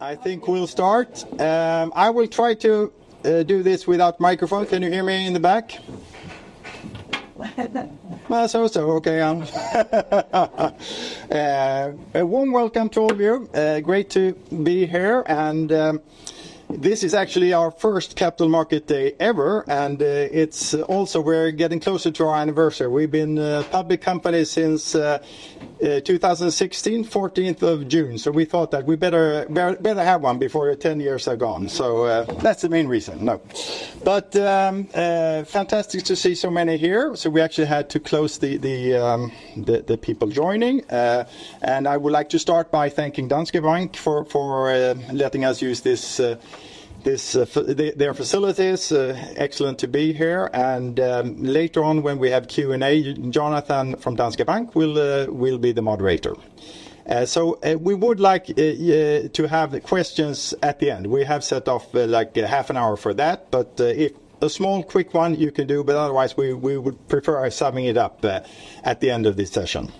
I think we'll start. I will try to do this without microphone. Can you hear me in the back? Okay. A warm welcome to all of you. Great to be here. This is actually our first Capital Market Day ever. We're getting closer to our anniversary. We've been a public company since 2016, 14th of June. We thought that we better have one before 10 years are gone. That's the main reason. No. Fantastic to see so many here. We actually had to close the people joining. I would like to start by thanking Danske Bank for letting us use their facilities. Excellent to be here. Later on when we have Q&A, Jonathan from Danske Bank will be the moderator. We would like to have questions at the end. We have set off half an hour for that. If a small, quick one, you can do, but otherwise, we would prefer summing it up at the end of this session.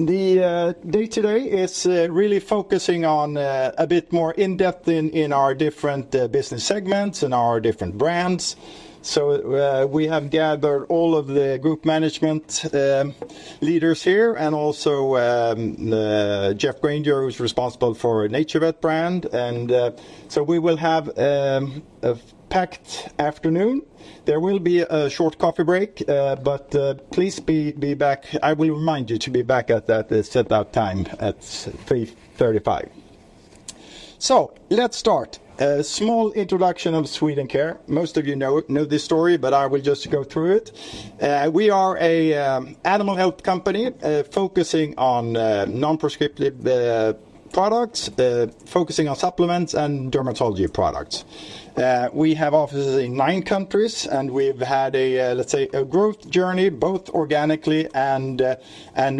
The day today is really focusing on a bit more in-depth in our different business segments and our different brands. We have gathered all of the group management leaders here. Geoff Granger, who's responsible for NaturVet brand. We will have a packed afternoon. There will be a short coffee break. Please be back. I will remind you to be back at that set out time at 3:35 P.M. Let's start. A small introduction of Swedencare. Most of you know this story, but I will just go through it. We are an animal health company focusing on non-prescriptive products, focusing on supplements and dermatology products. We have offices in nine countries. We've had, let's say, a growth journey both organically and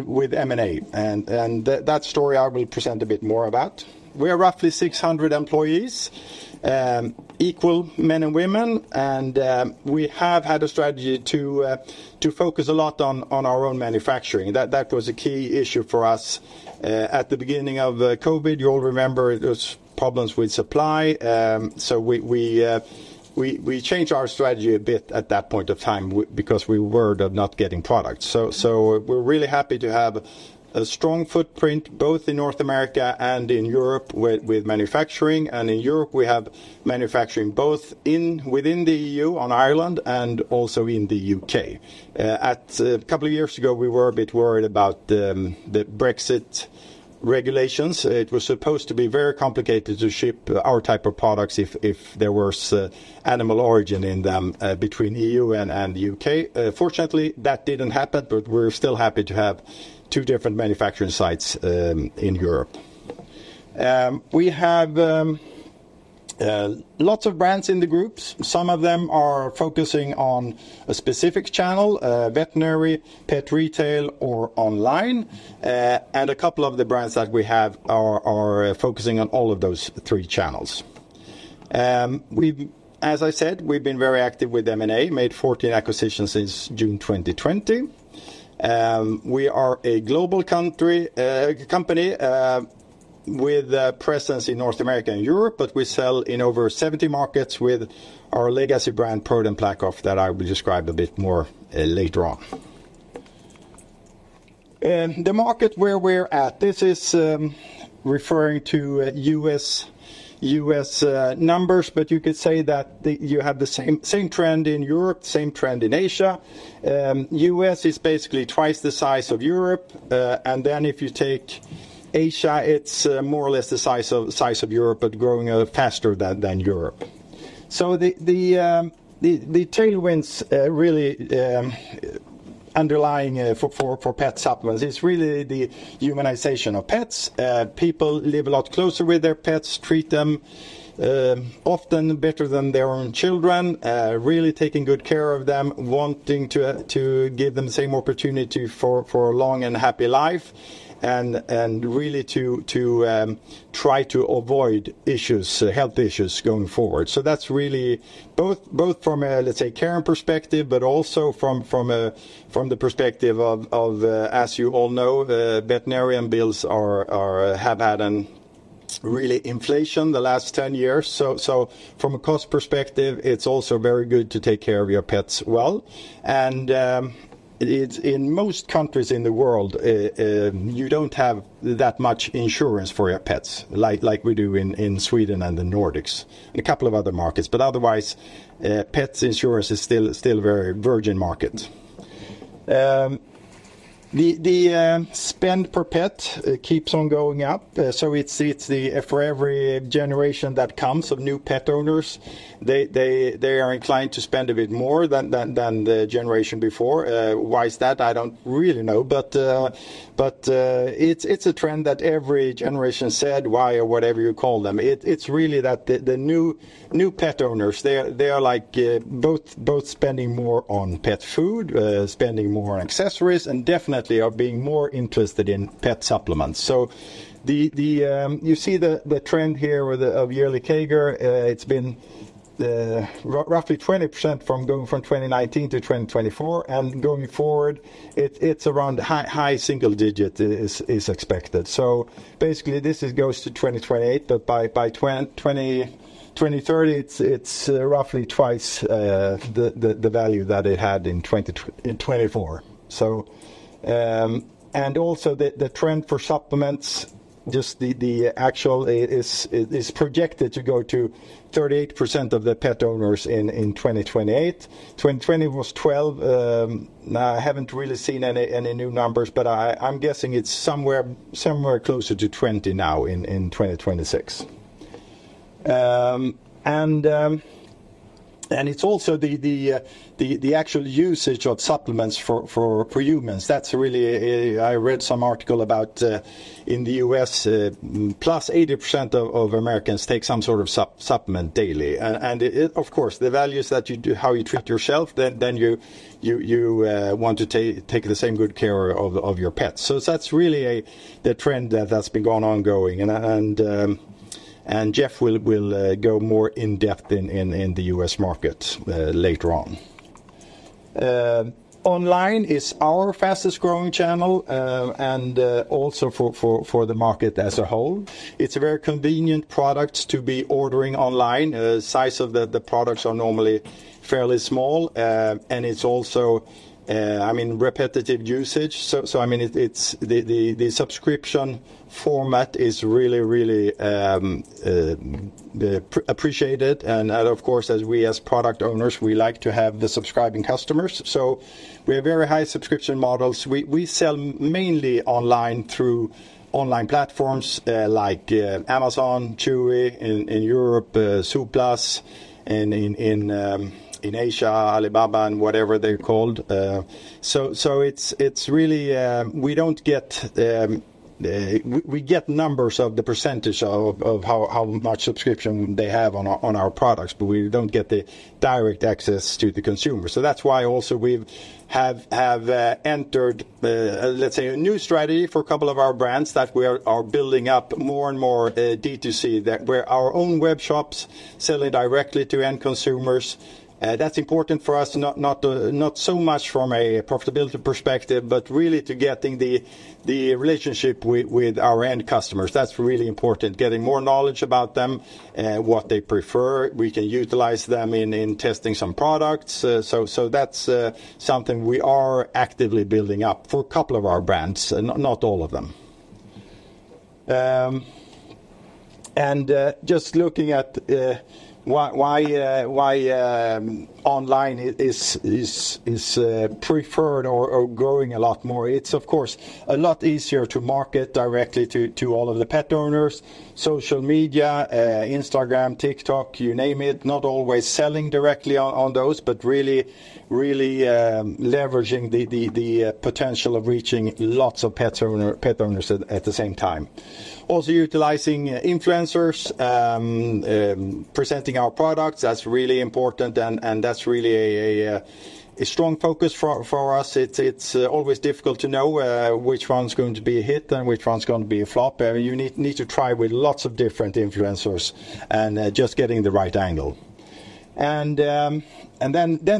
with M&A. That story I will present a bit more about. We are roughly 600 employees, equal men and women. We have had a strategy to focus a lot on our own manufacturing. That was a key issue for us. At the beginning of COVID, you all remember those problems with supply. We changed our strategy a bit at that point of time because we worried of not getting products. We're really happy to have a strong footprint, both in North America and in Europe, with manufacturing. In Europe, we have manufacturing both within the EU, on Ireland, and in the U.K. A couple of years ago, we were a bit worried about the Brexit regulations. It was supposed to be very complicated to ship our type of products if there was animal origin in them between EU and the U.K. Fortunately, that didn't happen. We're still happy to have two different manufacturing sites in Europe. We have lots of brands in the groups. Some of them are focusing on a specific channel, veterinary, pet retail, or online. A couple of the brands that we have are focusing on all of those three channels. As I said, we've been very active with M&A, made 14 acquisitions since June 2020. We are a global company with a presence in North America and Europe. We sell in over 70 markets with our legacy brand, ProDen PlaqueOff, that I will describe a bit more later on. The market where we are at, this is referring to U.S. numbers, but you could say that you have the same trend in Europe, same trend in Asia. U.S. is basically twice the size of Europe. Then if you take Asia, it is more or less the size of Europe, but growing faster than Europe. So the tailwinds really underlying for pet supplements is really the humanization of pets. People live a lot closer with their pets, treat them often better than their own children, really taking good care of them, wanting to give them the same opportunity for a long and happy life and really to try to avoid health issues going forward. So that is really both from a, let us say, care perspective, but also from the perspective of, as you all know, veterinarian bills have had an really inflation the last 10 years. From a cost perspective, it is also very good to take care of your pets well. In most countries in the world, you do not have that much insurance for your pets like we do in Sweden and the Nordics, a couple of other markets, but otherwise, pet insurance is still very virgin market. The spend per pet keeps on going up. So for every generation that comes of new pet owners, they are inclined to spend a bit more than the generation before. Why is that? I do not really know. But it is a trend that every generation, Gen Z or whatever you call them, it is really that the new pet owners, they are both spending more on pet food, spending more on accessories, and definitely are being more interested in pet supplements. You see the trend here of yearly CAGR, it has been roughly 20% going from 2019 to 2024, and going forward, it is around high single digit is expected. So basically, this goes to 2028, but by 2030, it is roughly twice the value that it had in 2024. Also the trend for supplements. Just the actual is projected to go to 38% of the pet owners in 2028. 2020 was 12%. Now, I have not really seen any new numbers, but I am guessing it is somewhere closer to 20% now in 2026. It is also the actual usage of supplements for humans. I read some article about, in the U.S., +80% of Americans take some sort of supplement daily. Of course, the values how you treat yourself, then you want to take the same good care of your pets. So that is really the trend that has been ongoing. Geoff will go more in depth in the U.S. market later on. Online is our fastest growing channel, also for the market as a whole. It is a very convenient product to be ordering online. Size of the products are normally fairly small, and it is also repetitive usage. So, the subscription format is really appreciated, and of course, as we, as product owners, we like to have the subscribing customers. So we have very high subscription models. We sell mainly online through online platforms like Amazon, Chewy, in Europe, Zooplus, in Asia, Alibaba, and whatever they are called. We get numbers of the percentage of how much subscription they have on our products, but we do not get the direct access to the consumer. That's why also we have entered, let's say, a new strategy for a couple of our brands that we are building up more and more D2C, where our own webshops selling directly to end consumers. That's important for us, not so much from a profitability perspective, but really to get the relationship with our end customers. That's really important, get more knowledge about them, what they prefer. We can utilize them in testing some products. That's something we are actively building up for a couple of our brands, not all of them. Just looking at why online is preferred or growing a lot more. It's, of course, a lot easier to market directly to all of the pet owners, social media, Instagram, TikTok, you name it. Not always selling directly on those, but really leveraging the potential of reaching lots of pet owners at the same time. Also utilizing influencers, presenting our products, that's really important, and that's really a strong focus for us. It's always difficult to know which one's going to be a hit and which one's going to be a flop. You need to try with lots of different influencers and just get the right angle.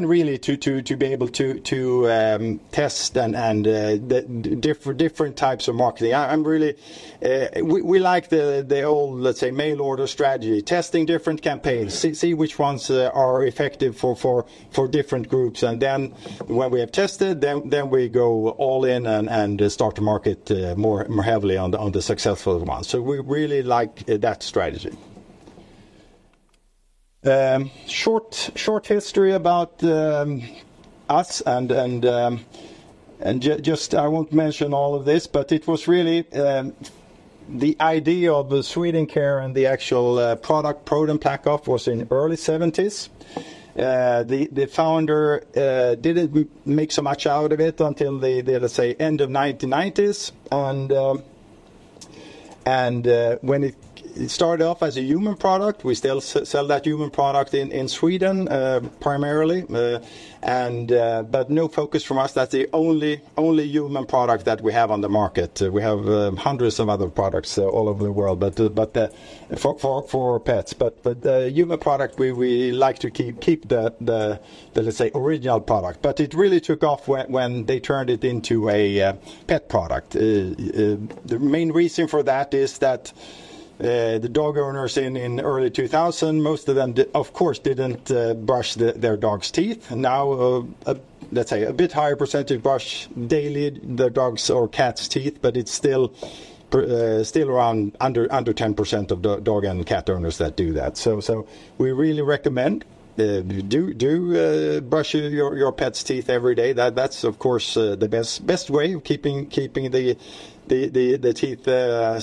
Really to be able to test different types of marketing. We like the old, let's say, mail order strategy, testing different campaigns, see which ones are effective for different groups. When we have tested, we go all in and start to market more heavily on the successful ones. We really like that strategy. Short history about us, I won't mention all of this, it was really the idea of the Swedencare and the actual product, ProDen PlaqueOff, was in early 1970s. The founder didn't make so much out of it until the, let's say, end of 1990s. When it started off as a human product, we still sell that human product in Sweden, primarily. No focus from us, that's the only human product that we have on the market. We have hundreds of other products all over the world, but for pets. The human product, we like to keep the, let's say, original product. It really took off when they turned it into a pet product. The main reason for that is that the dog owners in early 2000s, most of them, of course, didn't brush their dog's teeth. A bit higher percentage brush daily their dog's or cat's teeth, but it's still around under 10% of dog and cat owners that do that. We really recommend, do brush your pet's teeth every day. That's, of course, the best way of keeping the teeth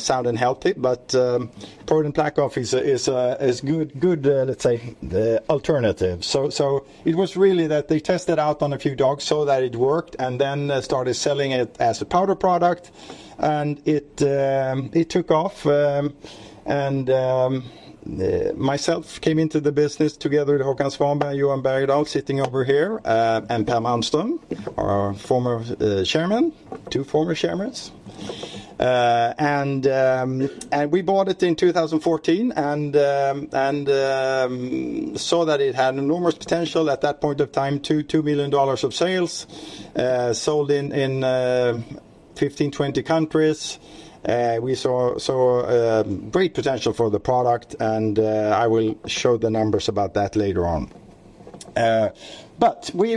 sound and healthy. ProDen PlaqueOff is good, let's say, alternative. It was really that they tested out on a few dogs, saw that it worked, and then started selling it as a powder product, and it took off. Myself came into the business together with Håkan Svanberg, Johan Bergdahl, sitting over here, and Per Malmström, our former chairman, two former chairmen. We bought it in 2014 and saw that it had enormous potential at that point of time, SEK 2 million of sales, sold in 15-20 countries. We saw great potential for the product, I will show the numbers about that later on. We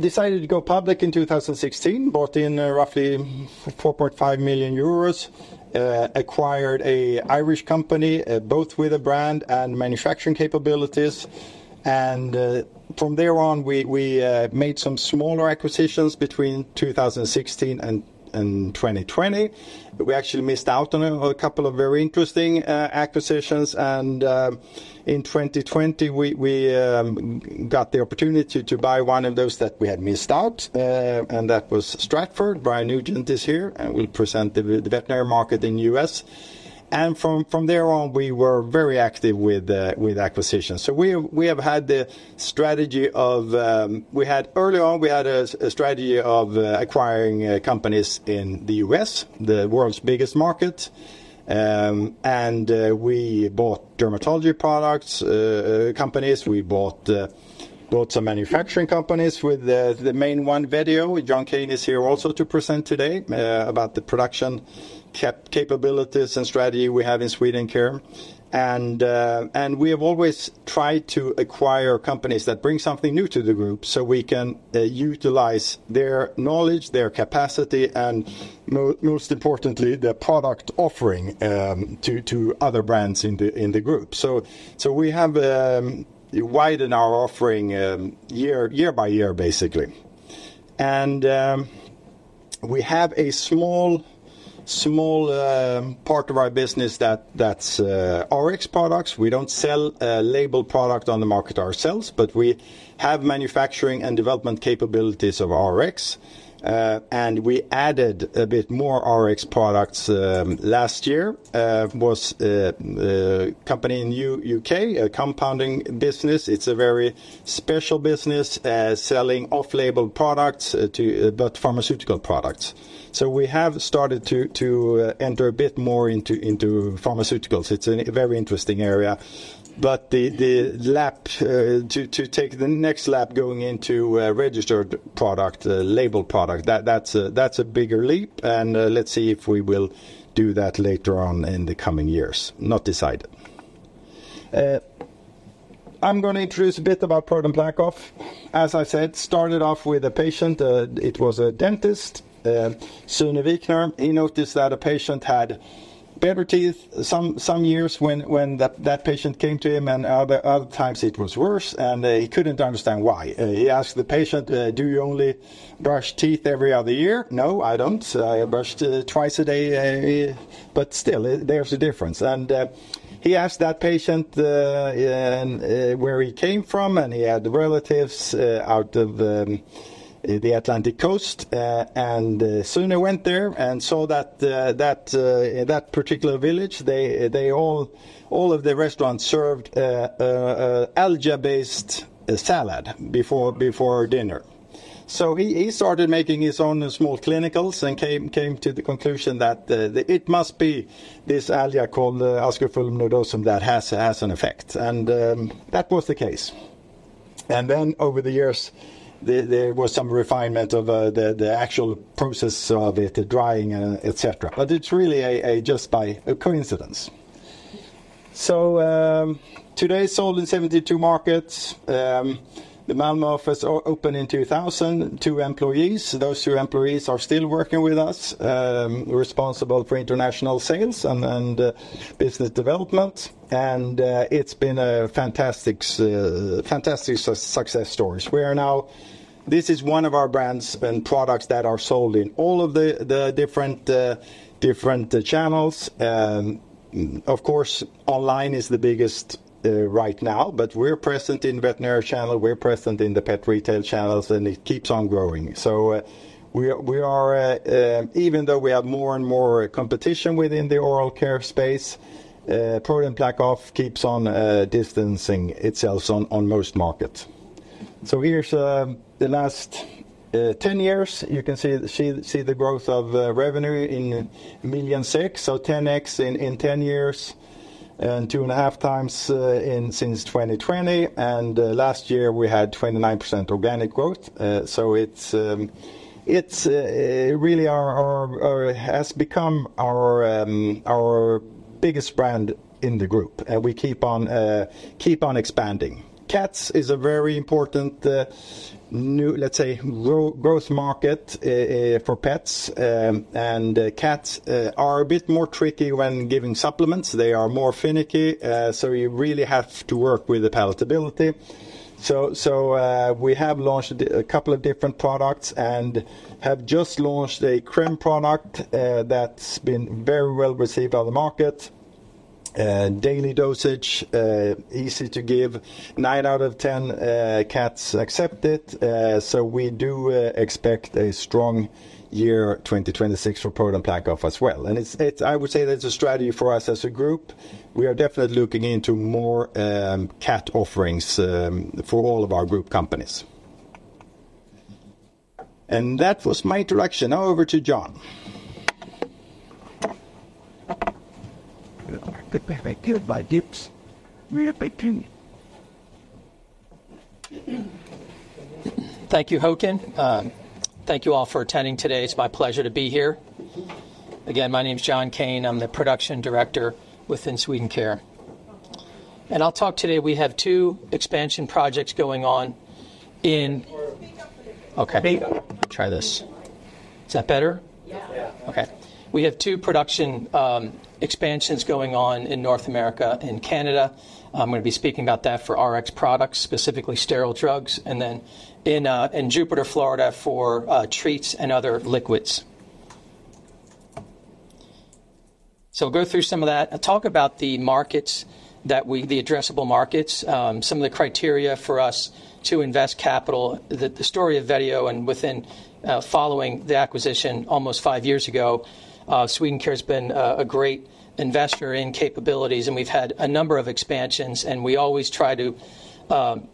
decided to go public in 2016, brought in roughly 4.5 million euros, acquired an Irish company, both with a brand and manufacturing capabilities. From there on, we made some smaller acquisitions between 2016 and 2020. We actually missed out on a couple of very interesting acquisitions. In 2020, we got the opportunity to buy one of those that we had missed out, that was Stratford. Brian Nugent is here and will present the veterinary market in the U.S. From there on, we were very active with acquisitions. Early on, we had a strategy of acquiring companies in the U.S., the world's biggest market, we bought dermatology products companies, we bought some manufacturing companies with the main one, Vetio. John Kane is here also to present today about the production capabilities and strategy we have in Swedencare. We have always tried to acquire companies that bring something new to the group so we can utilize their knowledge, their capacity, and most importantly, their product offering to other brands in the group. We have widened our offering year by year, basically. We have a small part of our business that is Rx products. We don't sell labeled product on the market ourselves, but we have manufacturing and development capabilities of Rx. We added a bit more Rx products last year. Was a company in U.K., a compounding business. It's a very special business, selling off-label products, but pharmaceutical products. We have started to enter a bit more into pharmaceuticals. It's a very interesting area. To take the next lap, going into a registered product, labeled product, that's a bigger leap, let's see if we will do that later on in the coming years. Not decided. I'm going to introduce a bit about ProDen PlaqueOff. As I said, started off with a patient. It was a dentist, Sune Wikner. He noticed that a patient had better teeth some years when that patient came to him, other times it was worse, he couldn't understand why. He asked the patient, "Do you only brush teeth every other year?" "No, I don't. I brush twice a day, but still, there's a difference." He asked that patient where he came from, he had relatives out of the Atlantic coast. Sune went there and saw that particular village, all of the restaurants served alga-based salad before dinner. He started making his own small clinicals and came to the conclusion that it must be this alga called Ascophyllum nodosum that has an effect. That was the case. Over the years, there was some refinement of the actual process of it, the drying, et cetera. It's really just by coincidence. Today, sold in 72 markets. The Malmö office opened in 2000, two employees. Those two employees are still working with us, responsible for international sales and business development, it's been a fantastic success story. This is one of our brands and products that are sold in all of the different channels. Of course, online is the biggest right now, but we're present in veterinary channel, we're present in the pet retail channels, it keeps on growing. Even though we have more and more competition within the oral care space, ProDen PlaqueOff keeps on distancing itself on most markets. Here's the last 10 years. You can see the growth of revenue in 6 million, so 10x in 10 years, and two and a half times since 2020, and last year, we had 29% organic growth. It really has become our biggest brand in the group, and we keep on expanding. Cats is a very important, let's say, growth market for pets, and cats are a bit more tricky when giving supplements. They are more finicky, so you really have to work with the palatability. We have launched a couple of different products and have just launched a cream product that's been very well-received on the market. Daily dosage, easy to give. Nine out of 10 cats accept it. We do expect a strong year 2026 for ProDen PlaqueOff as well. I would say that's a strategy for us as a group. We are definitely looking into more cat offerings for all of our group companies. That was my introduction. Now over to John. Thank you, Håkan. Thank you all for attending today. It's my pleasure to be here. Again, my name's John Kane. I'm the Production Director within Swedencare. I'll talk today, we have two expansion projects going on in- Can you speak up a little bit? Okay. Try this. Is that better? Yeah. We have two production expansions going on in North America and Canada. I'm going to be speaking about that for Rx products, specifically sterile drugs, and then in Jupiter, Florida, for treats and other liquids. Go through some of that. I'll talk about the addressable markets, some of the criteria for us to invest capital, the story of Vetio, and within, following the acquisition almost five years ago. Swedencare's been a great investor in capabilities. We've had a number of expansions, and we always try to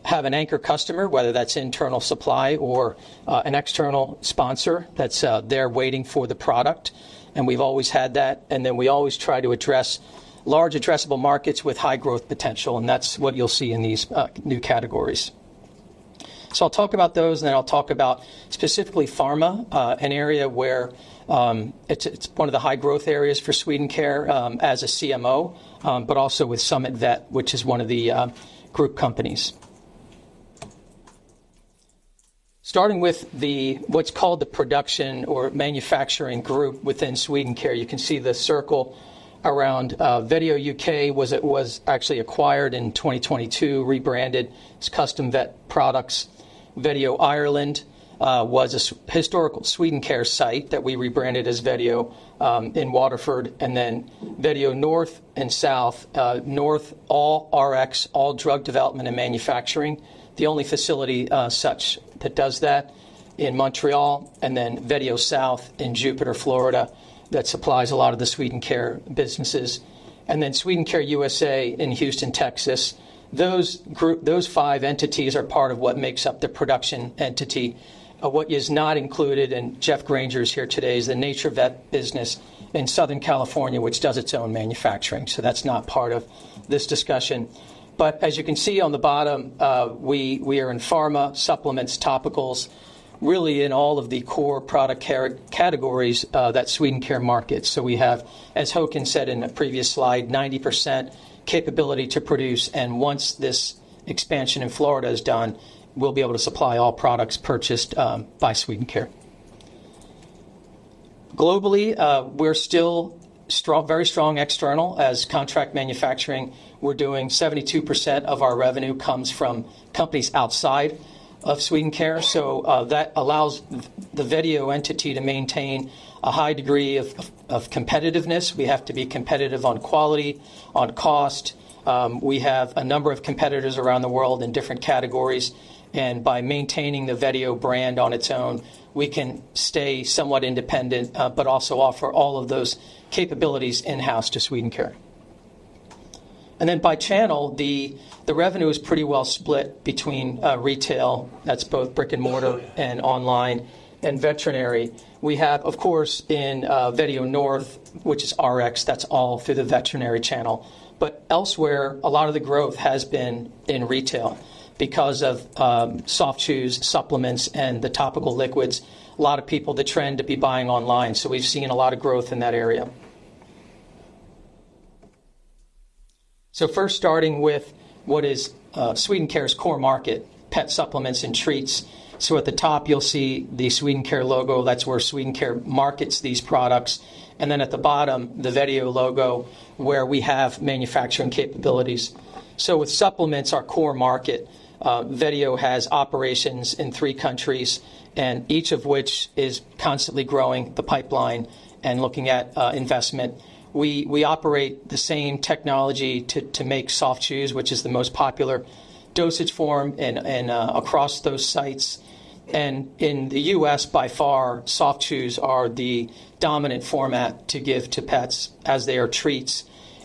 have an anchor customer, whether that's internal supply or an external sponsor that's there waiting for the product, and we've always had that. We always try to address large addressable markets with high growth potential, and that's what you'll see in these new categories. I'll talk about those. I'll talk about specifically pharma, an area where it's one of the high-growth areas for Swedencare as a CMO, but also with SummitVet, which is one of the group companies. Starting with what's called the production or manufacturing group within Swedencare. You can see the circle around. Vetio UK was actually acquired in 2022, rebranded as Custom Vet Products. Vetio Ireland was a historical Swedencare site that we rebranded as Vetio in Waterford. Vetio North and South. North, all Rx, all drug development and manufacturing. The only facility such that does that in Montreal. Vetio South in Jupiter, Florida, that supplies a lot of the Swedencare businesses. Swedencare USA in Houston, Texas. Those five entities are part of what makes up the production entity. What is not included, Geoff Granger's here today, is the NaturVet business in Southern California, which does its own manufacturing. That's not part of this discussion. As you can see on the bottom, we are in pharma, supplements, topicals, really in all of the core product categories that Swedencare markets. We have, as Håkan said in a previous slide, 90% capability to produce. Once this expansion in Florida is done, we'll be able to supply all products purchased by Swedencare. Globally, we're still very strong external as contract manufacturing. We're doing 72% of our revenue comes from companies outside of Swedencare. That allows the Vetio entity to maintain a high degree of competitiveness. We have to be competitive on quality, on cost. We have a number of competitors around the world in different categories, by maintaining the Vetio brand on its own, we can stay somewhat independent, but also offer all of those capabilities in-house to Swedencare. By channel, the revenue is pretty well split between retail, that's both brick and mortar and online, and veterinary. We have, of course, in Vetio North, which is Rx, that's all through the veterinary channel. Elsewhere, a lot of the growth has been in retail because of soft chews, supplements, and the topical liquids. A lot of people, the trend to be buying online. We've seen a lot of growth in that area. First starting with what is Swedencare's core market, pet supplements and treats. At the top, you'll see the Swedencare logo. That's where Swedencare markets these products. At the bottom, the Vetio logo, where we have manufacturing capabilities. With supplements, our core market, Vetio has operations in three countries, and each of which is constantly growing the pipeline and looking at investment. We operate the same technology to make soft chews, which is the most popular dosage form, and across those sites. In the U.S., by far, soft chews are the dominant format to give to pets as they are treats.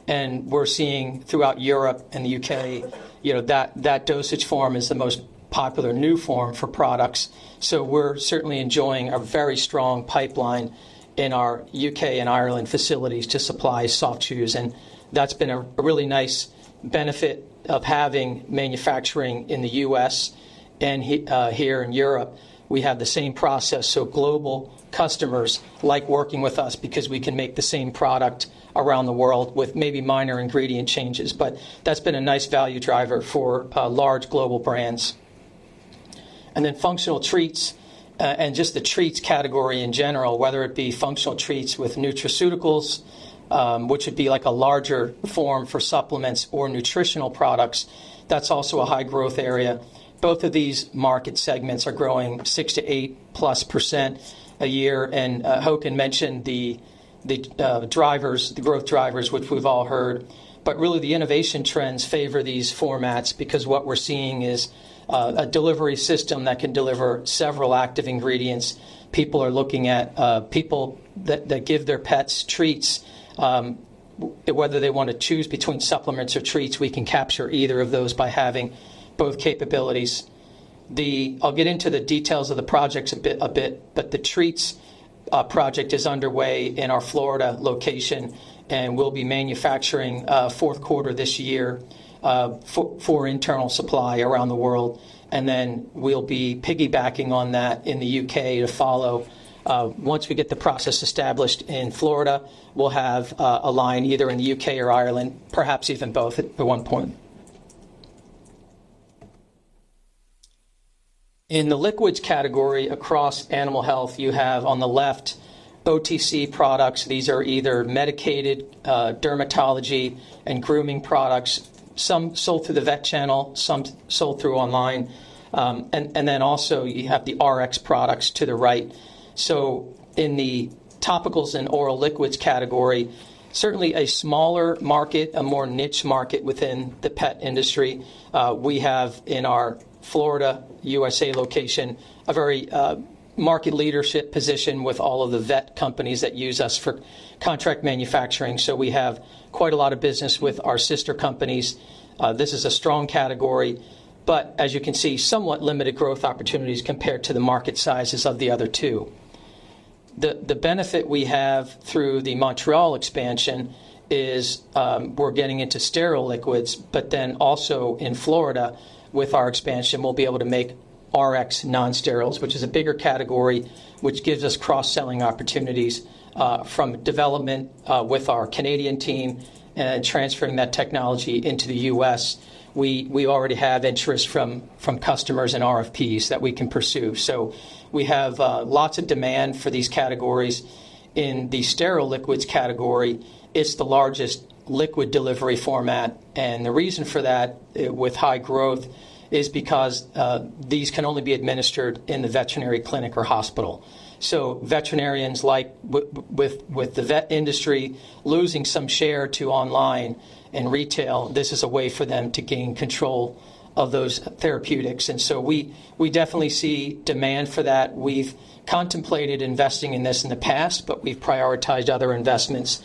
We're seeing throughout Europe and the U.K., that dosage form is the most popular new form for products. We're certainly enjoying a very strong pipeline in our U.K. and Ireland facilities to supply soft chews, and that's been a really nice benefit of having manufacturing in the U.S. and here in Europe. We have the same process. Global customers like working with us because we can make the same product around the world with maybe minor ingredient changes. That's been a nice value driver for large global brands. Functional treats, and just the treats category in general, whether it be functional treats with nutraceuticals, which would be like a larger form for supplements or nutritional products. That's also a high-growth area. Both of these market segments are growing 6%-8%+ a year. Håkan mentioned the growth drivers, which we've all heard. Really, the innovation trends favor these formats because what we're seeing is a delivery system that can deliver several active ingredients. People that give their pets treats, whether they want to choose between supplements or treats, we can capture either of those by having both capabilities. I'll get into the details of the projects a bit, the treats project is underway in our Florida location, and we'll be manufacturing fourth quarter this year for internal supply around the world, and then we'll be piggybacking on that in the U.K. to follow. Once we get the process established in Florida, we'll have a line either in the U.K. or Ireland, perhaps even both at one point. In the liquids category across animal health, you have on the left OTC products. These are either medicated dermatology and grooming products, some sold through the vet channel, some sold through online. You have the Rx products to the right. In the topicals and oral liquids category, certainly a smaller market, a more niche market within the pet industry. We have in our Florida, U.S.A. location, a very market leadership position with all of the vet companies that use us for contract manufacturing. We have quite a lot of business with our sister companies. This is a strong category. As you can see, somewhat limited growth opportunities compared to the market sizes of the other two. The benefit we have through the Montreal expansion is we're getting into sterile liquids. Also in Florida with our expansion, we'll be able to make Rx non-steriles, which is a bigger category, which gives us cross-selling opportunities from development with our Canadian team and transferring that technology into the U.S. We already have interest from customers and RFPs that we can pursue. We have lots of demand for these categories. In the sterile liquids category, it's the largest liquid delivery format. The reason for that with high growth is because these can only be administered in the veterinary clinic or hospital. Veterinarians, with the vet industry losing some share to online and retail, this is a way for them to gain control of those therapeutics. We definitely see demand for that. We've contemplated investing in this in the past. We've prioritized other investments,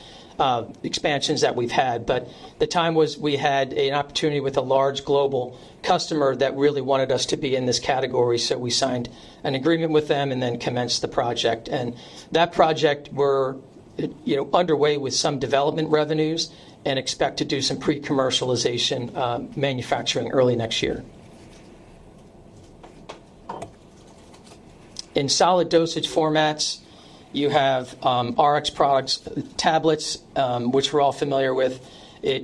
expansions that we've had. The time was we had an opportunity with a large global customer that really wanted us to be in this category. We signed an agreement with them. Then commenced the project. That project, we're underway with some development revenues and expect to do some pre-commercialization manufacturing early next year. In solid dosage formats, you have Rx products, tablets, which we're all familiar with,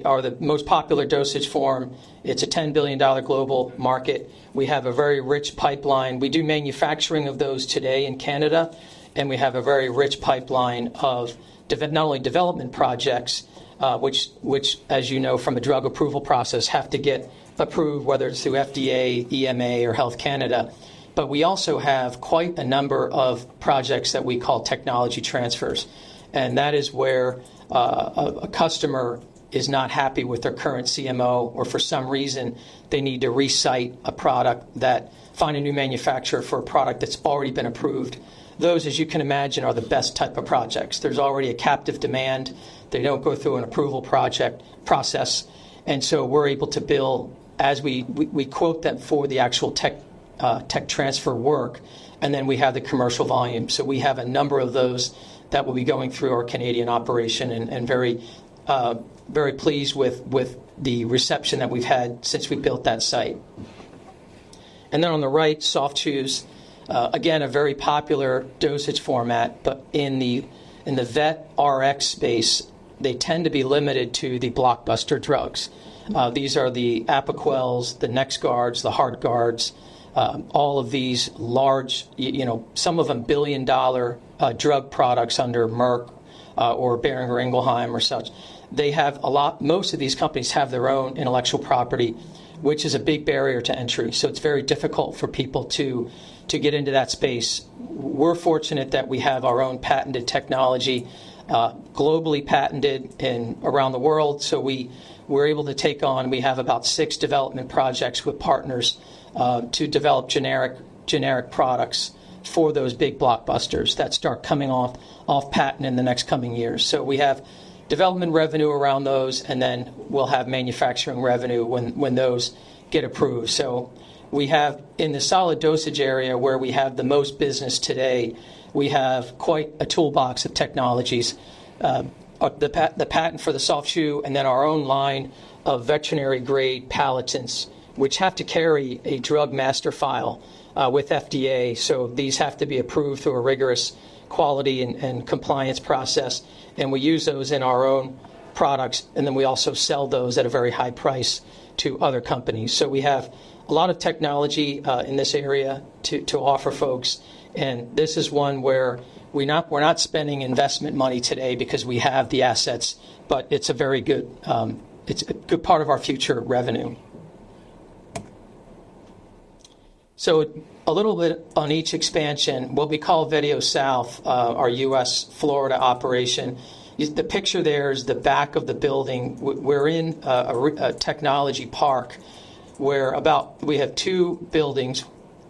are the most popular dosage form. It's a SEK 10 billion global market. We have a very rich pipeline. We do manufacturing of those today in Canada. We have a very rich pipeline of not only development projects, which as you know from the drug approval process have to get approved, whether it's through FDA, EMA, or Health Canada. We also have quite a number of projects that we call technology transfers, and that is where a customer is not happy with their current CMO or for some reason, they need to re-site a product that find a new manufacturer for a product that's already been approved. Those, as you can imagine, are the best type of projects. There's already a captive demand. They don't go through an approval process. We're able to bill as we quote them for the actual tech transfer work. Then we have the commercial volume. We have a number of those that will be going through our Canadian operation and very pleased with the reception that we've had since we built that site. On the right, soft chews, again, a very popular dosage format, but in the vet Rx space, they tend to be limited to the blockbuster drugs. These are the Apoquel, the NexGard, the HEARTGARD, all of these large, some of them billion-dollar drug products under Merck or Boehringer Ingelheim or such. Most of these companies have their own intellectual property, which is a big barrier to entry. It's very difficult for people to get into that space. We're fortunate that we have our own patented technology, globally patented around the world. We're able to take on, we have about six development projects with partners, to develop generic products for those big blockbusters that start coming off patent in the next coming years. We have development revenue around those, and then we'll have manufacturing revenue when those get approved. We have in the solid dosage area where we have the most business today, we have quite a toolbox of technologies. The patent for the Vetio Soft Chew and then our own line of veterinary-grade palatants, which have to carry a Drug Master File with FDA. These have to be approved through a rigorous quality and compliance process, and we use those in our own products, and then we also sell those at a very high price to other companies. We have a lot of technology in this area to offer folks, and this is one where we're not spending investment money today because we have the assets, but it's a good part of our future revenue. A little bit on each expansion. What we call Vetio South, our U.S. Florida operation. The picture there is the back of the building. We're in a technology park where we have two buildings.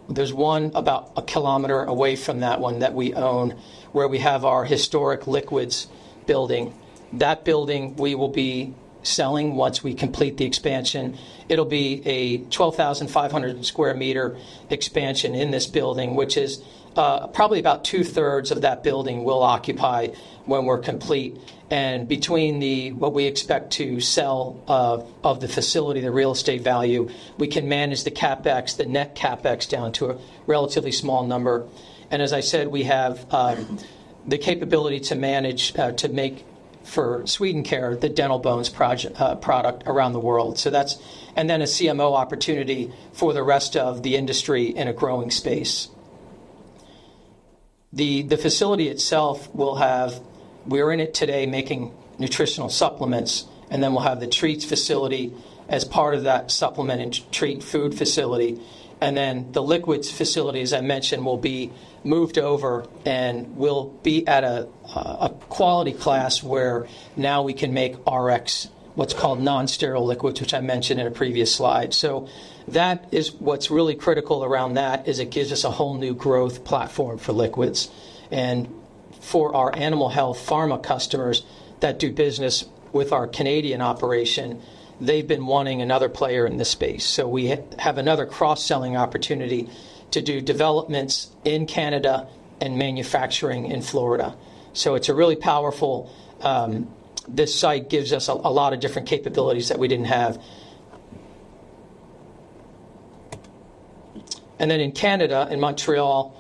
There's one about 1 km away from that one that we own, where we have our historic liquids building. That building we will be selling once we complete the expansion. It'll be a 12,500 sq m expansion in this building, which is probably about two-thirds of that building we'll occupy when we're complete. Between what we expect to sell of the facility, the real estate value, we can manage the net CapEx down to a relatively small number. As I said, we have the capability to make for Swedencare, the dental bones product around the world. A CMO opportunity for the rest of the industry in a growing space. The facility itself. We're in it today making nutritional supplements, and then we'll have the treats facility as part of that supplement and treat food facility. The liquids facility, as I mentioned, will be moved over and will be at a quality class where now we can make Rx, what's called non-sterile liquids, which I mentioned in a previous slide. What's really critical around that is it gives us a whole new growth platform for liquids. For our animal health pharma customers that do business with our Canadian operation, they've been wanting another player in this space. We have another cross-selling opportunity to do developments in Canada and manufacturing in Florida. It's really powerful. This site gives us a lot of different capabilities that we didn't have. In Canada, in Montreal,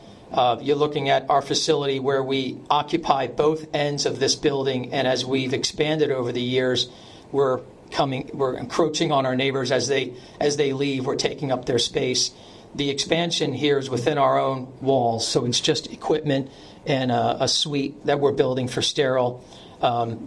you're looking at our facility where we occupy both ends of this building, and as we've expanded over the years, we're encroaching on our neighbors. As they leave, we're taking up their space. The expansion here is within our own walls, so it's just equipment and a suite that we're building for sterile.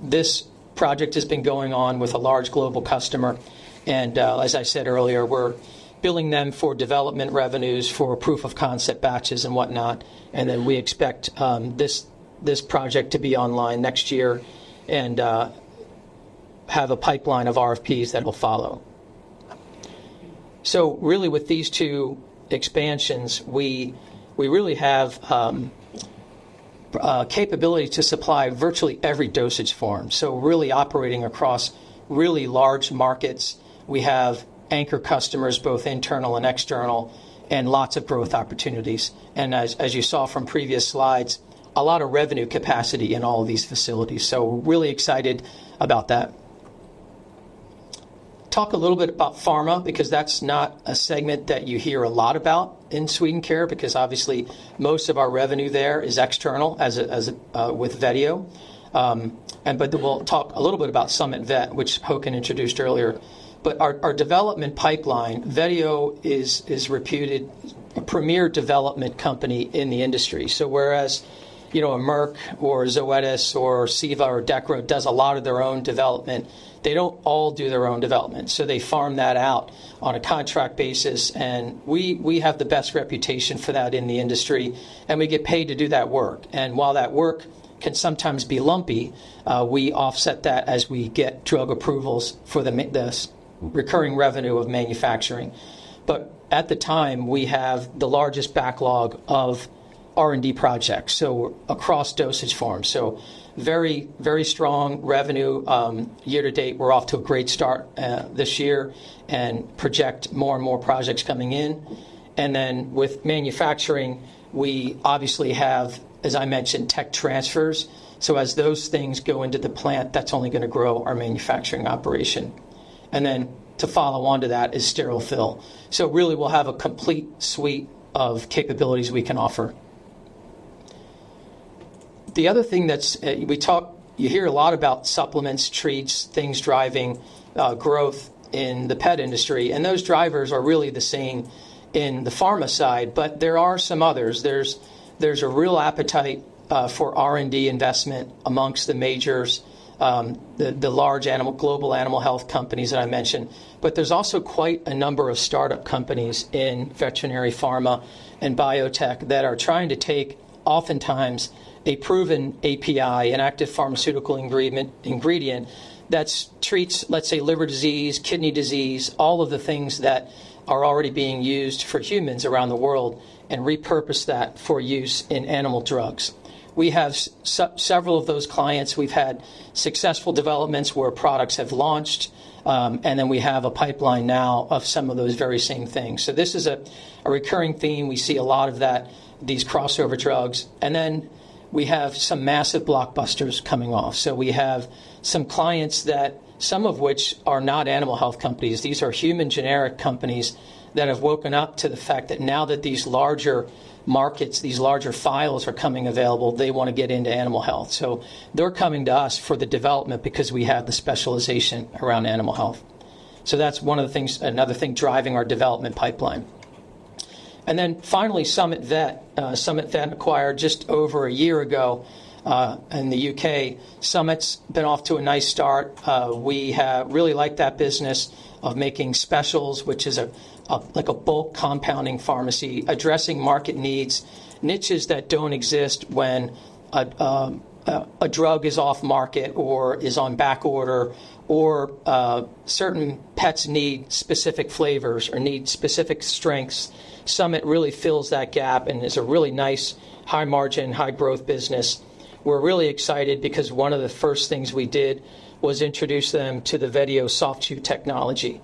This project has been going on with a large global customer, and, as I said earlier, we're billing them for development revenues for proof of concept batches and whatnot. We expect this project to be online next year and have a pipeline of RFPs that will follow. With these two expansions, we really have capability to supply virtually every dosage form. Operating across really large markets. We have anchor customers, both internal and external, and lots of growth opportunities. As you saw from previous slides, a lot of revenue capacity in all of these facilities. Really excited about that. Talk a little bit about pharma, because that's not a segment that you hear a lot about in Swedencare, because obviously most of our revenue there is external with Vetio. We'll talk a little bit about SummitVet, which Håkan introduced earlier. Our development pipeline, Vetio is reputed premier development company in the industry. Whereas a Merck or Zoetis or Ceva or Dechra does a lot of their own development, they don't all do their own development. They farm that out on a contract basis, and we have the best reputation for that in the industry, and we get paid to do that work. While that work can sometimes be lumpy, we offset that as we get drug approvals for the recurring revenue of manufacturing. At the time, we have the largest backlog of R&D projects, across dosage forms. Very strong revenue year to date. We're off to a great start this year and project more and more projects coming in. With manufacturing, we obviously have, as I mentioned, tech transfers. As those things go into the plant, that's only going to grow our manufacturing operation. To follow on to that is sterile fill. Really, we'll have a complete suite of capabilities we can offer. The other thing, you hear a lot about supplements, treats, things driving growth in the pet industry, and those drivers are really the same in the pharma side, but there are some others. There's a real appetite for R&D investment amongst the majors, the large global animal health companies that I mentioned. There's also quite a number of startup companies in veterinary pharma and biotech that are trying to take, oftentimes, a proven API, an active pharmaceutical ingredient, that treats, let's say, liver disease, kidney disease, all of the things that are already being used for humans around the world, and repurpose that for use in animal drugs. We have several of those clients. We've had successful developments where products have launched, we have a pipeline now of some of those very same things. This is a recurring theme. We see a lot of these crossover drugs. We have some massive blockbusters coming off. We have some clients, some of which are not animal health companies. These are human generic companies that have woken up to the fact that now that these larger markets, these larger files are coming available, they want to get into animal health. They're coming to us for the development because we have the specialization around animal health. That's another thing driving our development pipeline. Finally, SummitVet. SummitVet acquired just over a year ago, in the U.K. Summit's been off to a nice start. We have really liked that business of making specials, which is like a bulk compounding pharmacy addressing market needs, niches that don't exist when a drug is off-market or is on backorder, or certain pets need specific flavors or need specific strengths. Summit really fills that gap and is a really nice high margin, high growth business. We're really excited because one of the first things we did was introduce them to the Vetio Soft Chew technology.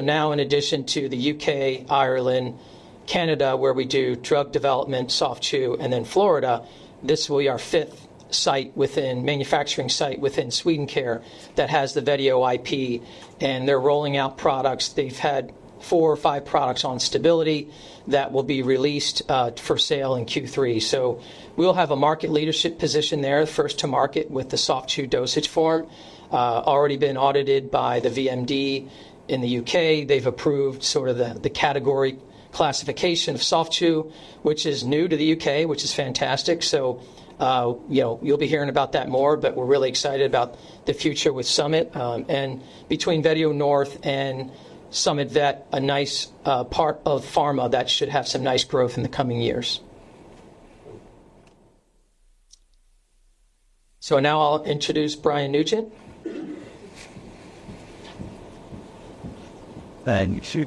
Now, in addition to the U.K., Ireland, Canada, where we do drug development, soft chew, and then Florida, this will be our fifth manufacturing site within Swedencare that has the Vetio IP, and they're rolling out products. They've had four or five products on stability that will be released for sale in Q3. We'll have a market leadership position there, first to market with the soft chew dosage form. Already been audited by the VMD in the U.K. They've approved sort of the category classification of soft chew, which is new to the U.K., which is fantastic. You'll be hearing about that more, but we're really excited about the future with Summit. Between Vetio North and SummitVet, a nice part of pharma that should have some nice growth in the coming years. Now I'll introduce Brian Nugent. Thank you.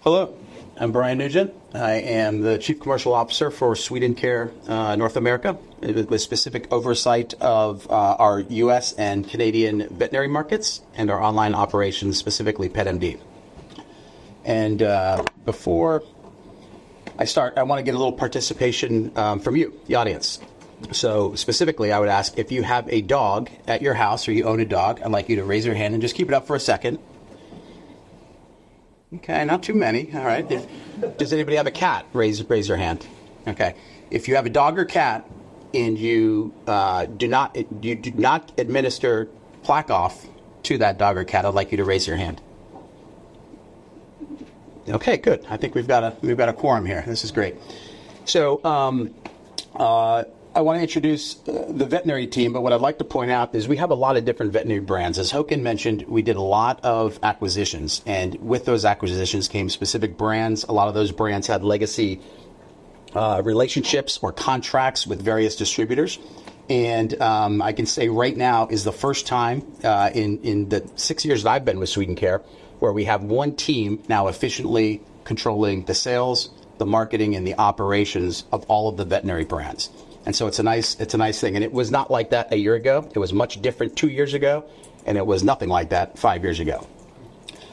Hello, I'm Brian Nugent. I am the Chief Commercial Officer for Swedencare North America, with specific oversight of our U.S. and Canadian veterinary markets and our online operations, specifically Pet MD. Before I start, I want to get a little participation from you, the audience. Specifically, I would ask if you have a dog at your house or you own a dog, I'd like you to raise your hand and just keep it up for a second. Okay, not too many. All right. Does anybody have a cat? Raise your hand. Okay. If you have a dog or cat and you do not administer PlaqueOff to that dog or cat, I'd like you to raise your hand. Okay, good. I think we've got a quorum here. This is great. I want to introduce the veterinary team, but what I'd like to point out is we have a lot of different veterinary brands. As Håkan mentioned, we did a lot of acquisitions, and with those acquisitions came specific brands. A lot of those brands had legacy relationships or contracts with various distributors. I can say right now is the first time in the 6 years that I've been with Swedencare, where we have one team now efficiently controlling the sales, the marketing, and the operations of all of the veterinary brands. It's a nice thing, and it was not like that 1 year ago. It was much different 2 years ago, and it was nothing like that 5 years ago.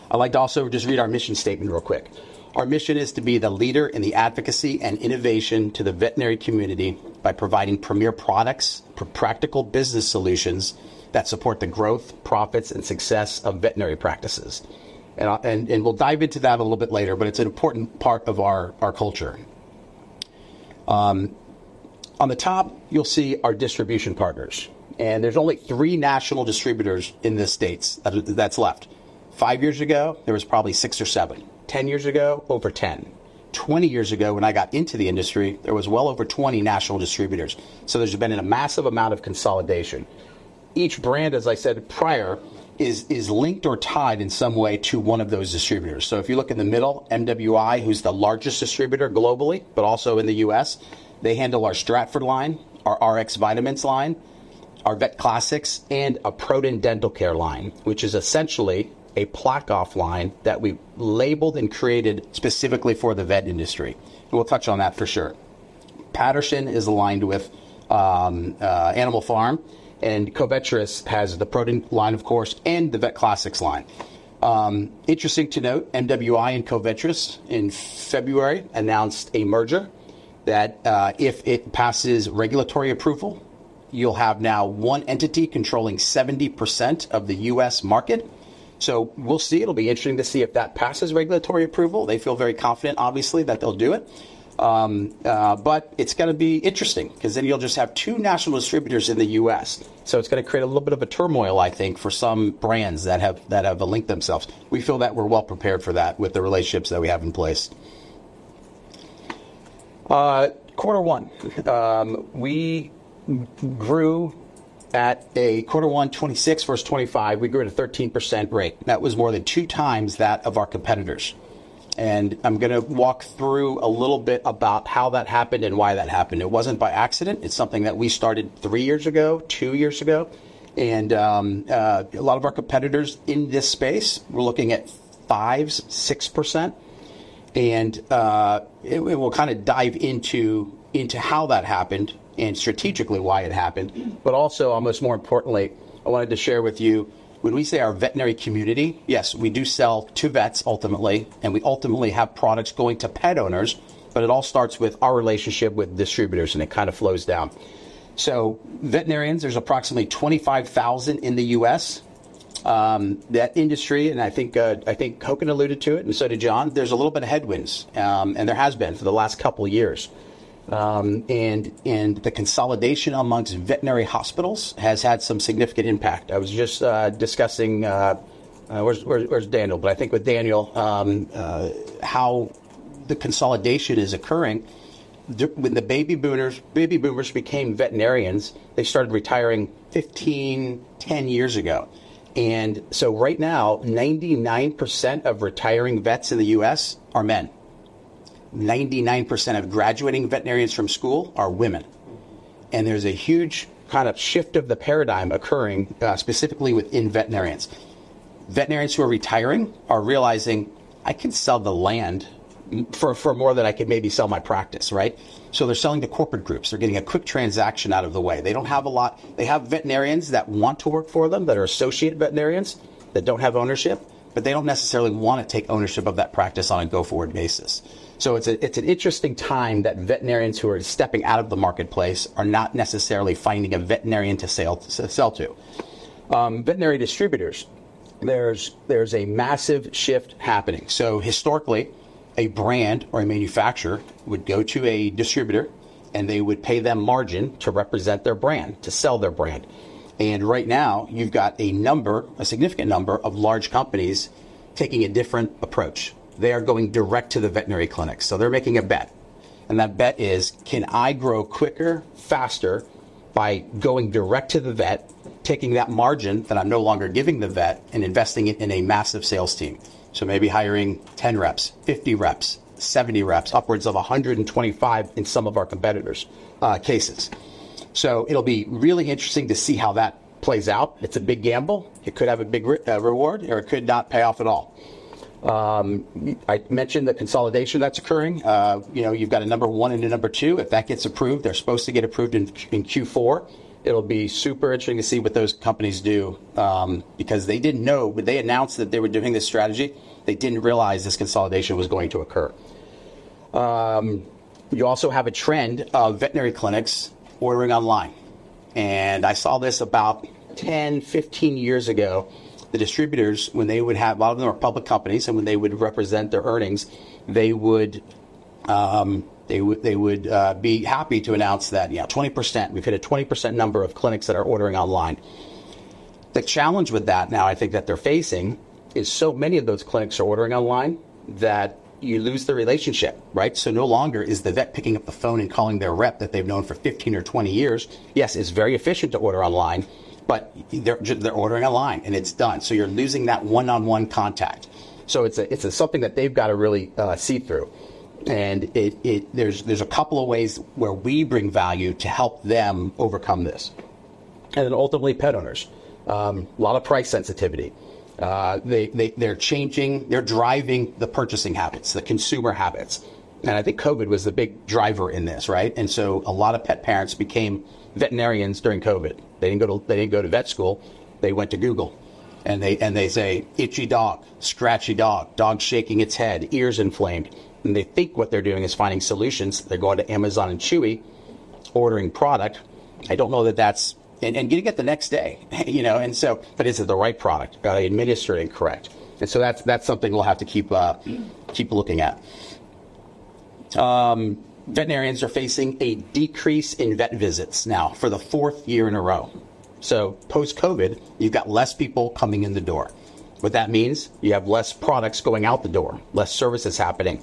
I'd like to also just read our mission statement real quick. Our mission is to be the leader in the advocacy and innovation to the veterinary community by providing premier products, practical business solutions that support the growth, profits, and success of veterinary practices." We'll dive into that a little bit later, but it's an important part of our culture. On the top, you'll see our distribution partners, and there's only 3 national distributors in the U.S. that's left. 5 years ago, there was probably 6 or 7. 10 years ago, over 10. 20 years ago, when I got into the industry, there was well over 20 national distributors. There's been a massive amount of consolidation. Each brand, as I said prior, is linked or tied in some way to one of those distributors. If you look in the middle, MWI, who's the largest distributor globally, but also in the U.S., they handle our Stratford line, our Rx Vitamins line, our VetClassics, and our ProDen Dental Care line, which is essentially a PlaqueOff line that we labeled and created specifically for the vet industry. We'll touch on that for sure. Patterson is aligned with Animal Pharm, and Covetrus has the ProDen line, of course, and the VetClassics line. Interesting to note, MWI and Covetrus in February announced a merger that if it passes regulatory approval, you'll have now one entity controlling 70% of the U.S. market. We'll see. It'll be interesting to see if that passes regulatory approval. They feel very confident, obviously, that they'll do it. But it's going to be interesting because then you'll just have 2 national distributors in the U.S. It's going to create a little bit of a turmoil, I think, for some brands that have linked themselves. We feel that we're well-prepared for that with the relationships that we have in place. Q1. We grew at a Q1 126 versus 25, we grew at a 13% rate. That was more than 2 times that of our competitors. I'm going to walk through a little bit about how that happened and why that happened. It wasn't by accident. It's something that we started 3 years ago, 2 years ago. A lot of our competitors in this space, we're looking at 5%, 6%. We will kind of dive into how that happened and strategically why it happened. But also, almost more importantly, I wanted to share with you when we say our veterinary community, yes, we do sell to vets ultimately, and we ultimately have products going to pet owners, but it all starts with our relationship with distributors, and it kind of flows down. Veterinarians, there's approximately 25,000 in the U.S. That industry, and I think Håkan alluded to it, and so did John, there's a little bit of headwinds, and there has been for the last couple of years. The consolidation amongst veterinary hospitals has had some significant impact. I was just discussing, where's Daniel? I think with Daniel, how the consolidation is occurring. When the baby boomers became veterinarians, they started retiring 15, 10 years ago. Right now, 99% of retiring vets in the U.S. are men. 99% of graduating veterinarians from school are women. There's a huge shift of the paradigm occurring, specifically within veterinarians. Veterinarians who are retiring are realizing, "I can sell the land for more than I could maybe sell my practice," right? They're selling to corporate groups. They're getting a quick transaction out of the way. They have veterinarians that want to work for them, that are associated veterinarians that don't have ownership, but they don't necessarily want to take ownership of that practice on a go-forward basis. It's an interesting time that veterinarians who are stepping out of the marketplace are not necessarily finding a veterinarian to sell to. Veterinary distributors, there's a massive shift happening. Historically, a brand or a manufacturer would go to a distributor, and they would pay them margin to represent their brand, to sell their brand. Right now, you've got a significant number of large companies taking a different approach. They are going direct to the veterinary clinic. They're making a bet, and that bet is, "Can I grow quicker, faster by going direct to the vet, taking that margin that I'm no longer giving the vet, and investing it in a massive sales team?" Maybe hiring 10 reps, 50 reps, 70 reps, upwards of 125 in some of our competitors' cases. It'll be really interesting to see how that plays out. It's a big gamble. It could have a big reward, or it could not pay off at all. I mentioned the consolidation that's occurring. You've got a number one and a number two. If that gets approved, they're supposed to get approved in Q4. It'll be super interesting to see what those companies do, because they didn't know. When they announced that they were doing this strategy, they didn't realize this consolidation was going to occur. You also have a trend of veterinary clinics ordering online. I saw this about 10, 15 years ago. The distributors, a lot of them are public companies, and when they would represent their earnings, they would be happy to announce that, "We've hit a 20% number of clinics that are ordering online." The challenge with that now I think that they're facing is so many of those clinics are ordering online that you lose the relationship, right? No longer is the vet picking up the phone and calling their rep that they've known for 15 or 20 years. Yes, it's very efficient to order online, but they're ordering online, and it's done. You're losing that one-on-one contact. It's something that they've got to really see through. There's a couple of ways where we bring value to help them overcome this. Ultimately, pet owners. A lot of price sensitivity. They're changing. They're driving the purchasing habits, the consumer habits. I think COVID was the big driver in this, right? A lot of pet parents became veterinarians during COVID. They didn't go to vet school. They went to Google. They say, "Itchy dog, scratchy dog shaking its head, ears inflamed." They think what they're doing is finding solutions. They're going to Amazon and Chewy, ordering product, and getting it the next day. Is it the right product? Are they administering it correct? That's something we'll have to keep looking at. Veterinarians are facing a decrease in vet visits now for the fourth year in a row. Post-COVID, you've got less people coming in the door. What that means, you have less products going out the door, less services happening.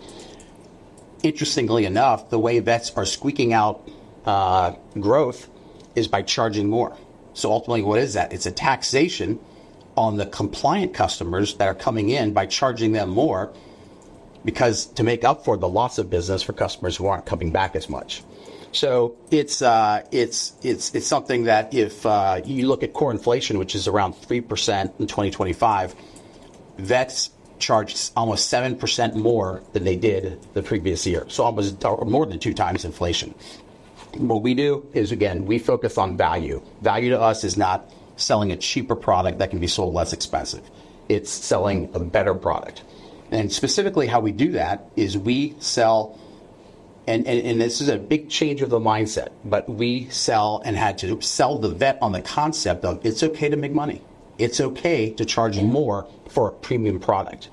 Interestingly enough, the way vets are squeaking out growth is by charging more. Ultimately, what is that? It's a taxation on the compliant customers that are coming in by charging them more, because to make up for the loss of business for customers who aren't coming back as much. It's something that if you look at core inflation, which is around 3% in 2025, vets charged almost 7% more than they did the previous year. Almost more than two times inflation. What we do is, again, we focus on value. Value to us is not selling a cheaper product that can be sold less expensive. It's selling a better product. Specifically how we do that is we sell, this is a big change of the mindset, we sell and had to sell the vet on the concept of it's okay to make money. It's okay to charge more for a premium product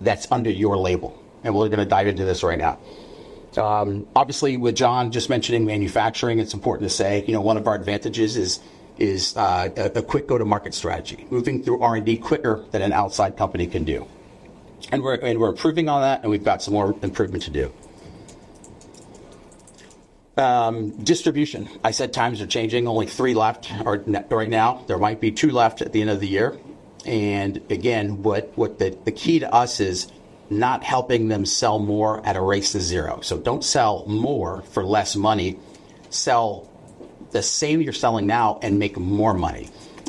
that's under your label. We're going to dive into this right now. Obviously, with John just mentioning manufacturing, it's important to say one of our advantages is a quick go-to-market strategy, moving through R&D quicker than an outside company can do. We're improving on that, and we've got some more improvement to do. Distribution. I said times are changing. Only three left right now. There might be two left at the end of the year. Again, the key to us is not helping them sell more at a race to zero. Don't sell more for less money. Sell the same you're selling now and make more money.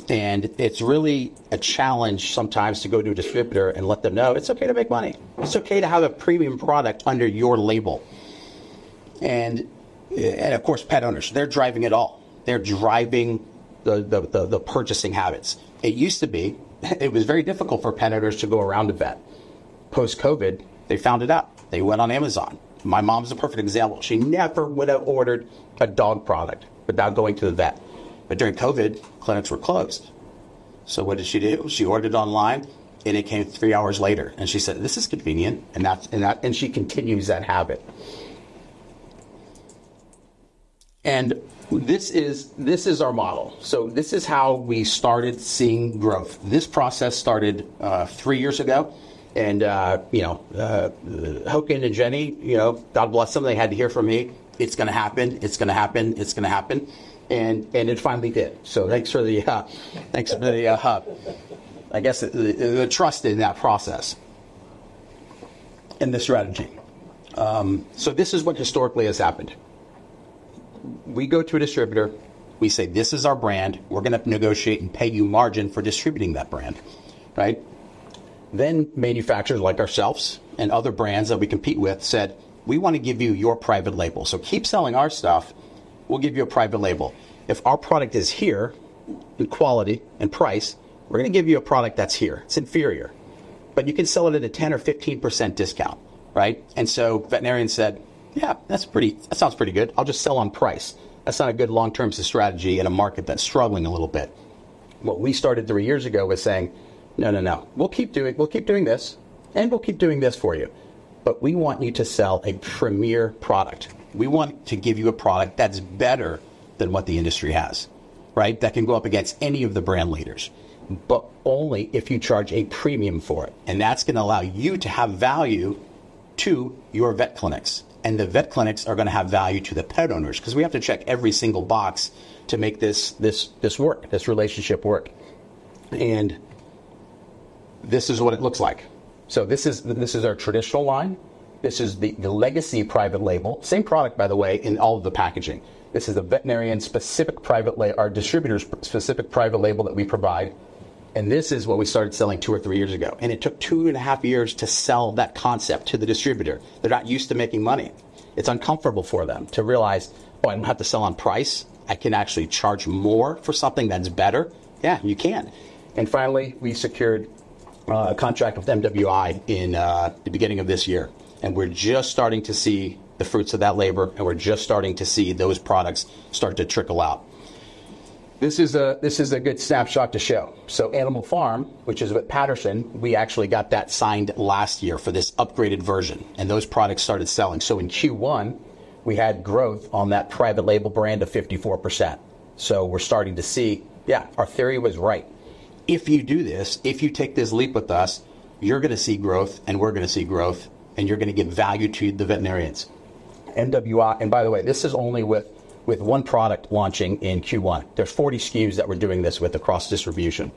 It's really a challenge sometimes to go to a distributor and let them know it's okay to make money. It's okay to have a premium product under your label. Of course, pet owners, they're driving it all. They're driving the purchasing habits. It used to be, it was very difficult for pet owners to go around a vet. Post-COVID, they found it out. They went on Amazon. My mom's a perfect example. She never would have ordered a dog product without going to the vet. During COVID, clinics were closed. What did she do? She ordered online, and it came three hours later, and she said, "This is convenient." She continues that habit. This is our model. This is how we started seeing growth. This process started three years ago. Håkan and Jenny, God bless them, they had to hear from me. "It's going to happen. It's going to happen. It's going to happen." It finally did. Thanks for the trust in that process and the strategy. This is what historically has happened. We go to a distributor, we say, "This is our brand. We're going to negotiate and pay you margin for distributing that brand." Right? Manufacturers like ourselves and other brands that we compete with said, "We want to give you your private label. Keep selling our stuff, we'll give you a private label. If our product is here in quality and price, we're going to give you a product that's here. It's inferior, but you can sell it at a 10% or 15% discount." Right? Veterinarians said, "Yeah, that sounds pretty good. I'll just sell on price." That's not a good long-term strategy in a market that's struggling a little bit. What we started three years ago was saying, "No, no. We'll keep doing this, and we'll keep doing this for you, but we want you to sell a premier product. We want to give you a product that's better than what the industry has, that can go up against any of the brand leaders, but only if you charge a premium for it. That's going to allow you to have value to your vet clinics, and the vet clinics are going to have value to the pet owners." Because we have to check every single box to make this work, this relationship work. This is what it looks like. This is our traditional line. This is the legacy private label. Same product, by the way, in all of the packaging. This is our distributor's specific private label that we provide. This is what we started selling two or three years ago, and it took two and a half years to sell that concept to the distributor. They're not used to making money. It's uncomfortable for them to realize, "Oh, I don't have to sell on price? I can actually charge more for something that's better?" Yeah, you can. Finally, we secured a contract with MWI in the beginning of this year. We're just starting to see the fruits of that labor. We're just starting to see those products start to trickle out. This is a good snapshot to show. Animal Pharm, which is with Patterson, we actually got that signed last year for this upgraded version. Those products started selling. In Q1, we had growth on that private label brand of 54%. We're starting to see, yeah, our theory was right. If you do this, if you take this leap with us, you're going to see growth, and we're going to see growth, and you're going to give value to the veterinarians. By the way, this is only with one product launching in Q1. There are 40 SKUs that we're doing this with across distribution.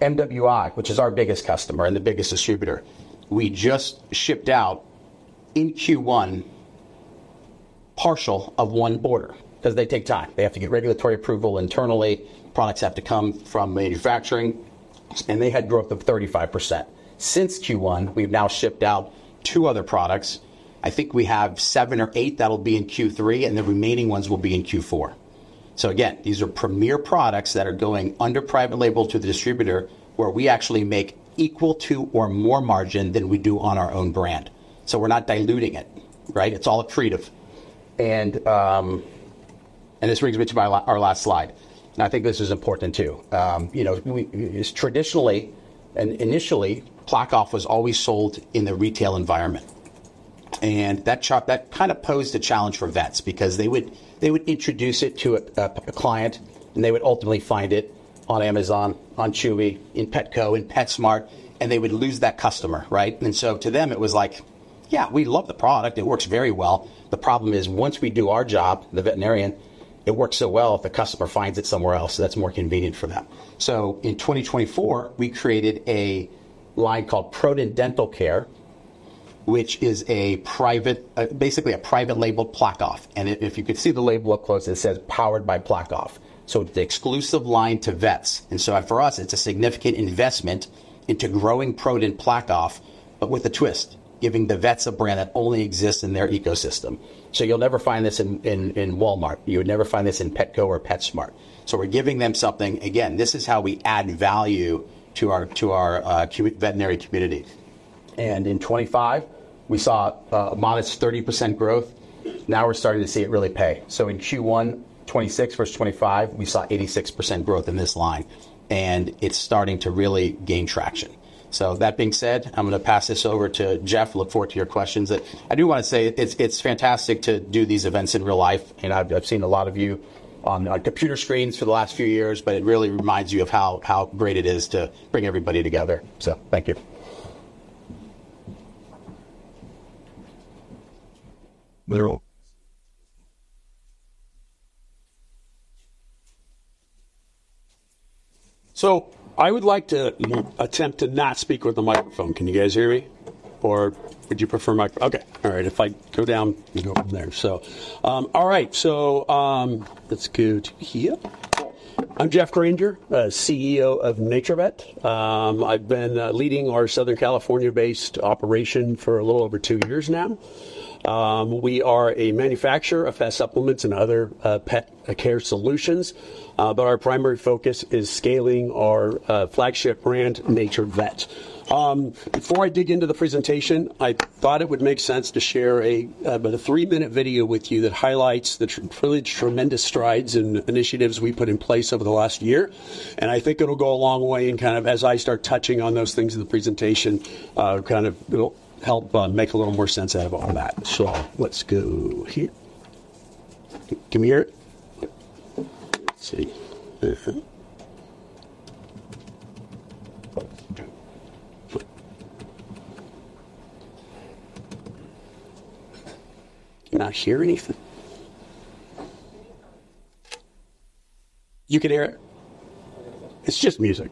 MWI, which is our biggest customer and the biggest distributor, we just shipped out in Q1 partial of one order, because they take time. They have to get regulatory approval internally. Products have to come from manufacturing. They had growth of 35%. Since Q1, we've now shipped out two other products. I think we have seven or eight that'll be in Q3, and the remaining ones will be in Q4. Again, these are premier products that are going under private label to the distributor, where we actually make equal to or more margin than we do on our own brand. We're not diluting it. Right? It's all accretive. This brings me to our last slide, and I think this is important, too. Traditionally, and initially, PlaqueOff was always sold in the retail environment, and that posed a challenge for vets because they would introduce it to a client, and they would ultimately find it on Amazon, on Chewy, in Petco, in PetSmart, and they would lose that customer, right? To them it was like, "Yeah, we love the product. It works very well. The problem is, once we do our job, the veterinarian, it works so well if the customer finds it somewhere else that's more convenient for them." In 2024, we created a line called ProDen Dental Care, which is basically a private labeled PlaqueOff, and if you could see the label up close, it says, "Powered by PlaqueOff." It's an exclusive line to vets. For us, it's a significant investment into growing ProDen PlaqueOff, but with a twist, giving the vets a brand that only exists in their ecosystem. You'll never find this in Walmart. You would never find this in Petco or PetSmart. We're giving them something. Again, this is how we add value to our veterinary communities. In 2025, we saw a modest 30% growth. Now we're starting to see it really pay. In Q1 2026 versus 2025, we saw 86% growth in this line, and it's starting to really gain traction. With that being said, I'm going to pass this over to Geoff. Look forward to your questions. I do want to say, it's fantastic to do these events in real life. I've seen a lot of you on computer screens for the last few years, but it really reminds you of how great it is to bring everybody together. Thank you. We're all I would like to attempt to not speak with a microphone. Can you guys hear me, or would you prefer microphone? Okay. All right. If I go down, you can go from there. Let's go to here. I am Geoff Granger, CEO of NaturVet. I have been leading our Southern California-based operation for a little over two years now. We are a manufacturer of pet supplements and other pet care solutions, but our primary focus is scaling our flagship brand, NaturVet. Before I dig into the presentation, I thought it would make sense to share a three-minute video with you that highlights the tremendous strides and initiatives we have put in place over the last year. I think it will go a long way. As I start touching on those things in the presentation, it will help make a little more sense out of all that. Let's go here. Can we hear it? Let's see. Can I hear anything? You can hear it? It is just music.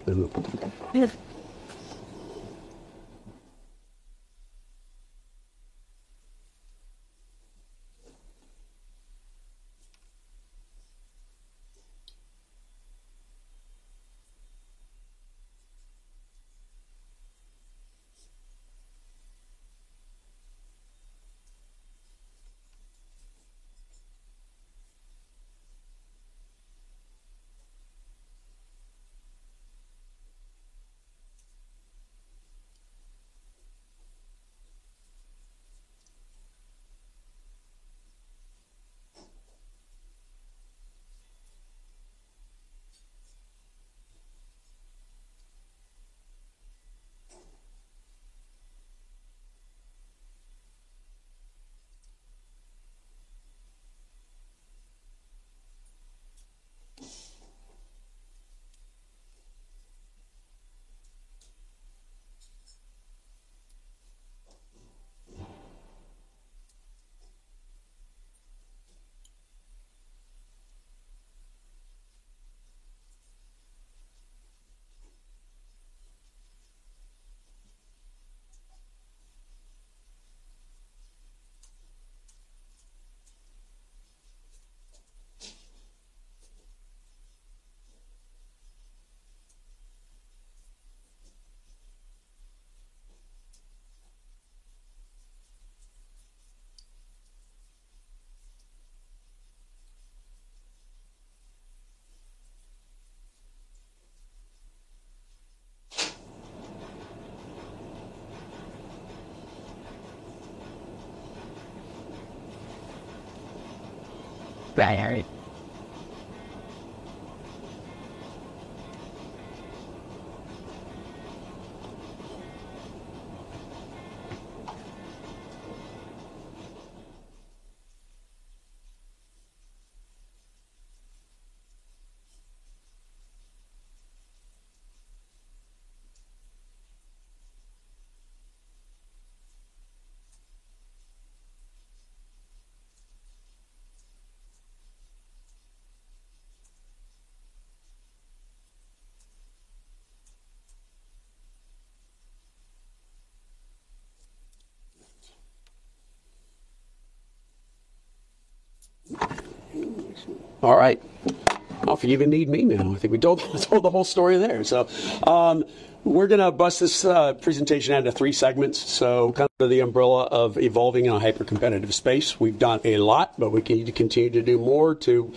All right. All right. I do not know if you even need me now. I think we told the whole story there. We are going to bust this presentation out into three segments. Kind of the umbrella of evolving in a hyper-competitive space. We have done a lot, but we need to continue to do more to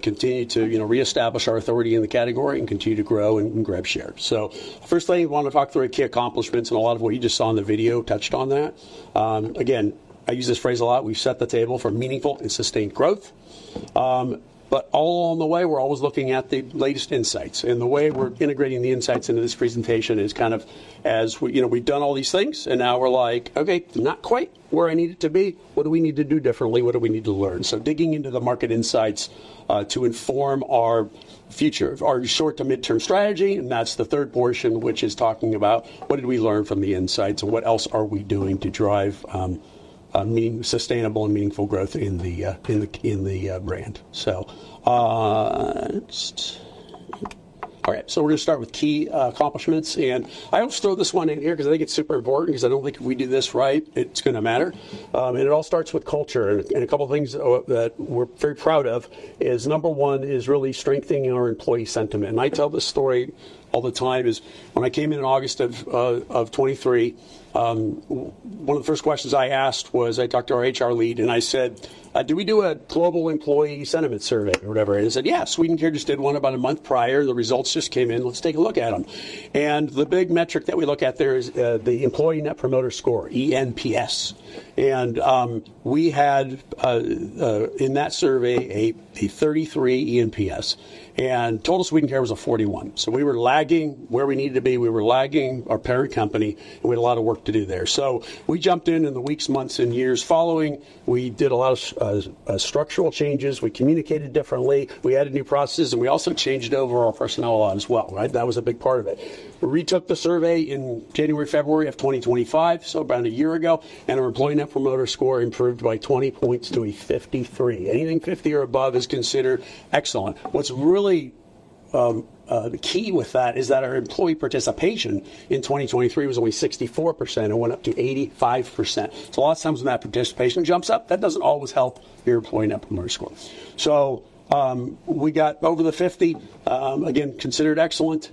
continue to reestablish our authority in the category to continue to grow and grab share. Firstly, want to talk through our key accomplishments. A lot of what you just saw in the video touched on that. Again, I use this phrase a lot, we have set the table for meaningful and sustained growth. All along the way, we are always looking at the latest insights. The way we are integrating the insights into this presentation is kind of as we have done all these things. Now we are like, "Okay, not quite where I need it to be." What do we need to do differently? What do we need to learn? Digging into the market insights to inform our future, our short to mid-term strategy. That is the third portion, which is talking about what did we learn from the insights, what else are we doing to drive sustainable and meaningful growth in the brand. Let's All right. We are going to start with key accomplishments. I always throw this one in here because I think it is super important because I do not think if we do this right, it is going to matter. It all starts with culture. A couple of things that we are very proud of is number one is really strengthening our employee sentiment. I tell this story all the time is when I came in August of 2023, one of the first questions I asked was, I talked to our HR lead. I said, "Do we do a global employee sentiment survey?" Or whatever. He said, "Yeah, Swedencare just did one about a month prior." The results just came in. Let's take a look at them. The big metric that we look at there is the employee net promoter score, eNPS. We had, in that survey, a 33 eNPS. Total Swedencare was a 41. We were lagging where we needed to be. We were lagging our parent company. We had a lot of work to do there. We jumped in the weeks, months, and years following. We did a lot of structural changes. We communicated differently. We added new processes. We also changed over our personnel a lot as well, right? That was a big part of it. We retook the survey in January, February of 2025, about a year ago. Our employee net promoter score improved by 20 points to a 53. Anything 50 or above is considered excellent. What's really the key with that is that our employee participation in 2023 was only 64%. It went up to 85%. A lot of times when that participation jumps up, that doesn't always help your employee net promoter score. We got over the 50, again, considered excellent.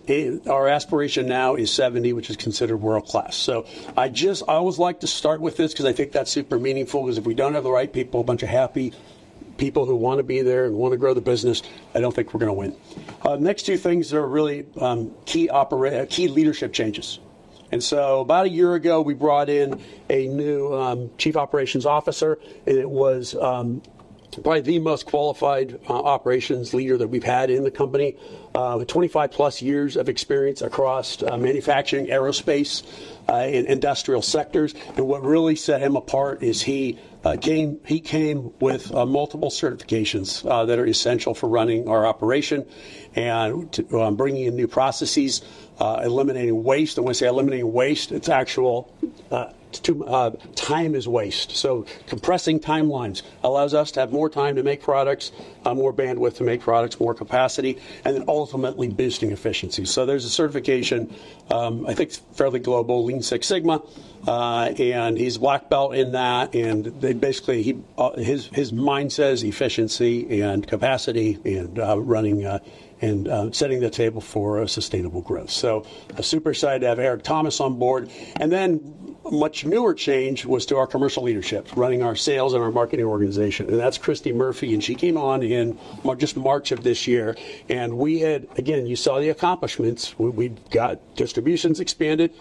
Our aspiration now is 70, which is considered world-class. I always like to start with this because I think that's super meaningful because if we don't have the right people, a bunch of happy people who want to be there and want to grow the business, I don't think we're going to win. Next, two things that are really key leadership changes. About a year ago, we brought in a new chief operations officer. Probably the most qualified operations leader that we've had in the company. 25 plus years of experience across manufacturing, aerospace, and industrial sectors. What really set him apart is he came with multiple certifications that are essential for running our operation and bringing in new processes, eliminating waste. When I say eliminating waste, time is waste. Compressing timelines allows us to have more time to make products, more bandwidth to make products, more capacity, and then ultimately boosting efficiency. There's a certification, I think it's fairly global, Lean Six Sigma, and he's black belt in that. Basically, his mind says efficiency and capacity and running, and setting the table for a sustainable growth. Super excited to have Erik Thomas on board. Much newer change was to our commercial leadership, running our sales and our marketing organization. That's Kristy Murphy, and she came on in just March of this year. We had, again, you saw the accomplishments. We got distributions expanded.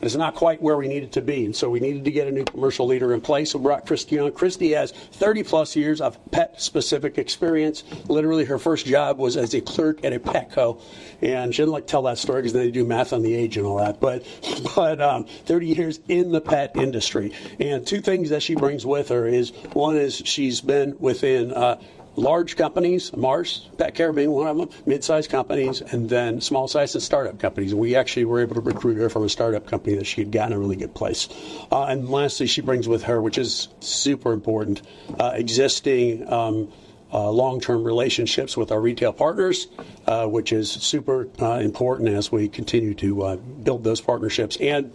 It's not quite where we needed to be. We needed to get a new commercial leader in place. We brought Christie on. Christie has 30-plus years of pet-specific experience. Literally, her first job was as a clerk at a Petco. She doesn't like to tell that story because then they do math on the age and all that. 30 years in the pet industry. Two things that she brings with her is, one is she's been within large companies, Mars Petcare being one of them, midsize companies, and then small size and startup companies. We actually were able to recruit her from a startup company that she'd gotten a really good place. Lastly, she brings with her, which is super important, existing long-term relationships with our retail partners, which is super important as we continue to build those partnerships and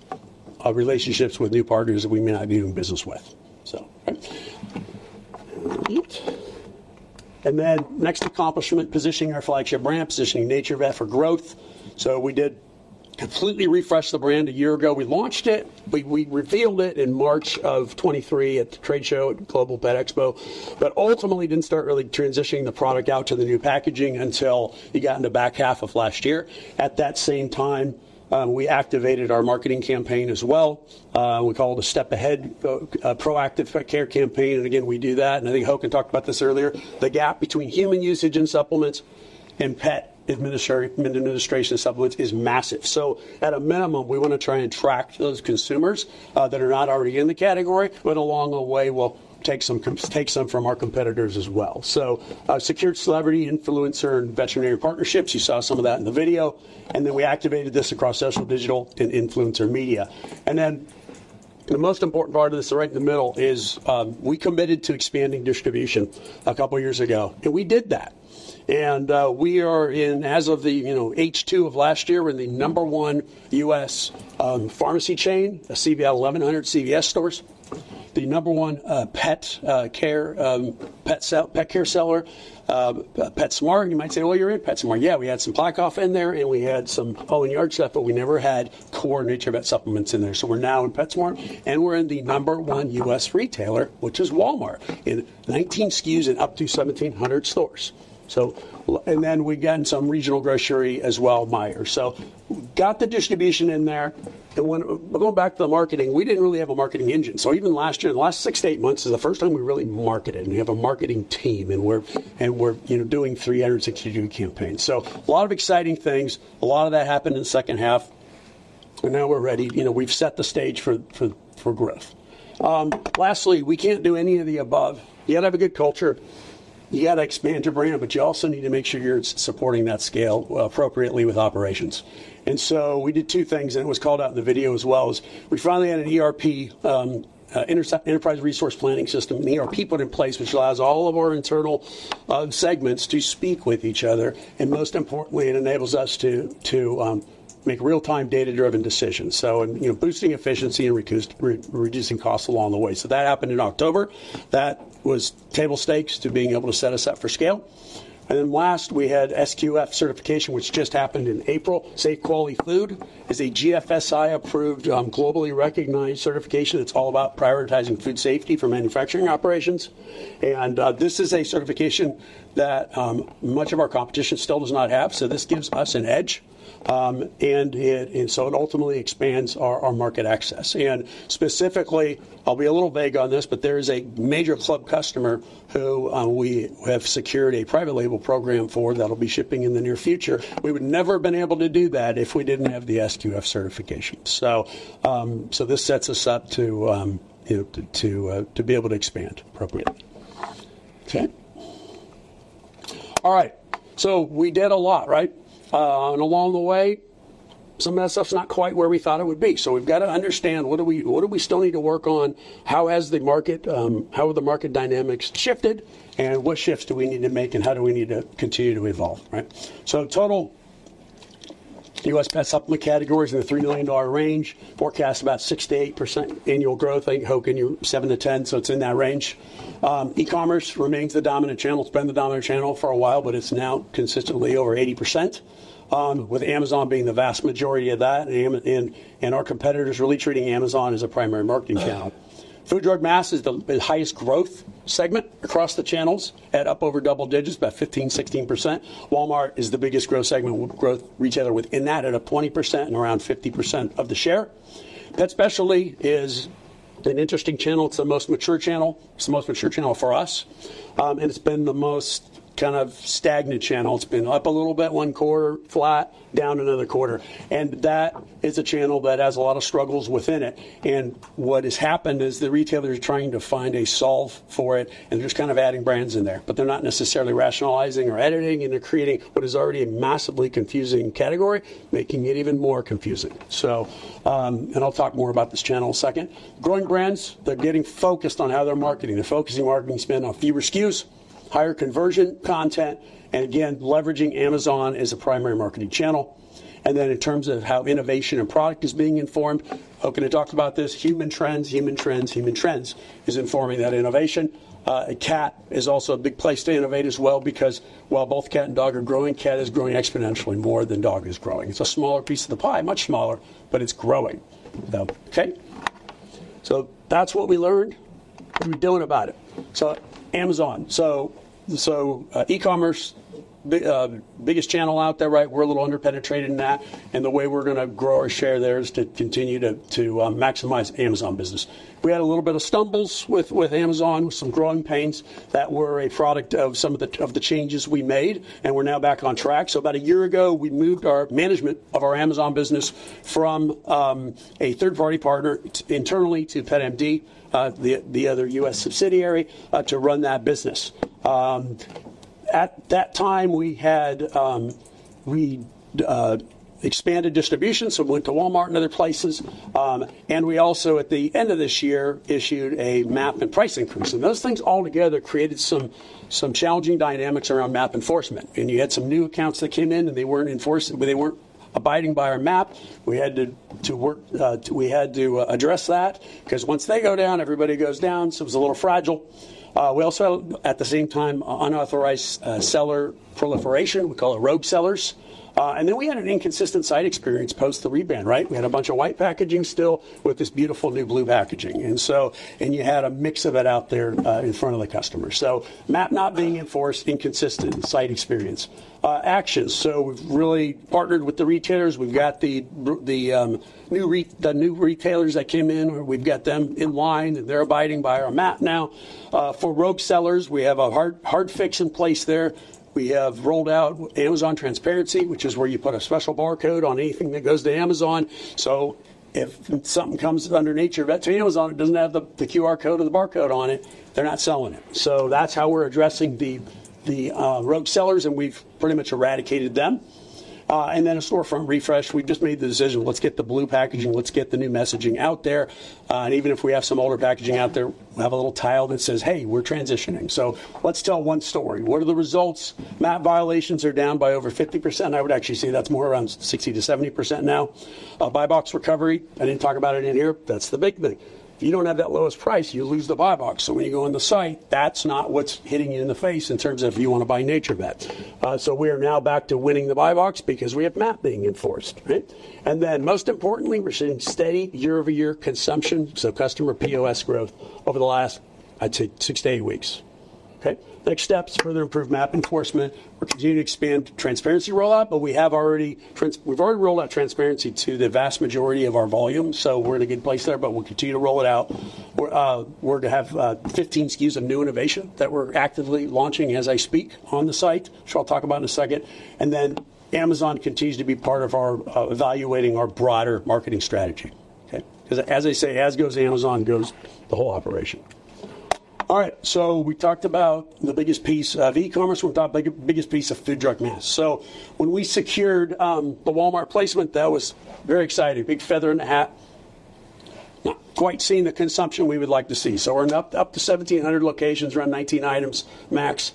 relationships with new partners that we may not be doing business with. Next accomplishment, positioning our flagship brand, positioning NaturVet for growth. We did completely refresh the brand a year ago. We launched it. We revealed it in March of 2023 at the trade show at Global Pet Expo, but ultimately didn't start really transitioning the product out to the new packaging until you got in the back half of last year. At that same time, we activated our marketing campaign as well. We call it a step-ahead proactive care campaign. Again, we do that, and I think Håkan had talked about this earlier. The gap between human usage and supplements and pet administration supplements is massive. At a minimum, we want to try and track those consumers that are not already in the category, but along the way, we'll take some from our competitors as well. Secured celebrity influencer and veterinary partnerships. You saw some of that in the video. We activated this across social, digital, and influencer media. The most important part of this, right in the middle, is we committed to expanding distribution a couple of years ago, and we did that. We are in, as of the H2 of last year, we're the number one U.S. pharmacy chain, 1,100 CVS stores, the number one pet care seller, PetSmart. You might say, "Well, you're in PetSmart." Yeah, we had some PlaqueOff in there, and we had some Hole in Your Yard stuff, but we never had core NaturVet supplements in there. We're now in PetSmart, and we're in the number one U.S. retailer, which is Walmart. In 19 SKUs and up to 1,700 stores. We got in some regional grocery as well, Meijer. Got the distribution in there. Going back to the marketing, we didn't really have a marketing engine. Even last year, the last six to eight months is the first time we really marketed, and we have a marketing team, and we're doing 360-degree campaigns. A lot of exciting things. A lot of that happened in the second half. Now we're ready. We've set the stage for growth. Lastly, we can't do any of the above. You got to have a good culture. You got to expand your brand, but you also need to make sure you're supporting that scale appropriately with operations. We did two things, and it was called out in the video as well. We finally had an ERP, enterprise resource planning system, and the ERP put in place, which allows all of our internal segments to speak with each other. Most importantly, it enables us to make real-time data-driven decisions. Boosting efficiency and reducing costs along the way. That happened in October. That was table stakes to being able to set us up for scale. Last, we had SQF certification, which just happened in April. Safe Quality Food is a GFSI-approved, globally recognized certification that's all about prioritizing food safety for manufacturing operations. This is a certification that much of our competition still does not have, so this gives us an edge. It ultimately expands our market access. Specifically, I'll be a little vague on this, but there is a major club customer who we have secured a private label program for that'll be shipping in the near future. We would never have been able to do that if we didn't have the SQF certification. This sets us up to be able to expand appropriately. Okay. All right. We did a lot, right? Along the way, some of that stuff's not quite where we thought it would be. We've got to understand what do we still need to work on, how have the market dynamics shifted, and what shifts do we need to make, and how do we need to continue to evolve, right? Total U.S. pet supplement category is in the SEK 3 million range. Forecast about 6%-8% annual growth. I think, Håkan, you're seven to 10, so it's in that range. E-commerce remains the dominant channel. It's been the dominant channel for a while, but it's now consistently over 80%, with Amazon being the vast majority of that, and our competitors really treating Amazon as a primary marketing channel. Food, drug, mass is the highest growth segment across the channels at up over double digits, about 15%-16%. Walmart is the biggest growth segment retailer within that at a 20% and around 50% of the share. Pet specialty is an interesting channel. It's the most mature channel. It's the most mature channel for us, and it's been the most stagnant channel. It's been up a little bit, one quarter flat, down another quarter. That is a channel that has a lot of struggles within it. What has happened is the retailers are trying to find a solve for it, and they're just adding brands in there. They're not necessarily rationalizing or editing, and they're creating what is already a massively confusing category, making it even more confusing. I'll talk more about this channel in a second. Growing brands, they're getting focused on how they're marketing. They're focusing marketing spend on fewer SKUs, higher conversion content, and again, leveraging Amazon as a primary marketing channel. In terms of how innovation and product is being informed, how can I talk about this? Human trends, human trends is informing that innovation. Cat is also a big place to innovate as well because while both cat and dog are growing, cat is growing exponentially more than dog is growing. It's a smaller piece of the pie, much smaller, but it's growing. Okay? That's what we learned. What are we doing about it? Amazon. E-commerce, biggest channel out there, right? We're a little under-penetrated in that, and the way we're going to grow our share there is to continue to maximize Amazon business. We had a little bit of stumbles with Amazon, some growing pains that were a product of some of the changes we made, and we're now back on track. About a year ago, we moved our management of our Amazon business from a third-party partner internally to Pet MD, the other U.S. subsidiary, to run that business. At that time, we expanded distribution. We went to Walmart and other places. We also, at the end of this year, issued a MAP and price increase. Those things all together created some challenging dynamics around MAP enforcement. You had some new accounts that came in, and they weren't abiding by our MAP. We had to address that because once they go down, everybody goes down. It was a little fragile. We also, at the same time, had unauthorized seller proliferation. We call it rogue sellers. We had an inconsistent site experience post the rebrand, right? We had a bunch of white packaging still with this beautiful new blue packaging. You had a mix of it out there in front of the customer. MAP not being enforced, inconsistent site experience. Actions. We've really partnered with the retailers. We've got the new retailers that came in. We've got them in line, and they're abiding by our MAP now. For rogue sellers, we have a hard fix in place there. We have rolled out Amazon Transparency, which is where you put a special barcode on anything that goes to Amazon. If something comes under NaturVet to Amazon, it doesn't have the QR code or the barcode on it, they're not selling it. That's how we're addressing the rogue sellers, and we've pretty much eradicated them. Then a storefront refresh. We just made the decision, let's get the blue packaging, let's get the new messaging out there. Even if we have some older packaging out there, we have a little tile that says, "Hey, we're transitioning." Let's tell one story. What are the results? MAP violations are down by over 50%. I would actually say that's more around 60%-70% now. Buy Box recovery, I didn't talk about it in here. That's the big thing. If you don't have that lowest price, you lose the Buy Box. When you go on the site, that's not what's hitting you in the face in terms of you want to buy NaturVet. We are now back to winning the Buy Box because we have MAP being enforced. Right? Then most importantly, we're seeing steady year-over-year consumption, so customer POS growth over the last, I'd say, six to eight weeks. Okay? Next steps, further improve MAP enforcement. We're continuing to expand transparency rollout, we've already rolled out transparency to the vast majority of our volume. We're in a good place there, but we'll continue to roll it out. We're to have 15 SKUs of new innovation that we're actively launching as I speak on the site. I'll talk about in a second. Then Amazon continues to be part of our evaluating our broader marketing strategy. Okay? Because as they say, as goes Amazon, goes the whole operation. All right, we talked about the biggest piece of e-commerce. We talked about the biggest piece of food, drug, and mass. When we secured the Walmart placement, that was very exciting. Big feather in the hat. Not quite seeing the consumption we would like to see. We're up to 1,700 locations, around 19 items max.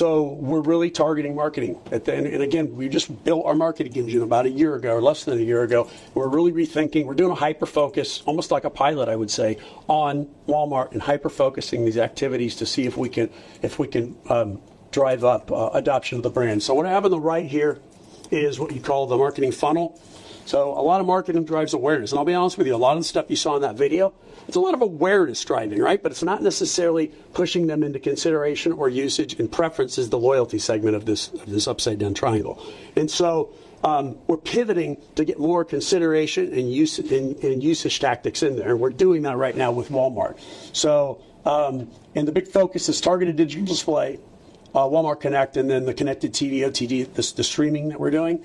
We're really targeting marketing at the end. Again, we just built our marketing engine about a year ago, or less than a year ago. We're really rethinking. We're doing a hyper-focus, almost like a pilot, I would say, on Walmart and hyper-focusing these activities to see if we can drive up adoption of the brand. What I have on the right here is what you call the marketing funnel. A lot of marketing drives awareness. I'll be honest with you, a lot of the stuff you saw in that video, it's a lot of awareness driving, right? It's not necessarily pushing them into consideration or usage and preferences, the loyalty segment of this upside-down triangle. We're pivoting to get more consideration and usage tactics in there. We're doing that right now with Walmart. The big focus is targeted digital display, Walmart Connect, and then the connected TV, OTT, the streaming that we're doing.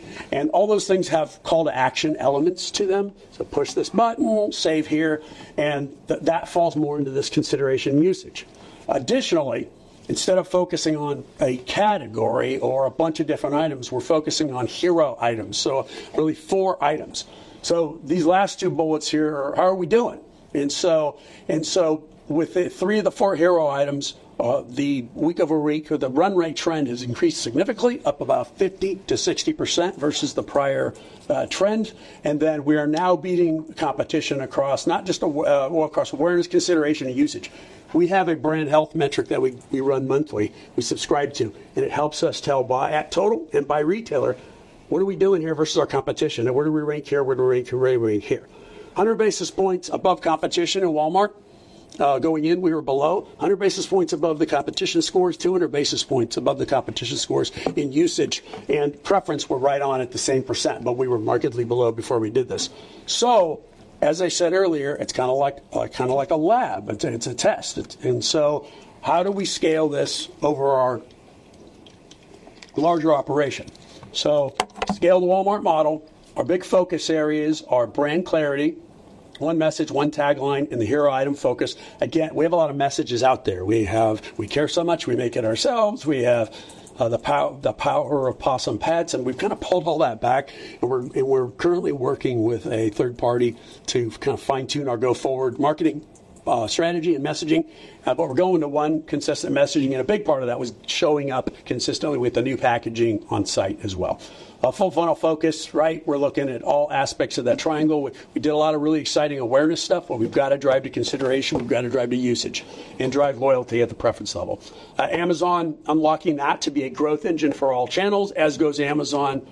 All those things have call-to-action elements to them. Push this button, save here, and that falls more into this consideration usage. Additionally, instead of focusing on a category or a bunch of different items, we're focusing on hero items. Really four items. These last two bullets here are how are we doing? With three of the four hero items, the week-over-week or the run rate trend has increased significantly, up about 50%-60% versus the prior trend. We are now beating competition across not just awareness, consideration, and usage. We have a brand health metric that we run monthly, we subscribe to, and it helps us tell by total and by retailer, what are we doing here versus our competition, and where do we rank here? Where do we rank here? Where do we rank here? 100 basis points above competition in Walmart. Going in, we were below 100 basis points above the competition scores, 200 basis points above the competition scores in usage and preference were right on at the same %, but we were markedly below before we did this. As I said earlier, it's like a lab. It's a test. How do we scale this over our larger operation? Scale the Walmart model. Our big focus areas are brand clarity, one message, one tagline, and the hero item focus. Again, we have a lot of messages out there. We have, "We care so much, we make it ourselves." We have, "The power of pawsome pets," and we've pulled all that back, and we're currently working with a third party to fine-tune our go-forward marketing strategy and messaging. We're going to one consistent messaging, and a big part of that was showing up consistently with the new packaging on site as well. A full funnel focus, right. We're looking at all aspects of that triangle. We did a lot of really exciting awareness stuff, but we've got to drive to consideration, we've got to drive to usage, and drive loyalty at the preference level. Amazon, unlocking that to be a growth engine for all channels. As goes Amazon,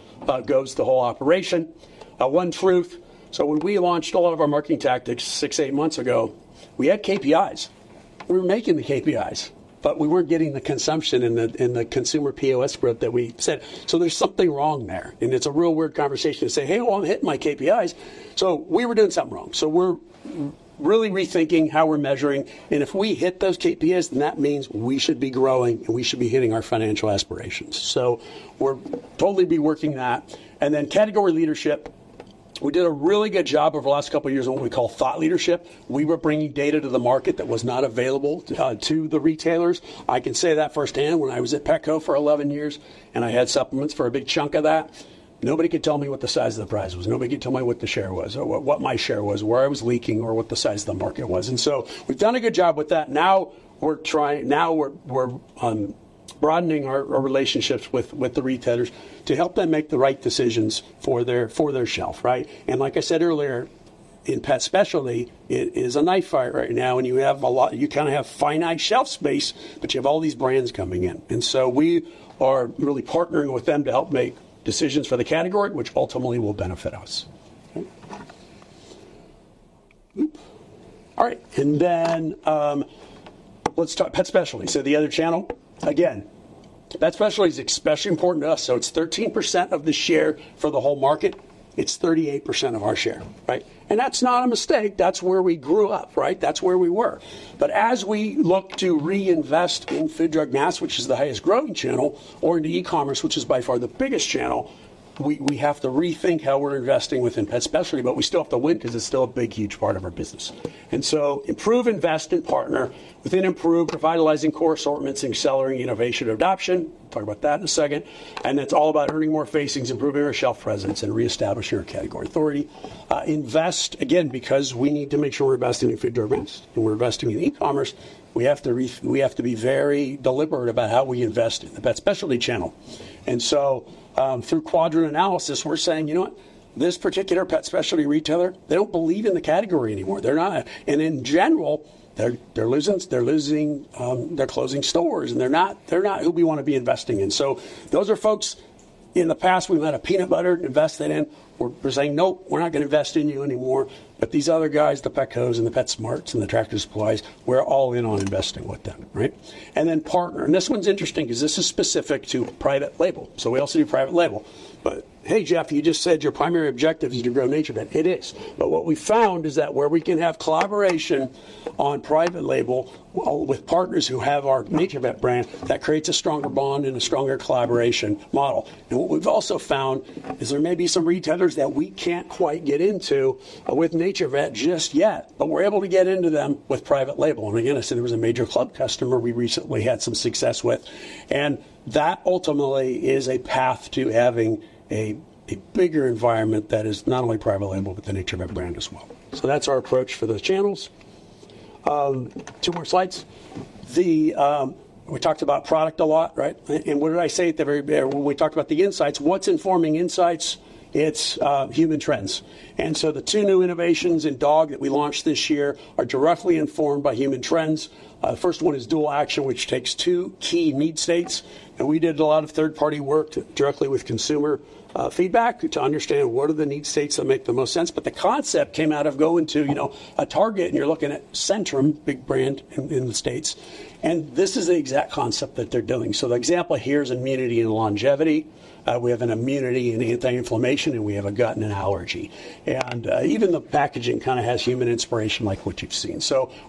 goes the whole operation. One truth. When we launched all of our marketing tactics six, eight months ago, we had KPIs. We were making the KPIs, but we weren't getting the consumption and the consumer POS growth that we said. There's something wrong there, and it's a real weird conversation to say, "Hey, well, I'm hitting my KPIs." We were doing something wrong. We're really rethinking how we're measuring, and if we hit those KPIs, then that means we should be growing, and we should be hitting our financial aspirations. We'll totally be working that. Category leadership, we did a really good job over the last couple of years on what we call thought leadership. We were bringing data to the market that was not available to the retailers. I can say that firsthand. When I was at Petco for 11 years and I had supplements for a big chunk of that, nobody could tell me what the size of the prize was. Nobody could tell me what the share was or what my share was, where I was leaking, or what the size of the market was. We've done a good job with that. Now we're broadening our relationships with the retailers to help them make the right decisions for their shelf, right? Like I said earlier, in pet specialty, it is a knife fight right now, and you have a lot-- You have finite shelf space, but you have all these brands coming in. We are really partnering with them to help make decisions for the category, which ultimately will benefit us. Okay. Oops. All right. Let's talk pet specialty. The other channel, again, pet specialty is especially important to us. It's 13% of the share for the whole market. It's 38% of our share, right? That's not a mistake. That's where we grew up, right? That's where we were. As we look to reinvest in food, drug, mass which is the highest growing channel, or into e-commerce, which is by far the biggest channel, we have to rethink how we're investing within pet specialty, but we still have to win because it's still a big, huge part of our business. Improve, invest, and partner. Within improve, revitalizing core assortments and accelerating innovation adoption. Talk about that in a second. It's all about earning more facings, improving our shelf presence, and reestablishing our category authority. Invest, again, because we need to make sure we're investing in food, drug, mass and we're investing in e-commerce. We have to be very deliberate about how we invest in the pet specialty channel. Through quadrant analysis, we're saying, you know what? This particular pet specialty retailer, they don't believe in the category anymore. They're not. In general, they're losing, they're closing stores, and they're not who we want to be investing in. Those are folks, in the past, we might have peanut butter to invest that in. We're saying, "Nope, we're not going to invest in you anymore." These other guys, the Petcos and the PetSmarts and the Tractor Supplies, we're all in on investing with them, right? Partner, and this one's interesting because this is specific to private label. We also do private label. "Hey, Geoff, you just said your primary objective is to grow NaturVet." It is. What we found is that where we can have collaboration on private label with partners who have our NaturVet brand, that creates a stronger bond and a stronger collaboration model. What we've also found is there may be some retailers that we can't quite get into with NaturVet just yet, but we're able to get into them with private label. Again, I said there was a major club customer we recently had some success with. That ultimately is a path to having a bigger environment that is not only private label but the NaturVet brand as well. That's our approach for those channels. Two more slides. We talked about product a lot, right? What did I say at the very. When we talked about the insights, what's informing insights? It's human trends. The two new innovations in dog that we launched this year are directly informed by human trends. First one is dual action, which takes two key need states. We did a lot of third-party work directly with consumer feedback to understand what are the need states that make the most sense. The concept came out of going to a Target and you're looking at Centrum, big brand in the States, and this is the exact concept that they're doing. The example here is immunity and longevity. We have an immunity and anti-inflammation, and we have a gut and an allergy. Even the packaging has human inspiration like what you've seen.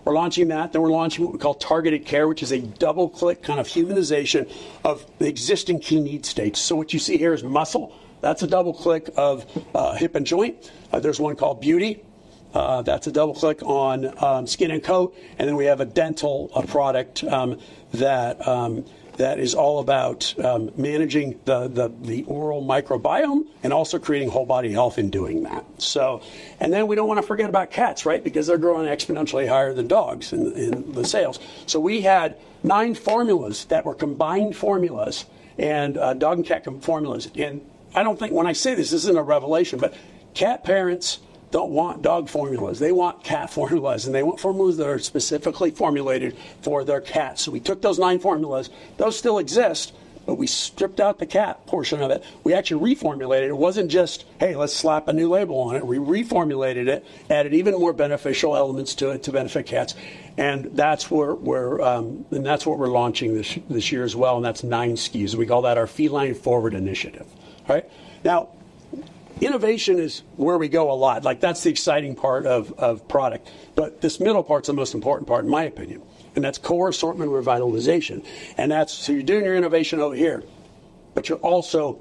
We're launching that, then we're launching what we call targeted care, which is a double-click kind of humanization of the existing key need states. What you see here is muscle. That's a double click of hip and joint. There's one called beauty. That's a double click on skin and coat. We have a dental product that is all about managing the oral microbiome and also creating whole-body health in doing that. We don't want to forget about cats, right? Because they're growing exponentially higher than dogs in the sales. We had nine formulas that were combined formulas and dog and cat formulas. I don't think when I say this isn't a revelation, but cat parents don't want dog formulas. They want cat formulas, and they want formulas that are specifically formulated for their cats. We took those nine formulas. Those still exist, but we stripped out the cat portion of it. We actually reformulated it. It wasn't just, "Hey, let's slap a new label on it." We reformulated it, added even more beneficial elements to it to benefit cats, and that's what we're launching this year as well, and that's nine SKUs, and we call that our Feline Forward initiative. Right? Innovation is where we go a lot. That's the exciting part of product, but this middle part is the most important part, in my opinion, and that's core assortment revitalization. You're doing your innovation over here, but you're also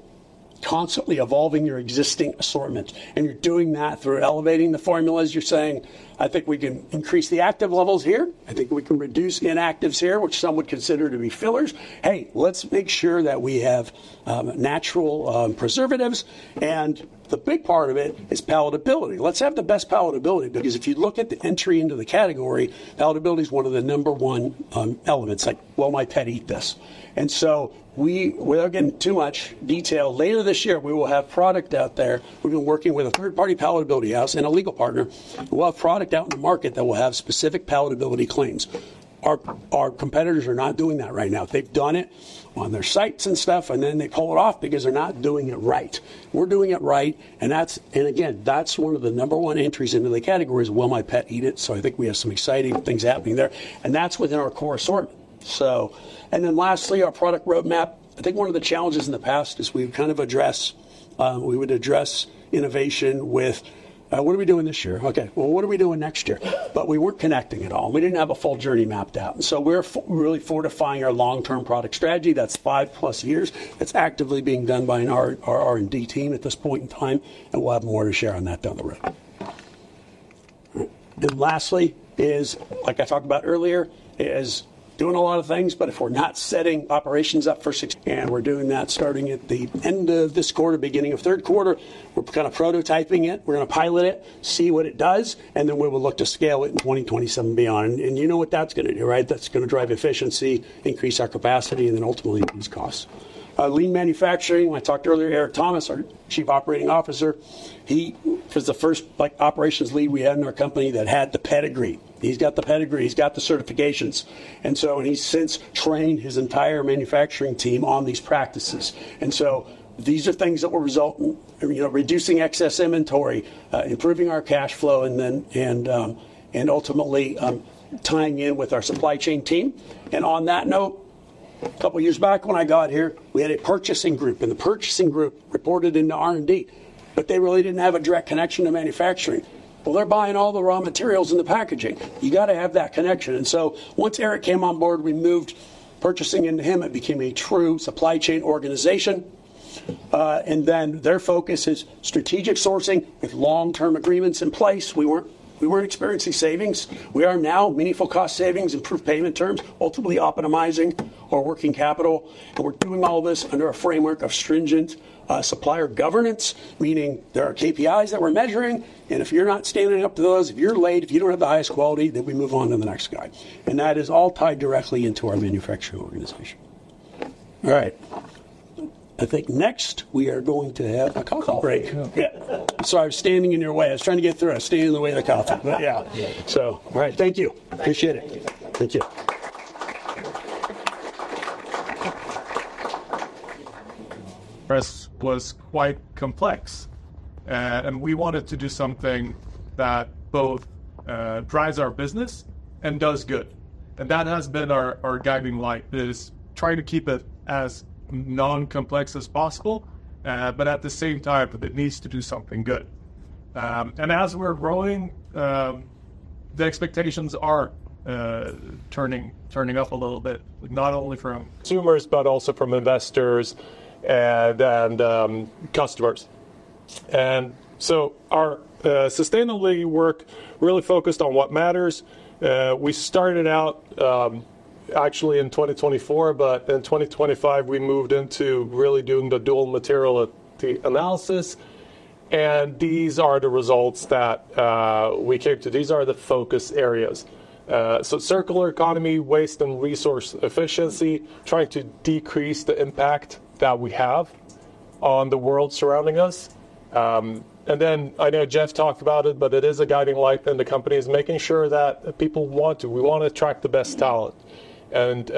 constantly evolving your existing assortment, and you're doing that through elevating the formulas. You're saying, "I think we can increase the active levels here. I think we can reduce inactives here," which some would consider to be fillers. Hey, let's make sure that we have natural preservatives, and the big part of it is palatability. Let's have the best palatability, because if you look at the entry into the category, palatability is one of the number one elements, like will my pet eat this? Without getting too much detail, later this year, we will have product out there. We've been working with a third-party palatability house and a legal partner. We'll have product out in the market that will have specific palatability claims. Our competitors are not doing that right now. They've done it on their sites and stuff, and then they pull it off because they're not doing it right. We're doing it right and again, that's one of the number one entries into the category is will my pet eat it? I think we have some exciting things happening there, and that's within our core assortment. Lastly, our product roadmap. I think one of the challenges in the past is we would address innovation with, what are we doing this year? Okay. Well, what are we doing next year? We weren't connecting at all. We didn't have a full journey mapped out. We're really fortifying our long-term product strategy. That's 5+ years. That's actively being done by our R&D team at this point in time, and we'll have more to share on that down the road. All right. Lastly is, like I talked about earlier, is doing a lot of things, but if we're not setting operations up for success. We're doing that starting at the end of this quarter, beginning of third quarter. We're prototyping it. We're going to pilot it, see what it does, and then we will look to scale it in 2027 and beyond. You know what that's going to do, right? That's going to drive efficiency, increase our capacity, ultimately reduce costs. Lean manufacturing, when I talked earlier, Erik Thomas, our Chief Operating Officer, he was the first operations lead we had in our company that had the pedigree. He's got the pedigree. He's got the certifications. He's since trained his entire manufacturing team on these practices. These are things that will result in reducing excess inventory, improving our cash flow, ultimately tying in with our supply chain team. On that note, a couple of years back when I got here, we had a purchasing group, and the purchasing group reported into R&D, they really didn't have a direct connection to manufacturing. Well, they're buying all the raw materials and the packaging. You got to have that connection. Once Eric came on board, we moved purchasing into him. It became a true supply chain organization. Their focus is strategic sourcing with long-term agreements in place. We weren't experiencing savings. We are now, meaningful cost savings, improved payment terms, ultimately optimizing our working capital. We're doing all this under a framework of stringent supplier governance, meaning there are KPIs that we're measuring, and if you're not standing up to those, if you're late, if you don't have the highest quality, we move on to the next guy. That is all tied directly into our manufacturing organization. All right. I think next we are going to have a coffee break. Coffee. Yeah. I'm sorry I was standing in your way. I was trying to get through. I was standing in the way of the coffee. Yeah. Yeah. All right. Thank you. Appreciate it. Thank you. Thank you. Process was quite complex, and we wanted to do something that both drives our business and does good. That has been our guiding light, is trying to keep it as non-complex as possible. At the same time, it needs to do something good. As we're growing, the expectations are turning up a little bit, not only from consumers, but also from investors and customers. Our sustainability work really focused on what matters. We started out actually in 2024, but in 2025, we moved into really doing the double materiality analysis, and these are the results that we came to. These are the focus areas. Circular economy, waste and resource efficiency, trying to decrease the impact that we have on the world surrounding us. I know Geoff talked about it, but it is a guiding light in the company is making sure that people want to. We want to attract the best talent. There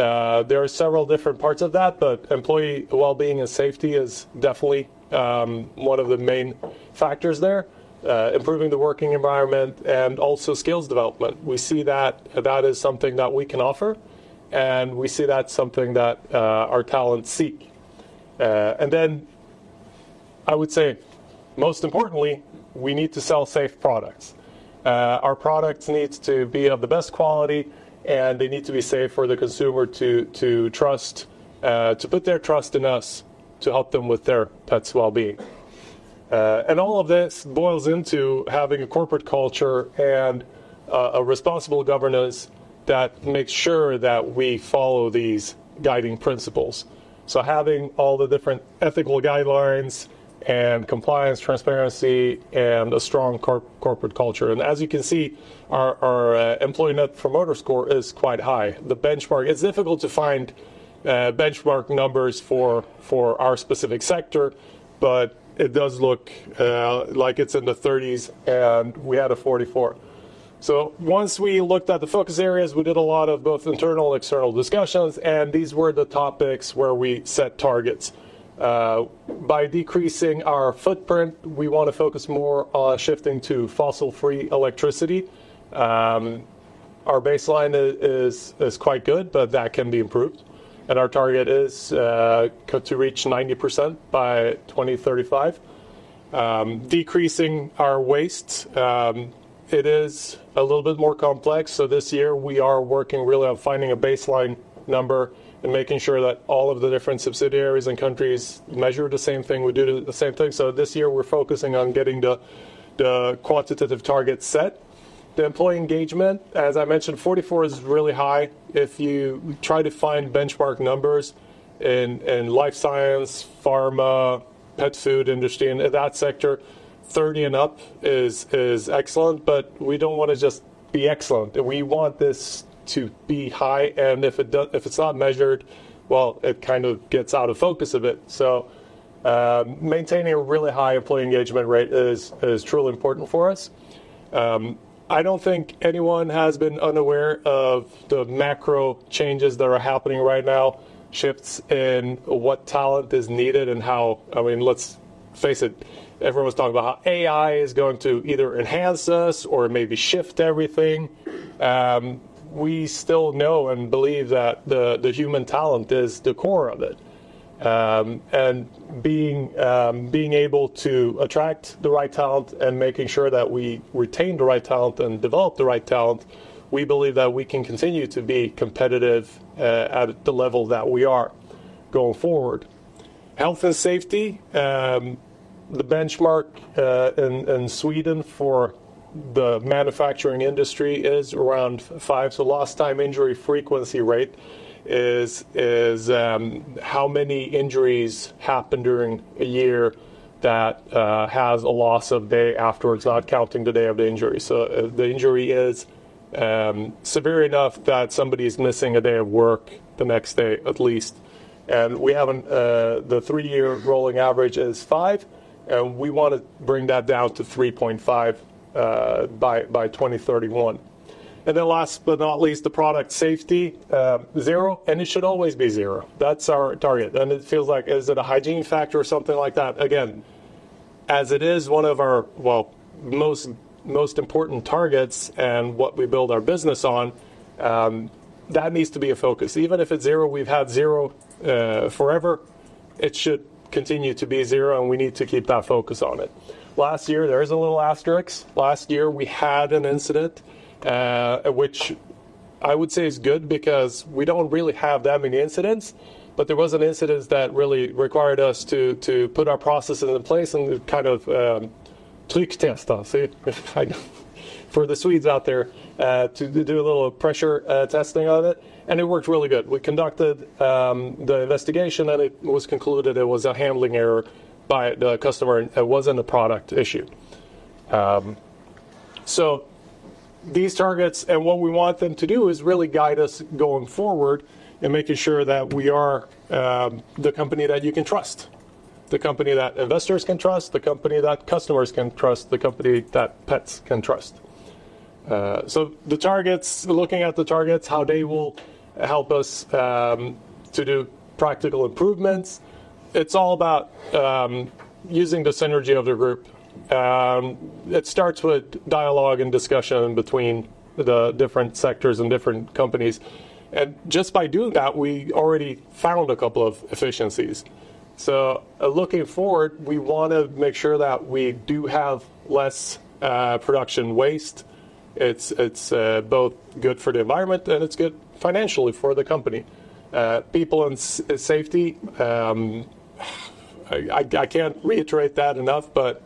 are several different parts of that, but employee wellbeing and safety is definitely one of the main factors there. Improving the working environment and also skills development. We see that that is something that we can offer, and we see that's something that our talents seek. I would say most importantly, we need to sell safe products. Our product needs to be of the best quality, and they need to be safe for the consumer to put their trust in us to help them with their pet's wellbeing. All of this boils into having a corporate culture and a responsible governance that makes sure that we follow these guiding principles. Having all the different ethical guidelines and compliance, transparency, and a strong corporate culture. As you can see, our employee net promoter score is quite high. The benchmark, it's difficult to find benchmark numbers for our specific sector, but it does look like it's in the 30s, and we had a 44. Once we looked at the focus areas, we did a lot of both internal, external discussions, and these were the topics where we set targets. By decreasing our footprint, we want to focus more on shifting to fossil-free electricity. Our baseline is quite good, but that can be improved, and our target is to reach 90% by 2035. Decreasing our waste, it is a little bit more complex. This year, we are working really on finding a baseline number and making sure that all of the different subsidiaries and countries measure the same thing, we do the same thing. This year, we're focusing on getting the quantitative target set. The employee engagement, as I mentioned, 44 is really high. If you try to find benchmark numbers in life science, pharma, pet food industry, and that sector, 30 and up is excellent, but we don't want to just be excellent. We want this to be high, and if it's not measured, well, it kind of gets out of focus a bit. Maintaining a really high employee engagement rate is truly important for us. I don't think anyone has been unaware of the macro changes that are happening right now, shifts in what talent is needed and how. Let's face it, everyone's talking about how AI is going to either enhance us or maybe shift everything. We still know and believe that the human talent is the core of it, and being able to attract the right talent and making sure that we retain the right talent and develop the right talent, we believe that we can continue to be competitive at the level that we are going forward. Health and safety. The benchmark in Sweden for the manufacturing industry is around five. Lost time injury frequency rate is how many injuries happen during a year that has a loss of day afterwards, not counting the day of the injury. The injury is severe enough that somebody's missing a day of work the next day at least. The 3-year rolling average is five, and we want to bring that down to 3.5 by 2031. Then last but not least, the product safety 0, and it should always be 0. That's our target. It feels like, is it a hygiene factor or something like that? Again, as it is one of our most important targets and what we build our business on, that needs to be a focus. Even if it's 0, we've had 0 forever, it should continue to be 0, and we need to keep that focus on it. Last year, there is a little asterisk. Last year, we had an incident, which I would say is good because we don't really have that many incidents, but there was an incident that really required us to put our processes into place and kind of trycktesta, say, for the Swedes out there, to do a little pressure testing of it, and it worked really good. We conducted the investigation, and it was concluded it was a handling error by the customer. It wasn't a product issue. These targets and what we want them to do is really guide us going forward and making sure that we are the company that you can trust, the company that investors can trust, the company that customers can trust, the company that pets can trust. The targets, looking at the targets, how they will help us to do practical improvements, it's all about using the synergy of the group. It starts with dialogue and discussion between the different sectors and different companies. Just by doing that, we already found a couple of efficiencies. Looking forward, we want to make sure that we do have less production waste. It's both good for the environment, and it's good financially for the company. People and safety, I can't reiterate that enough, but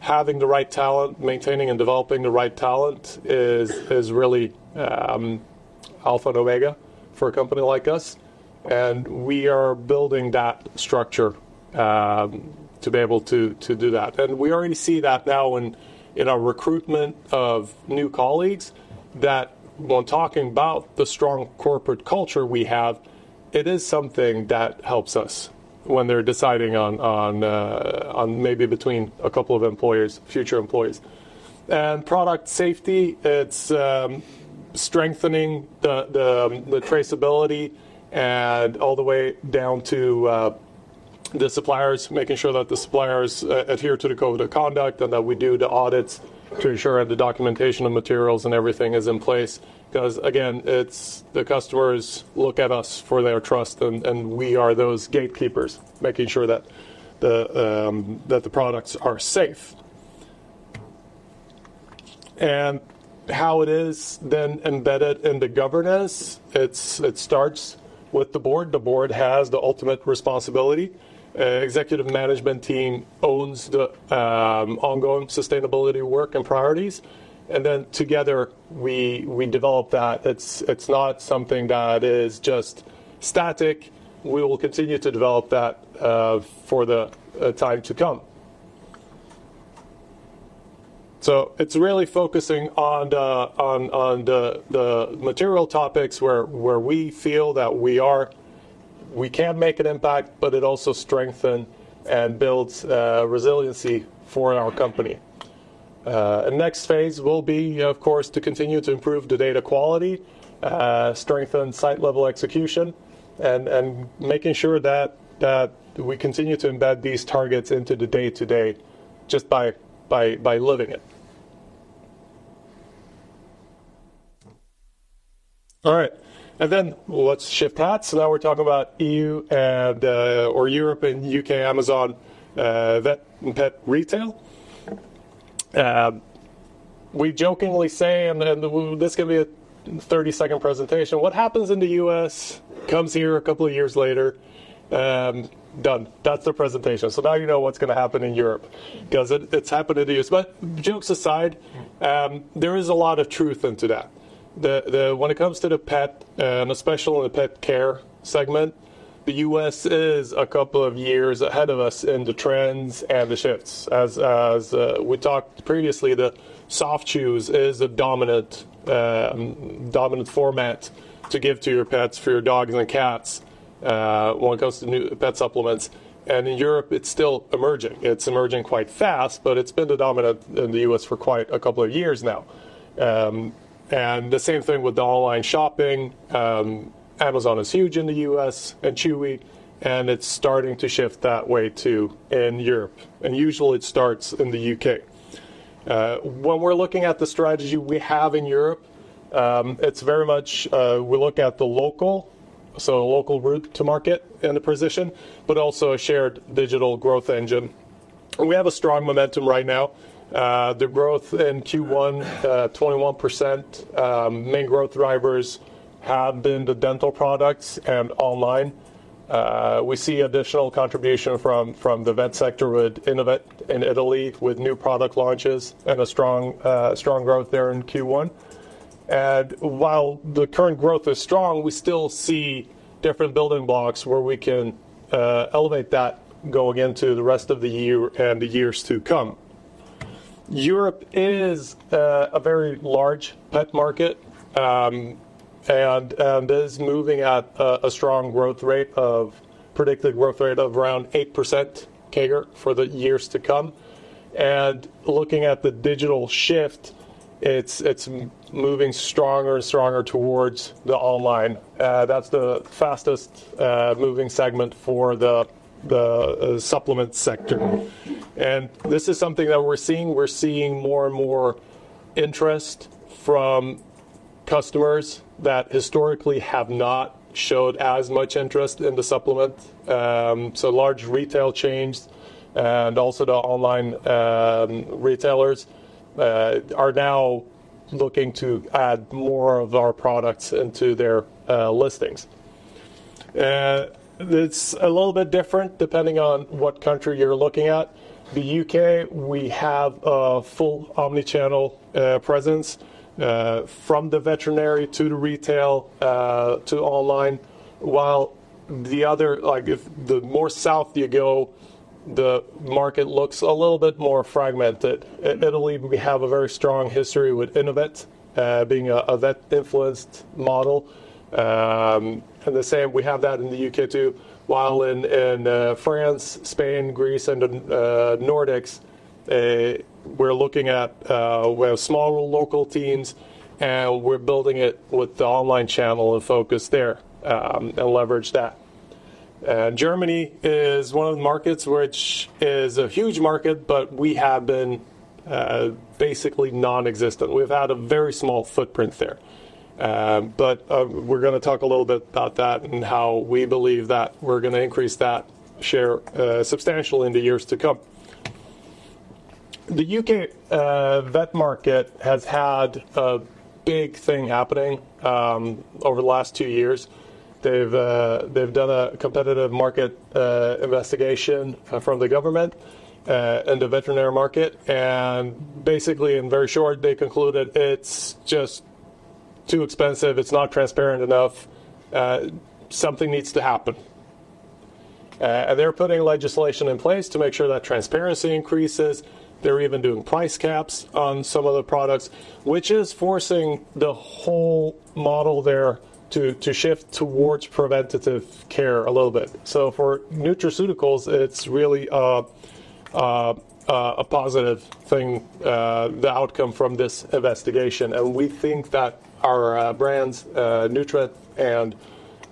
having the right talent, maintaining and developing the right talent is really alpha and omega for a company like us, and we are building that structure to be able to do that. We already see that now in our recruitment of new colleagues, that when talking about the strong corporate culture we have, it is something that helps us when they're deciding on maybe between a couple of future employees. Product safety, it's strengthening the traceability and all the way down to the suppliers, making sure that the suppliers adhere to the code of conduct and that we do the audits to ensure the documentation of materials and everything is in place. Because again, it's the customers look at us for their trust, and we are those gatekeepers, making sure that the products are safe. How it is then embedded in the governance, it starts with the board. The board has the ultimate responsibility. Executive Management Team owns the ongoing sustainability work and priorities. Then together, we develop that. It's not something that is just static. We will continue to develop that for the time to come. It's really focusing on the material topics where we feel that we can make an impact, but it also strengthen and builds resiliency for our company. Next phase will be, of course, to continue to improve the data quality, strengthen site level execution, and making sure that we continue to embed these targets into the day-to-day. Just by living it. All right. Let's shift hats. Now we're talking about Europe and U.K. Amazon, vet and pet retail. We jokingly say, and this is going to be a 30-second presentation, what happens in the U.S. comes here a couple of years later. Done. That's the presentation. Now you know what's going to happen in Europe because it's happened in the U.S. Jokes aside, there is a lot of truth into that. When it comes to the pet, and especially in the pet care segment, the U.S. is a couple of years ahead of us in the trends and the shifts. We talked previously, the soft chews is a dominant format to give to your pets, for your dogs and cats, when it comes to new pet supplements. In Europe, it's still emerging. It's emerging quite fast, but it's been the dominant in the U.S. for quite a couple of years now. The same thing with the online shopping. Amazon is huge in the U.S., and Chewy, it's starting to shift that way, too, in Europe, and usually it starts in the U.K. We're looking at the strategy we have in Europe, it's very much we look at the local route to market and the position, also a shared digital growth engine. We have a strong momentum right now. The growth in Q1, 21%, main growth drivers have been the dental products and online. We see additional contribution from the vet sector with Innovet in Italy with new product launches and a strong growth there in Q1. While the current growth is strong, we still see different building blocks where we can elevate that going into the rest of the year and the years to come. Europe is a very large pet market, and is moving at a strong growth rate of, predicted growth rate of around 8% CAGR for the years to come. Looking at the digital shift, it's moving stronger and stronger towards the online. That's the fastest moving segment for the supplement sector. This is something that we're seeing. We're seeing more and more interest from customers that historically have not showed as much interest in the supplement. Large retail chains and also the online retailers are now looking to add more of our products into their listings. It's a little bit different depending on what country you're looking at. The U.K., we have a full omni-channel presence from the veterinary to the retail to online. While the other, the more south you go, the market looks a little bit more fragmented. In Italy, we have a very strong history with Innovet, being a vet-influenced model. The same, we have that in the U.K., too. In France, Spain, Greece, and the Nordics, we're looking at small local teams, we're building it with the online channel of focus there, leverage that. Germany is one of the markets which is a huge market, we have been basically nonexistent. We've had a very small footprint there, but we're going to talk a little bit about that and how we believe that we're going to increase that share substantially in the years to come. Adrian Elmlund, the U.K. vet market has had a big thing happening over the last 2 years. They've done a competitive market investigation from the government in the veterinary market, and basically, in very short, they concluded it's just too expensive. It's not transparent enough. Something needs to happen. They're putting legislation in place to make sure that transparency increases. They're even doing price caps on some of the products, which is forcing the whole model there to shift towards preventative care a little bit. So for nutraceuticals, it's really a positive thing, the outcome from this investigation, and we think that our brands, Nutravet and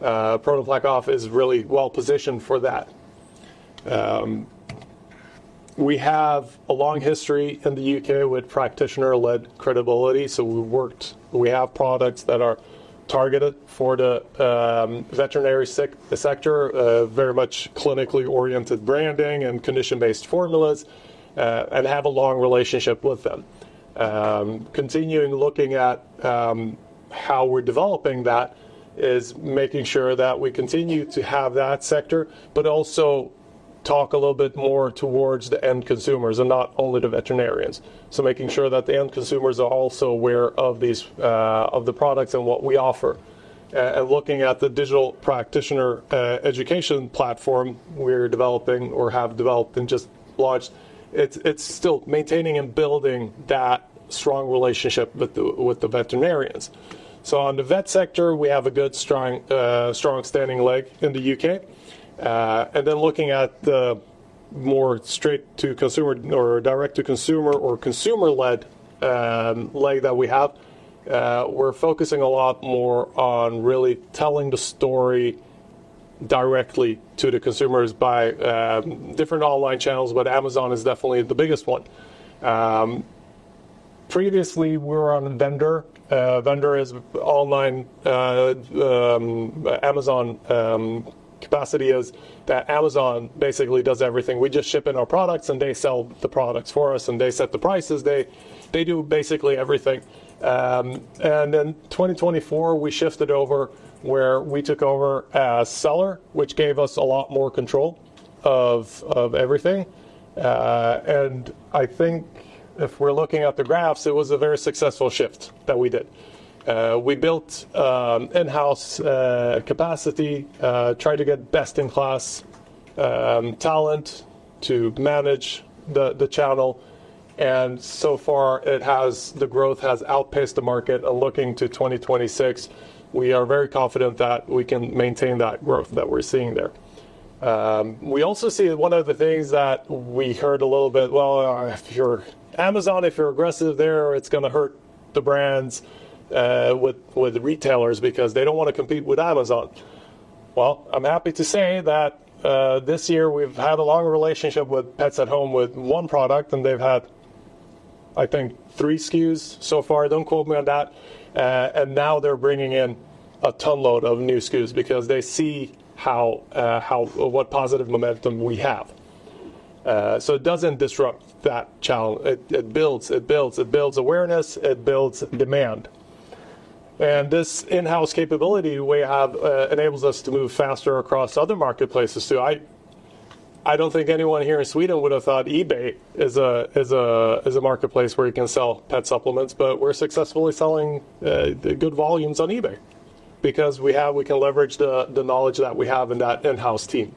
ProDen PlaqueOff, is really well-positioned for that. We have a long history in the U.K. with practitioner-led credibility. We have products that are targeted for the veterinary sector, very much clinically oriented branding and condition-based formulas, and have a long relationship with them. Continuing looking at how we're developing that is making sure that we continue to have that sector, but also talk a little bit more towards the end consumers and not only the veterinarians. So making sure that the end consumers are also aware of the products and what we offer. And looking at the digital practitioner education platform we're developing or have developed and just launched, it's still maintaining and building that strong relationship with the veterinarians. So on the vet sector, we have a good, strong standing leg in the U.K. Then looking at the more straight to consumer or direct to consumer or consumer-led leg that we have, we're focusing a lot more on really telling the story directly to the consumers by different online channels, but Amazon is definitely the biggest one. Previously, we were on Vendor. Vendor is online. Amazon capacity is that Amazon basically does everything. We just ship in our products, and they sell the products for us, and they set the prices. They do basically everything. In 2024, we shifted over where we took over as Seller, which gave us a lot more control of everything. I think if we're looking at the graphs, it was a very successful shift that we did. We built in-house capacity, tried to get best-in-class talent to manage the channel, and so far, the growth has outpaced the market. Looking to 2026, we are very confident that we can maintain that growth that we're seeing there. We also see one of the things that we heard a little bit, well, if you're Amazon, if you're aggressive there, it's going to hurt the brands with the retailers because they don't want to compete with Amazon. Well, I'm happy to say that this year we've had a long relationship with Pets at Home with one product, and they've had, I think, 3 SKUs so far. Don't quote me on that. And now they're bringing in a ton load of new SKUs because they see what positive momentum we have. So it doesn't disrupt that channel. It builds awareness, it builds demand. And this in-house capability we have enables us to move faster across other marketplaces, too. I don't think anyone here in Sweden would have thought eBay is a marketplace where you can sell pet supplements, but we're successfully selling good volumes on eBay because we can leverage the knowledge that we have in that in-house team.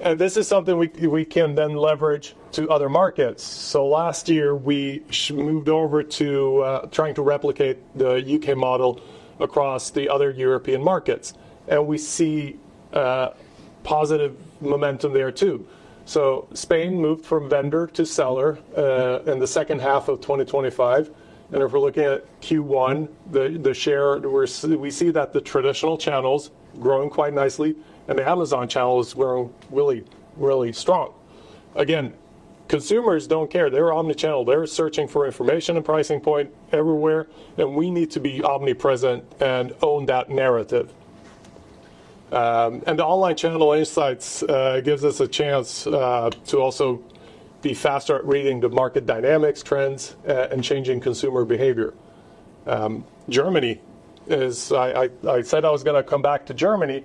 This is something we can then leverage to other markets. Last year, we moved over to trying to replicate the U.K. model across the other European markets, and we see positive momentum there, too. Spain moved from Vendor to Seller in the second half of 2025. If we're looking at Q1, the share, we see that the traditional channels growing quite nicely and the Amazon channels grow really, really strong. Again, consumers don't care. They're omnichannel. They're searching for information and pricing point everywhere, and we need to be omnipresent and own that narrative. The online channel insights gives us a chance to also be faster at reading the market dynamics trends, and changing consumer behavior. Germany is. I said I was going to come back to Germany.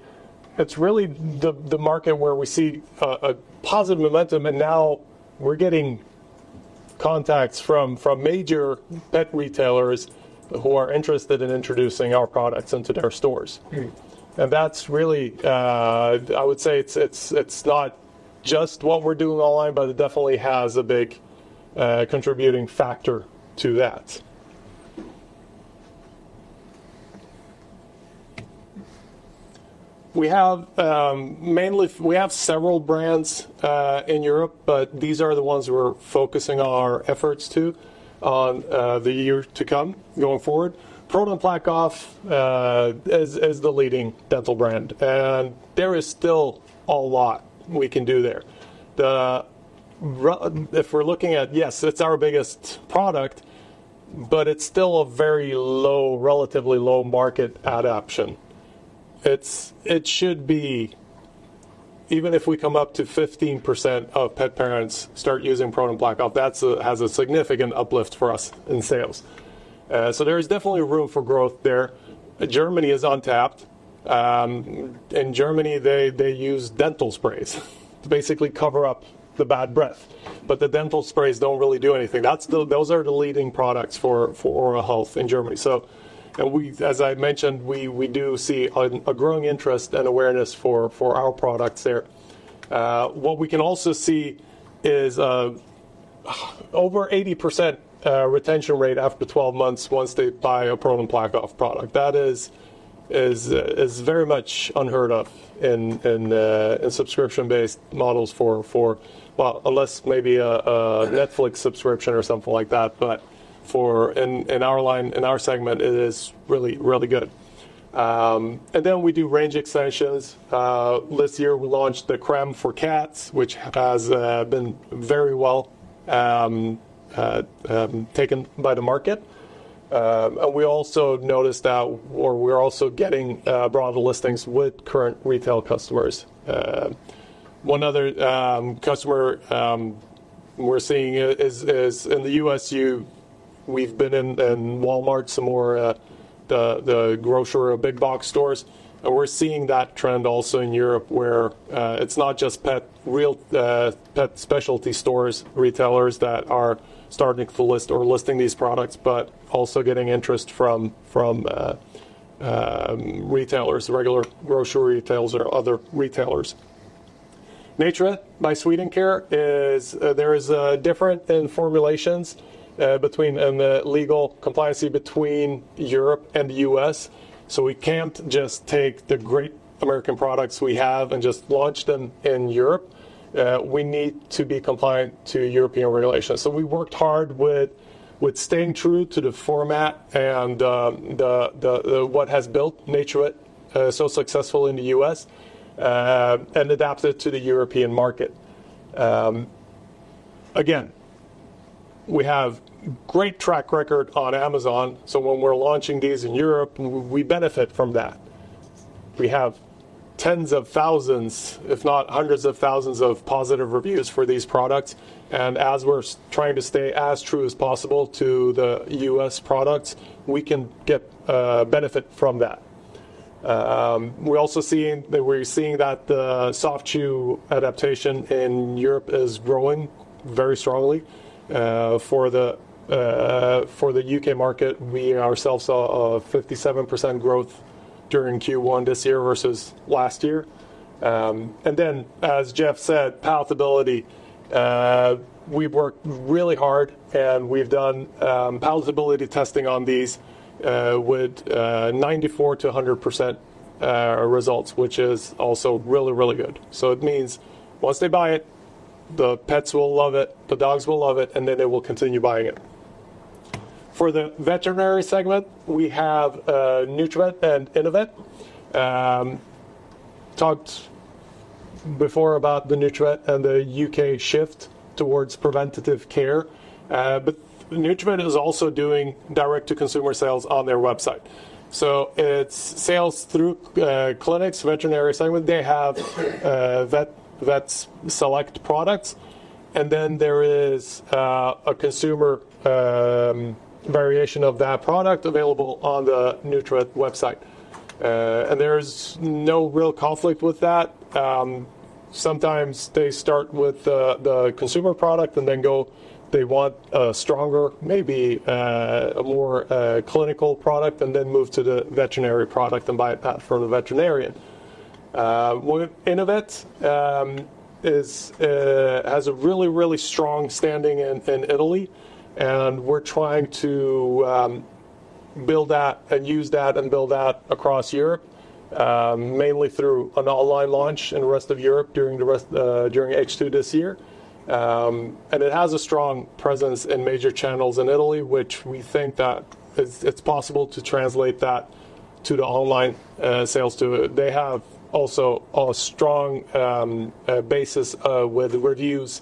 It's really the market where we see a positive momentum, and now we're getting contacts from major pet retailers who are interested in introducing our products into their stores. That's really, I would say, it's not just what we're doing online, but it definitely has a big contributing factor to that. We have several brands in Europe, but these are the ones we're focusing our efforts to on the year to come going forward. ProDen PlaqueOff is the leading dental brand, and there is still a lot we can do there. If we're looking at, yes, it's our biggest product, but it's still a very relatively low market adaptation. It should be, even if we come up to 15% of pet parents start using ProDen PlaqueOff, that has a significant uplift for us in sales. There is definitely room for growth there. Germany is untapped. In Germany, they use dental sprays to basically cover up the bad breath, but the dental sprays don't really do anything. Those are the leading products for oral health in Germany. As I mentioned, we do see a growing interest and awareness for our products there. What we can also see is over 80% retention rate after 12 months once they buy a ProDen PlaqueOff product. That is very much unheard of in subscription-based models for Well, unless maybe a Netflix subscription or something like that, but in our segment, it is really good. Then we do range extensions. This year we launched the Crème for Cats, which has been very well-taken by the market. We also noticed that we're also getting broader listings with current retail customers. One other customer we're seeing is in the U.S., we've been in Walmart some more, the grocer or big box stores. We're seeing that trend also in Europe, where it's not just pet specialty stores, retailers that are starting to list or listing these products, but also getting interest from retailers, regular grocery retailers or other retailers. NaturVet by Swedencare is different in formulations and the legal compliance between Europe and the U.S. We can't just take the great American products we have and just launch them in Europe. We need to be compliant to European regulations. We worked hard with staying true to the format and what has built NaturVet so successful in the U.S., and adapt it to the European market. We have great track record on Amazon, so when we're launching these in Europe, we benefit from that. We have tens of thousands, if not hundreds of thousands of positive reviews for these products, and as we're trying to stay as true as possible to the U.S. products, we can get benefit from that. We're also seeing that the Soft Chew adaptation in Europe is growing very strongly. For the U.K. market, we ourselves saw a 57% growth during Q1 this year versus last year. Then, as Geoff said, palatability, we've worked really hard, and we've done palatability testing on these with 94%-100% results, which is also really, really good. It means once they buy it, the pets will love it, the dogs will love it, and then they will continue buying it. For the veterinary segment, we have Nutravet and Innovet. Talked before about the Nutravet and the U.K. shift towards preventative care. Nutravet is also doing direct-to-consumer sales on their website. It's sales through clinics, veterinary segment. They have vets select products, and then there is a consumer variation of that product available on the Nutravet website. There's no real conflict with that. Sometimes they start with the consumer product and then go, they want a stronger, maybe a more clinical product, and then move to the veterinary product and buy it from the veterinarian. With Innovet, has a really, really strong standing in Italy, and we're trying to build that and use that and build that across Europe, mainly through an online launch in the rest of Europe during H2 this year. It has a strong presence in major channels in Italy, which we think that it's possible to translate that to the online sales too. They have also a strong basis, with reviews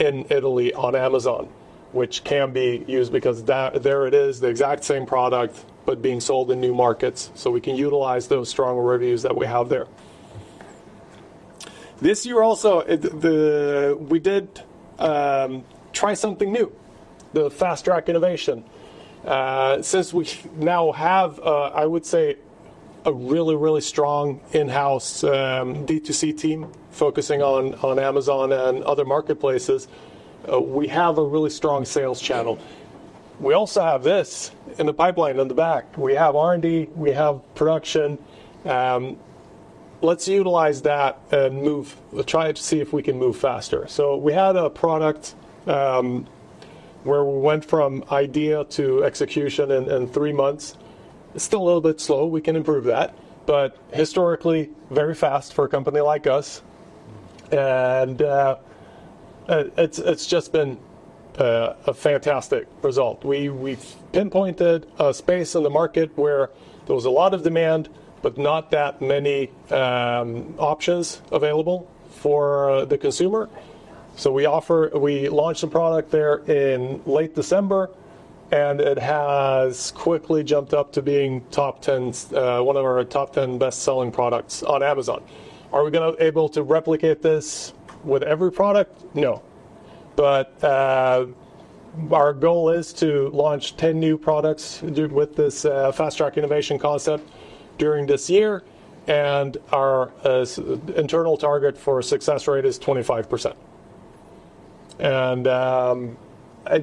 in Italy on Amazon, which can be used because there it is, the exact same product, but being sold in new markets. We can utilize those strong reviews that we have there. This year also, we did try something new, the fast-track innovation. We now have, I would say, a really, really strong in-house D2C team focusing on Amazon and other marketplaces, we have a really strong sales channel. We also have this in the pipeline in the back. We have R&D, we have production. Let's utilize that and try to see if we can move faster. We had a product, where we went from idea to execution in 3 months. It's still a little bit slow. We can improve that. Historically, very fast for a company like us. It's just been a fantastic result. We've pinpointed a space in the market where there was a lot of demand, but not that many options available for the consumer. We launched a product there in late December, and it has quickly jumped up to being one of our top 10 best-selling products on Amazon. Are we going to able to replicate this with every product? No. Our goal is to launch 10 new products with this fast-track innovation concept during this year, and our internal target for success rate is 25%.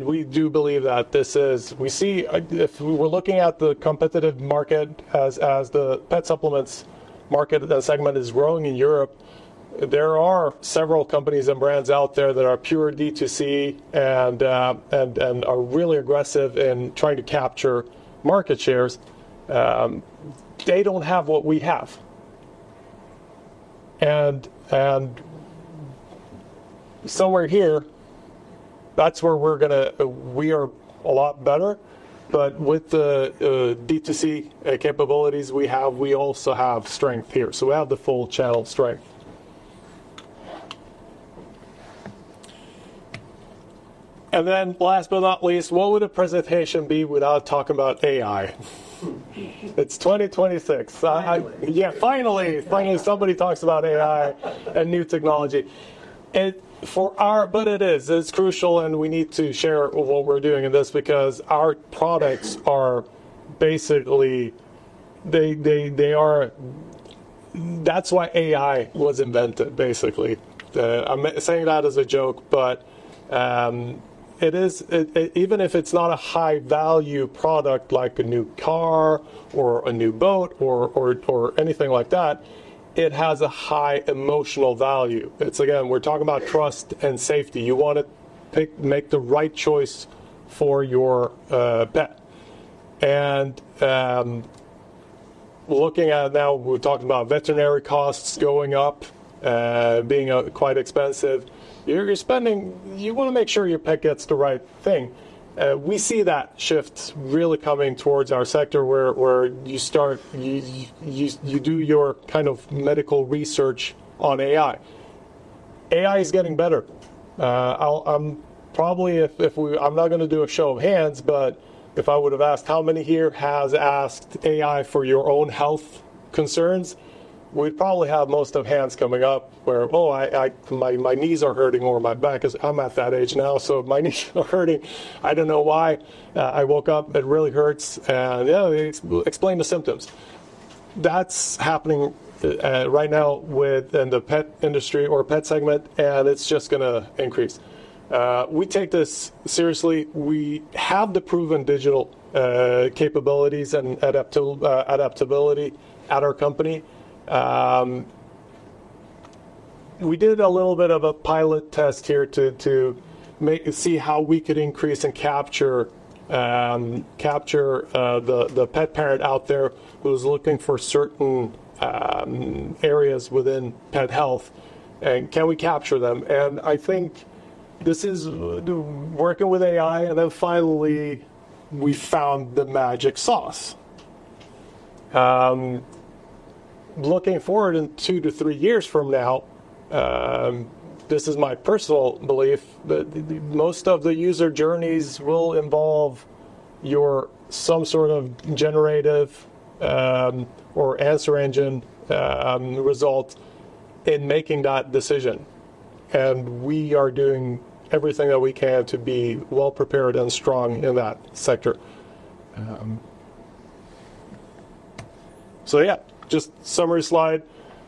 We do believe that If we were looking at the competitive market as the pet supplements market segment is growing in Europe, there are several companies and brands out there that are pure D2C and are really aggressive in trying to capture market shares. They don't have what we have. Somewhere here, that's where we are a lot better. With the D2C capabilities we have, we also have strength here. We have the full channel strength. Last but not least, what would a presentation be without talking about AI? It's 2026. Finally. Finally. Finally, somebody talks about AI and new technology. It is crucial, and we need to share what we're doing in this because our products are basically. That's why AI was invented, basically. I'm saying that as a joke, but even if it's not a high-value product like a new car or a new boat or anything like that, it has a high emotional value. It's, again, we're talking about trust and safety. You want to make the right choice for your pet. Looking at it now, we're talking about veterinary costs going up, being quite expensive. You're spending, you want to make sure your pet gets the right thing. We see that shift really coming towards our sector where you do your kind of medical research on AI. AI is getting better. I'm not going to do a show of hands, if I would've asked how many here has asked AI for your own health concerns, we'd probably have most of hands coming up where, "Oh, my knees are hurting or my back," because I'm at that age now, my knees are hurting. I don't know why. I woke up, it really hurts. Explain the symptoms. That's happening right now within the pet industry or pet segment, and it's just going to increase. We take this seriously. We have the proven digital capabilities and adaptability at our company. We did a little bit of a pilot test here to see how we could increase and capture the pet parent out there who's looking for certain areas within pet health, and can we capture them. I think this is working with AI, finally, we found the magic sauce. Looking forward in two to three years from now, this is my personal belief, that most of the user journeys will involve your some sort of generative or answer engine result in making that decision. We are doing everything that we can to be well-prepared and strong in that sector. Just summary slide.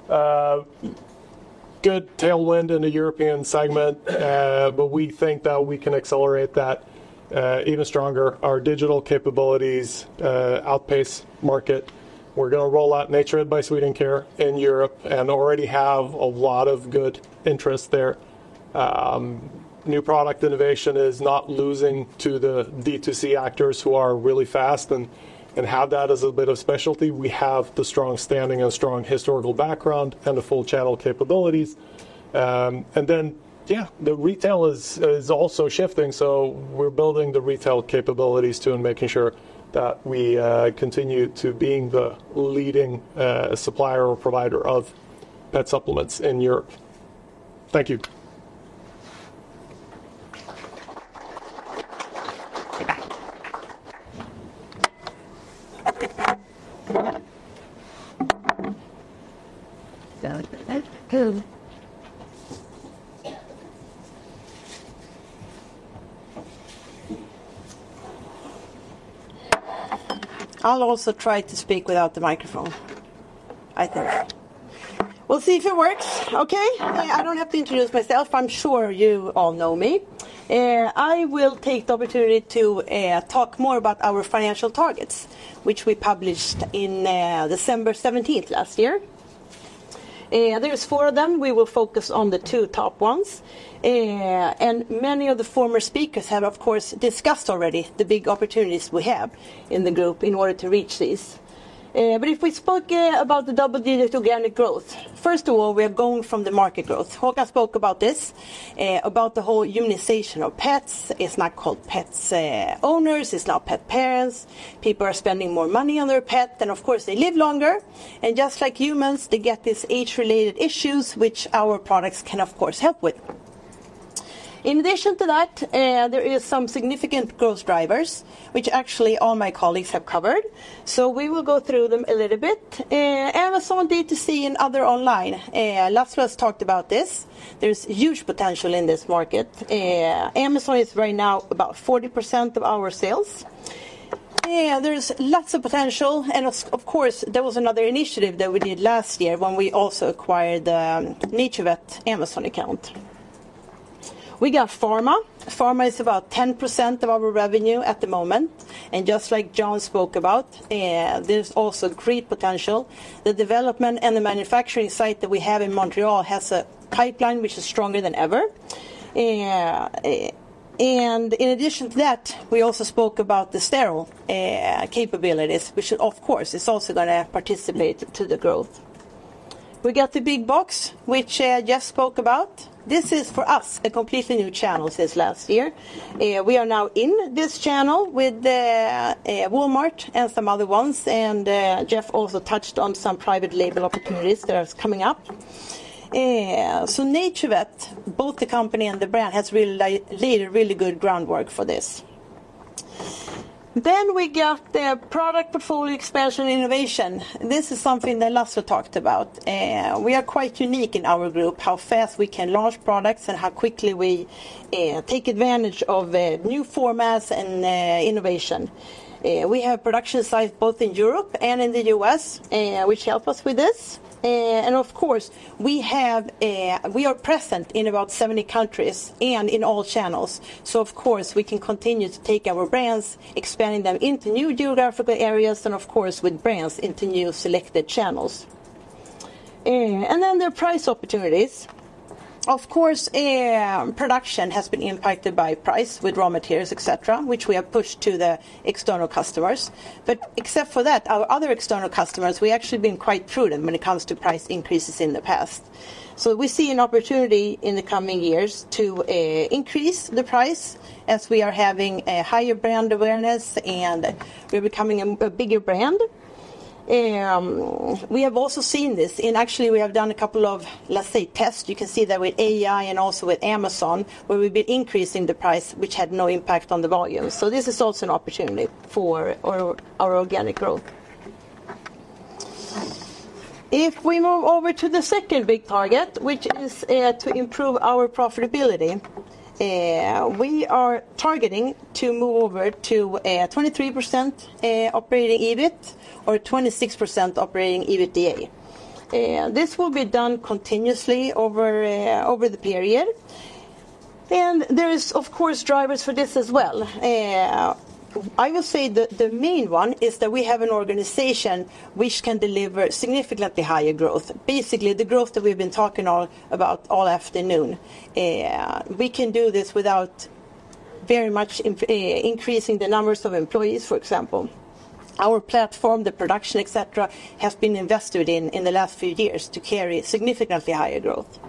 Good tailwind in the European segment, we think that we can accelerate that even stronger. Our digital capabilities outpace market. We're going to roll out NaturVet by Swedencare in Europe, and already have a lot of good interest there. New product innovation is not losing to the D2C actors who are really fast and have that as a bit of specialty. We have the strong standing and strong historical background and the full channel capabilities. The retail is also shifting, so we're building the retail capabilities too, and making sure that we continue to being the leading supplier or provider of pet supplements in Europe. Thank you. I'll also try to speak without the microphone, I think. We'll see if it works, okay? I don't have to introduce myself, I'm sure you all know me. I will take the opportunity to talk more about our financial targets, which we published in December 17th last year. There's four of them. We will focus on the two top ones. Many of the former speakers have, of course, discussed already the big opportunities we have in the group in order to reach these. If we spoke about the double-digit organic growth, first of all, we are going from the market growth. Håkan spoke about this, about the whole humanization of pets. It's not called pets owners, it's now pet parents. People are spending more money on their pet, and of course, they live longer, and just like humans, they get these age-related issues, which our products can of course help with. In addition to that, there is some significant growth drivers, which actually all my colleagues have covered. We will go through them a little bit. Amazon D2C and other online, Laszlo has talked about this. There's huge potential in this market. Amazon is right now about 40% of our sales. There's lots of potential. Of course, there was another initiative that we did last year when we also acquired the NaturVet Amazon account. We got pharma. Pharma is about 10% of our revenue at the moment. Just like John spoke about, there's also great potential. The development and the manufacturing site that we have in Montreal has a pipeline which is stronger than ever. In addition to that, we also spoke about the sterile capabilities, which of course is also going to participate to the growth. We got the big box, which Geoff spoke about. This is, for us, a completely new channel since last year. We are now in this channel with Walmart and some other ones, and Geoff also touched on some private label opportunities that are coming up. NaturVet, both the company and the brand, has laid really good groundwork for this. We got the product portfolio expansion innovation. This is something that Laszlo talked about. We are quite unique in our group, how fast we can launch products and how quickly we take advantage of new formats and innovation. We have production sites both in Europe and in the U.S., which help us with this. Of course, we are present in about 70 countries and in all channels, so of course we can continue to take our brands, expanding them into new geographical areas, and of course, with brands into new selected channels. Then there are price opportunities. Of course, production has been impacted by price with raw materials, et cetera, which we have pushed to the external customers. Except for that, our other external customers, we actually have been quite prudent when it comes to price increases in the past. We see an opportunity in the coming years to increase the price as we are having a higher brand awareness and we're becoming a bigger brand. We have also seen this, and actually we have done a couple of, let's say, tests. You can see that with AI and also with Amazon, where we've been increasing the price, which had no impact on the volume. This is also an opportunity for our organic growth. If we move over to the second big target, which is to improve our profitability, we are targeting to move over to 23% operating EBIT or 26% operating EBITDA. This will be done continuously over the period. There is, of course, drivers for this as well. I will say the main one is that we have an organization which can deliver significantly higher growth. Basically, the growth that we've been talking about all afternoon. We can do this without very much increasing the numbers of employees, for example. Our platform, the production, et cetera, has been invested in in the last few years to carry significantly higher growth.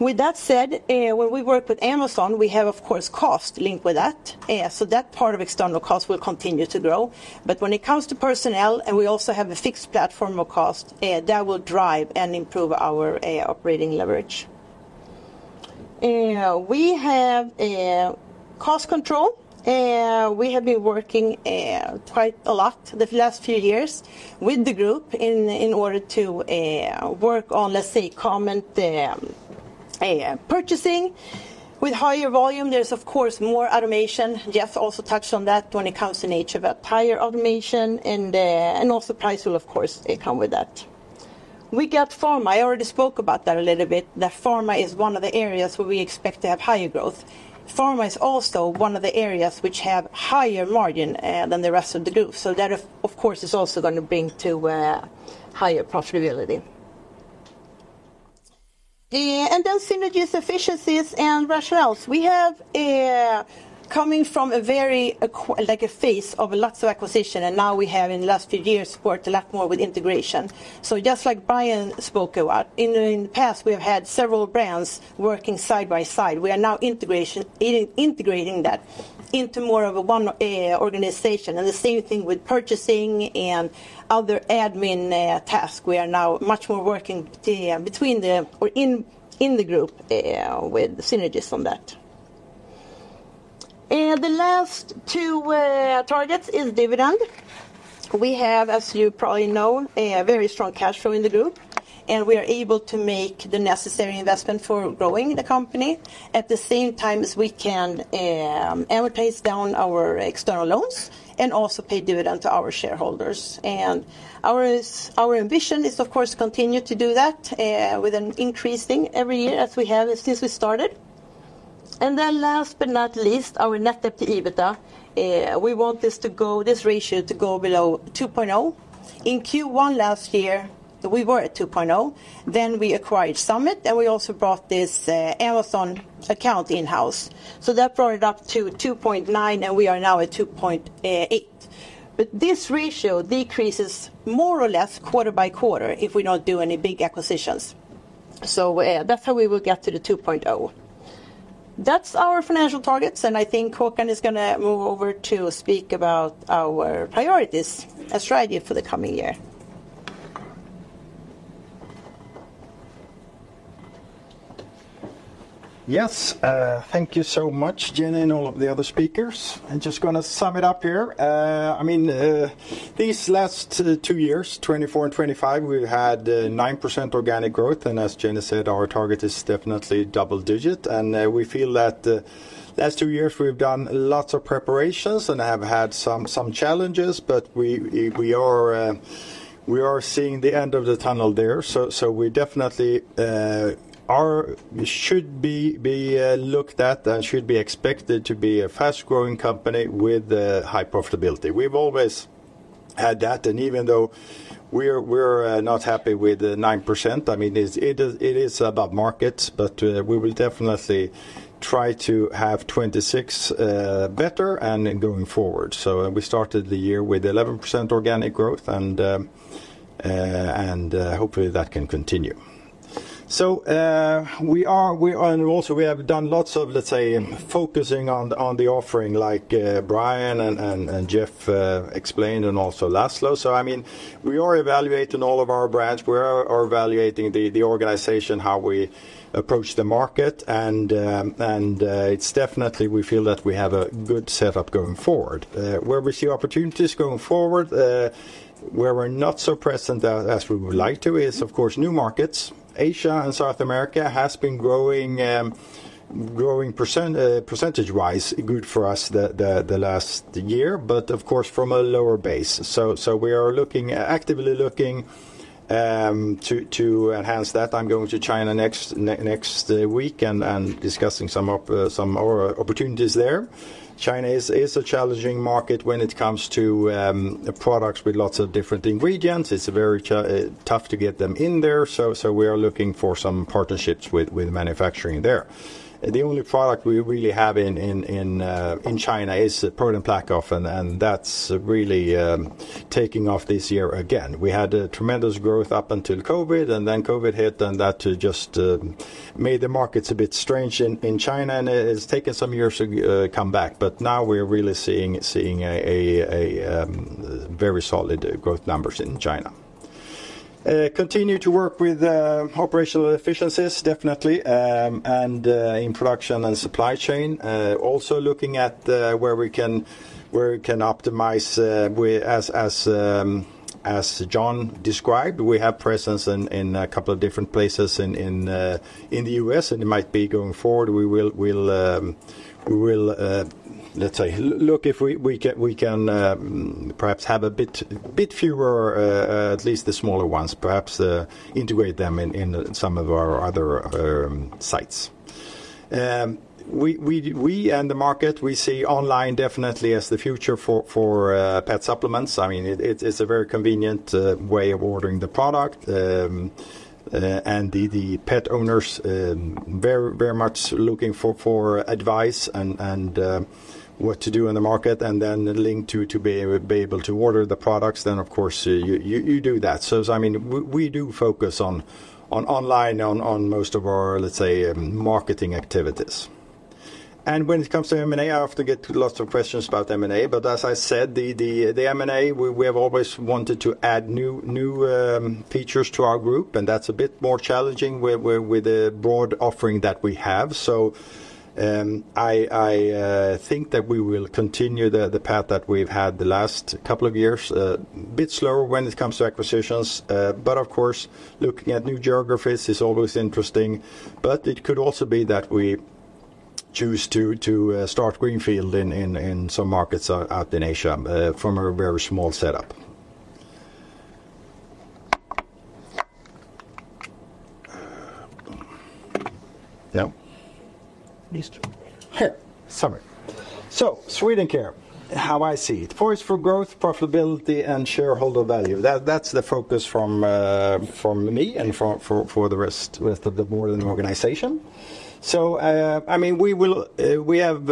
With that said, when we work with Amazon, we have, of course, cost linked with that. That part of external cost will continue to grow. When it comes to personnel, and we also have a fixed platform of cost, that will drive and improve our operating leverage. We have cost control. We have been working quite a lot the last few years with the group in order to work on, let's say, common purchasing. With higher volume, there's of course more automation. Geoff also touched on that when it comes to NaturVet, higher automation and also price will, of course, come with that. We got pharma. I already spoke about that a little bit, that pharma is one of the areas where we expect to have higher growth. Pharma is also one of the areas which have higher margin than the rest of the group. That, of course, is also going to bring to higher profitability. Then synergies, efficiencies, and rationales. We have, coming from a phase of lots of acquisition, and now we have in the last few years worked a lot more with integration. Just like Brian spoke about, in the past, we have had several brands working side by side. We are now integrating that into more of one organization. The same thing with purchasing and other admin tasks. We are now much more working in the group with synergies on that. The last two targets is dividend. We have, as you probably know, a very strong cash flow in the group, and we are able to make the necessary investment for growing the company at the same time as we can amortize down our external loans and also pay dividends to our shareholders. Our ambition is, of course, continue to do that with an increasing every year as we have since we started. Last but not least, our net debt to EBITDA. We want this ratio to go below 2.0. In Q1 last year, we were at 2.0. Then we acquired Summit, and we also brought this Amazon account in-house. That brought it up to 2.9, and we are now at 2.8. But this ratio decreases more or less quarter by quarter if we don't do any big acquisitions. That's how we will get to the 2.0. That's our financial targets, and I think Håkan is going to move over to speak about our priorities for the coming year. Thank you so much, Jenny, and all of the other speakers. I'm just going to sum it up here. These last two years, 2024 and 2025, we've had 9% organic growth, and as Jenny said, our target is definitely double digit. We feel that the last two years, we've done lots of preparations and have had some challenges, but we are seeing the end of the tunnel there. We definitely should be looked at and should be expected to be a fast-growing company with high profitability. We've always had that, and even though we're not happy with the 9%, it is about markets, but we will definitely try to have 2026 better and then going forward. We started the year with 11% organic growth, and hopefully, that can continue. We have done lots of, let's say, focusing on the offering like Brian and Geoff explained, and also Laszlo. We are evaluating all of our brands. We are evaluating the organization, how we approach the market, and it's definitely we feel that we have a good setup going forward. Where we see opportunities going forward, where we're not so present as we would like to is, of course, new markets. Asia and South America has been growing percentage-wise good for us the last year, but of course, from a lower base. We are actively looking to enhance that. I'm going to China next week and discussing some more opportunities there. China is a challenging market when it comes to products with lots of different ingredients. It's very tough to get them in there, so we are looking for some partnerships with manufacturing there. The only product we really have in China is ProDen PlaqueOff, and that's really taking off this year again. We had a tremendous growth up until COVID, and then COVID hit, and that just made the markets a bit strange in China, and it has taken some years to come back. Now we're really seeing very solid growth numbers in China. Continue to work with operational efficiencies, definitely, and in production and supply chain. Also looking at where we can optimize. As John described, we have presence in a couple of different places in the U.S., and it might be going forward, we will, let's say, look if we can perhaps have a bit fewer, at least the smaller ones, perhaps integrate them in some of our other sites. We and the market, we see online definitely as the future for pet supplements. It's a very convenient way of ordering the product. The pet owners very much looking for advice and what to do in the market and then the link to be able to order the products, then, of course, you do that. We do focus on online on most of our, let's say, marketing activities. When it comes to M&A, I often get lots of questions about M&A, but as I said, the M&A, we have always wanted to add new features to our group, and that's a bit more challenging with the broad offering that we have. I think that we will continue the path that we've had the last couple of years, a bit slower when it comes to acquisitions. Of course, looking at new geographies is always interesting, but it could also be that we choose to start greenfield in some markets out in Asia from a very small setup. Yeah. These two. Here. Summary. Swedencare, how I see it. Force for growth, profitability, and shareholder value. That's the focus from me and for the rest of the board and organization. We have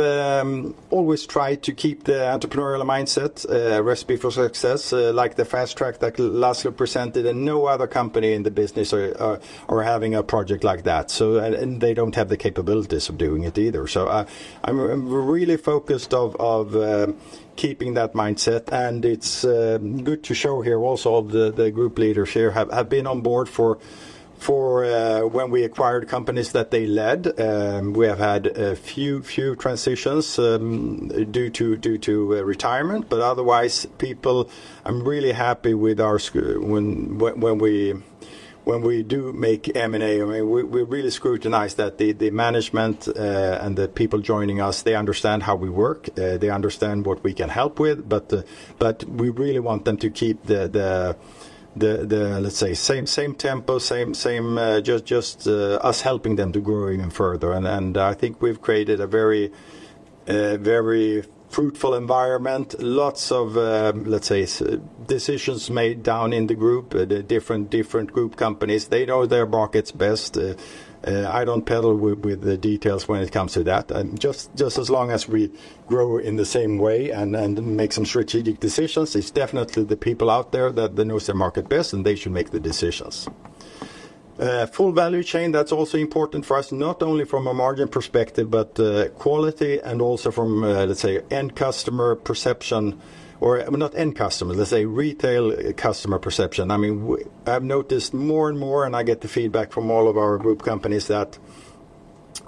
always tried to keep the entrepreneurial mindset, recipe for success, like the fast track that Laszlo presented, and no other company in the business are having a project like that, and they don't have the capabilities of doing it either. I'm really focused of keeping that mindset, and it's good to show here also the group leaders here have been on board for when we acquired companies that they led. We have had a few transitions due to retirement, but otherwise, people, I'm really happy when we do make M&A, we really scrutinize that the management and the people joining us, they understand how we work, they understand what we can help with, but we really want them to keep the same tempo, just us helping them to grow even further. I think we've created a very fruitful environment. Lots of decisions made down in the group, the different group companies. They know their markets best. I don't peddle with the details when it comes to that. Just as long as we grow in the same way and make some strategic decisions, it's definitely the people out there that know their market best, and they should make the decisions. Full value chain, that's also important for us, not only from a margin perspective, but quality and also from end customer perception, or not end customer, retail customer perception. I've noticed more and more, and I get the feedback from all of our group companies that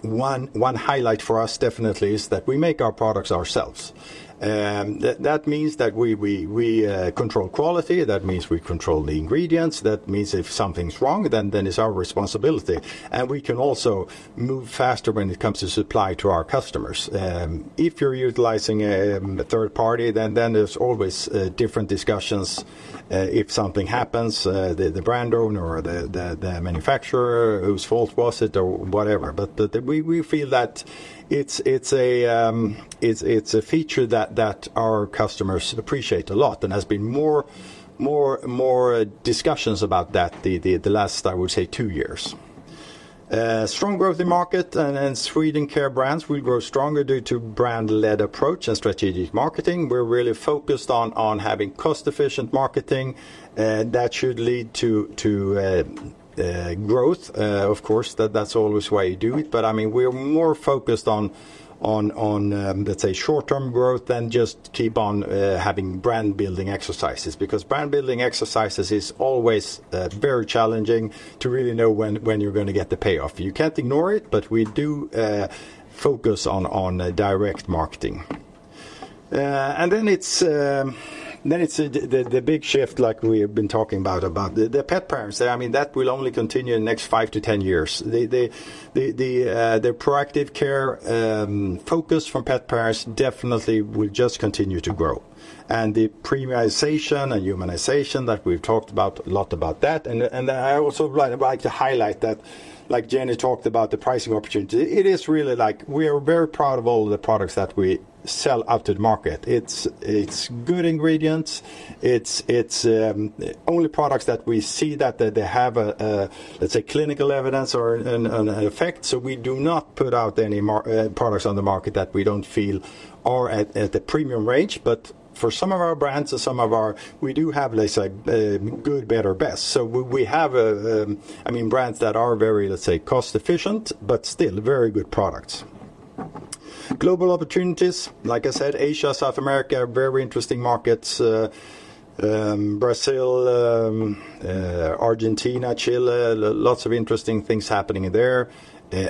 one highlight for us definitely is that we make our products ourselves. That means that we control quality. That means we control the ingredients. That means if something's wrong, then it's our responsibility. We can also move faster when it comes to supply to our customers. If you're utilizing a third party, then there's always different discussions if something happens, the brand owner or the manufacturer, whose fault was it or whatever. We feel that it's a feature that our customers appreciate a lot and has been more discussions about that the last, I would say, two years. Strong growth in market. Swedencare brands will grow stronger due to brand-led approach and strategic marketing. We're really focused on having cost-efficient marketing, that should lead to growth. Of course, that's always why you do it. We're more focused on, let's say, short-term growth than just keep on having brand-building exercises, because brand-building exercises is always very challenging to really know when you're going to get the payoff. You can't ignore it, but we do focus on direct marketing. It's the big shift like we have been talking about the pet parents. That will only continue in the next 5 to 10 years. The proactive care focus from pet parents definitely will just continue to grow. The premiumization and humanization that we've talked about a lot about that, and I also like to highlight that, like Jenny talked about the pricing opportunity. It is really like we are very proud of all the products that we sell out to the market. It's good ingredients. It's only products that we see that they have a, let's say, clinical evidence or an effect. We do not put out any products on the market that we don't feel are at the premium range. For some of our brands, we do have, let's say, good, better, best. We have brands that are very, let's say, cost efficient, but still very good products. Global opportunities, like I said, Asia, South America, very interesting markets. Brazil, Argentina, Chile, lots of interesting things happening there.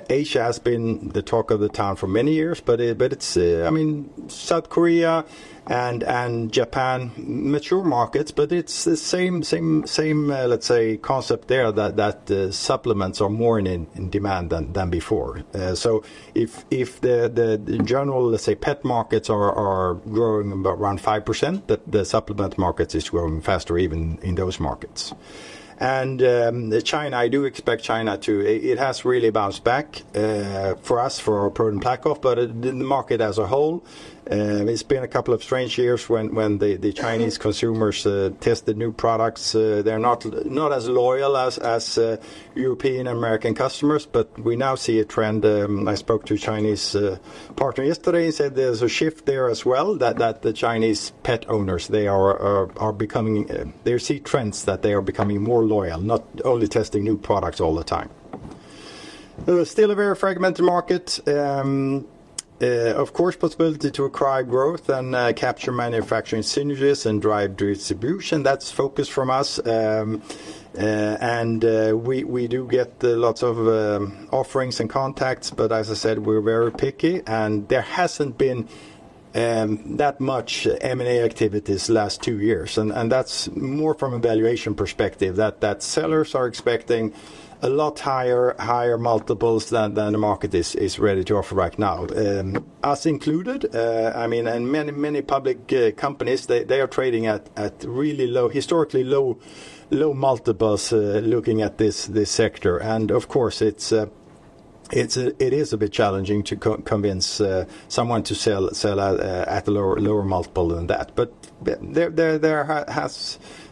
Asia has been the talk of the town for many years, but South Korea and Japan, mature markets, but it's the same, let's say, concept there that the supplements are more in demand than before. If the general, let's say, pet markets are growing around 5%, the supplement market is growing faster even in those markets. China, I do expect China too. It has really bounced back, for us, for ProDen PlaqueOff, but the market as a whole, it's been a couple of strange years when the Chinese consumers test the new products. They're not as loyal as European-American customers, but we now see a trend. I spoke to a Chinese partner yesterday. He said there's a shift there as well, that the Chinese pet owners, they see trends that they are becoming more loyal, not only testing new products all the time. Still a very fragmented market. Of course, possibility to acquire growth and capture manufacturing synergies and drive distribution. That's focused from us. We do get lots of offerings and contacts. As I said, we're very picky. There hasn't been that much M&A activities last two years, and that's more from a valuation perspective, that sellers are expecting a lot higher multiples than the market is ready to offer right now. Us included, and many public companies, they are trading at really historically low multiples, looking at this sector. Of course, it is a bit challenging to convince someone to sell out at a lower multiple than that.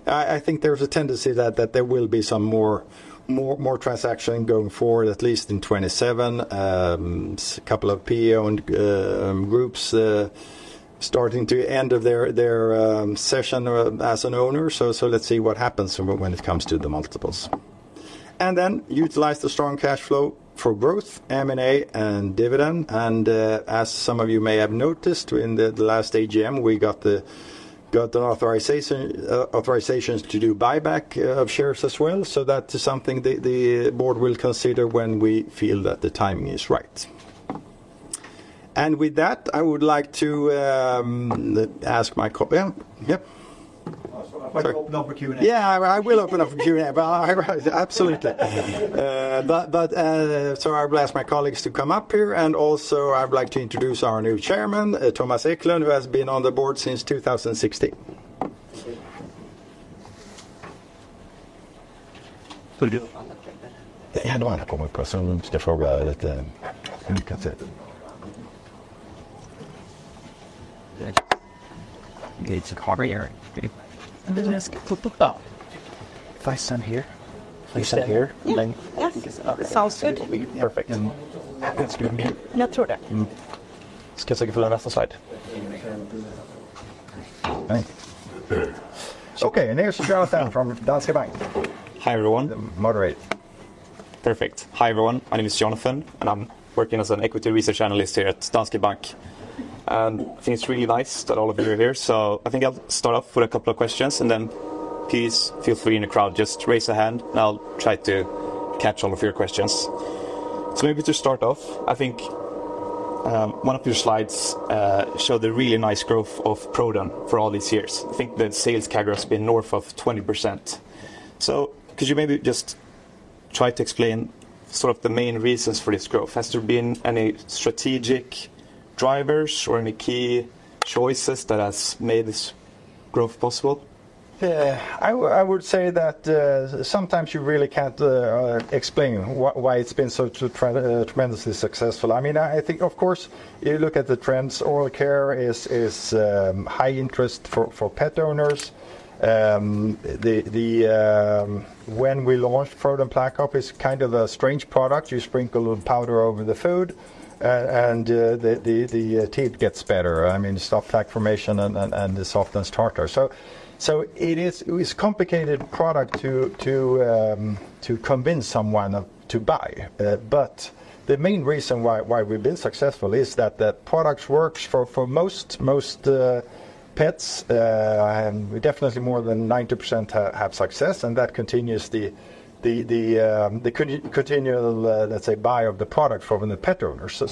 I think there's a tendency that there will be some more transaction going forward, at least in 2027. Couple of PE groups starting to end their session as an owner. Let's see what happens when it comes to the multiples. Utilize the strong cash flow for growth, M&A, and dividend. As some of you may have noticed, in the last AGM, we got the authorizations to do buyback of shares as well, that is something the board will consider when we feel that the timing is right. With that, I would like to ask my. Yeah. Yep. I thought you might open up for Q&A. Yeah, I will open up for Q&A. Absolutely. I will ask my colleagues to come up here, and also, I would like to introduce our new Chairman, Thomas Eklund, who has been on the board since 2016. It's a career. ask for If I stand here. If you stand here? Yeah. Yes. Sounds good. Perfect. That's good here? Yeah, sure. Mm-hmm. Okay, here's Jonathan from Danske Bank. Hi, everyone. The moderate. Perfect. Hi, everyone. My name is Jonathan, and I'm working as an equity research analyst here at Danske Bank. I think it's really nice that all of you are here. I think I'll start off with a couple of questions, and then please feel free in the crowd, just raise a hand and I'll try to catch all of your questions. Maybe to start off, I think one of your slides showed the really nice growth of ProDen for all these years. I think that sales CAGR has been north of 20%. Could you maybe just try to explain sort of the main reasons for this growth? Has there been any strategic drivers or any key choices that has made this growth possible? Yeah. I would say that sometimes you really can't explain why it's been so tremendously successful. I think, of course, you look at the trends, oral care is high interest for pet owners. When we launched ProDen PlaqueOff, it's kind of a strange product. You sprinkle a powder over the food, and the teeth gets better. It stops plaque formation and it softens tartar. It is complicated product to convince someone to buy. The main reason why we've been successful is that the product works for most pets. Definitely more than 90% have success, and that continues the continual, let's say, buy of the product from the pet owners.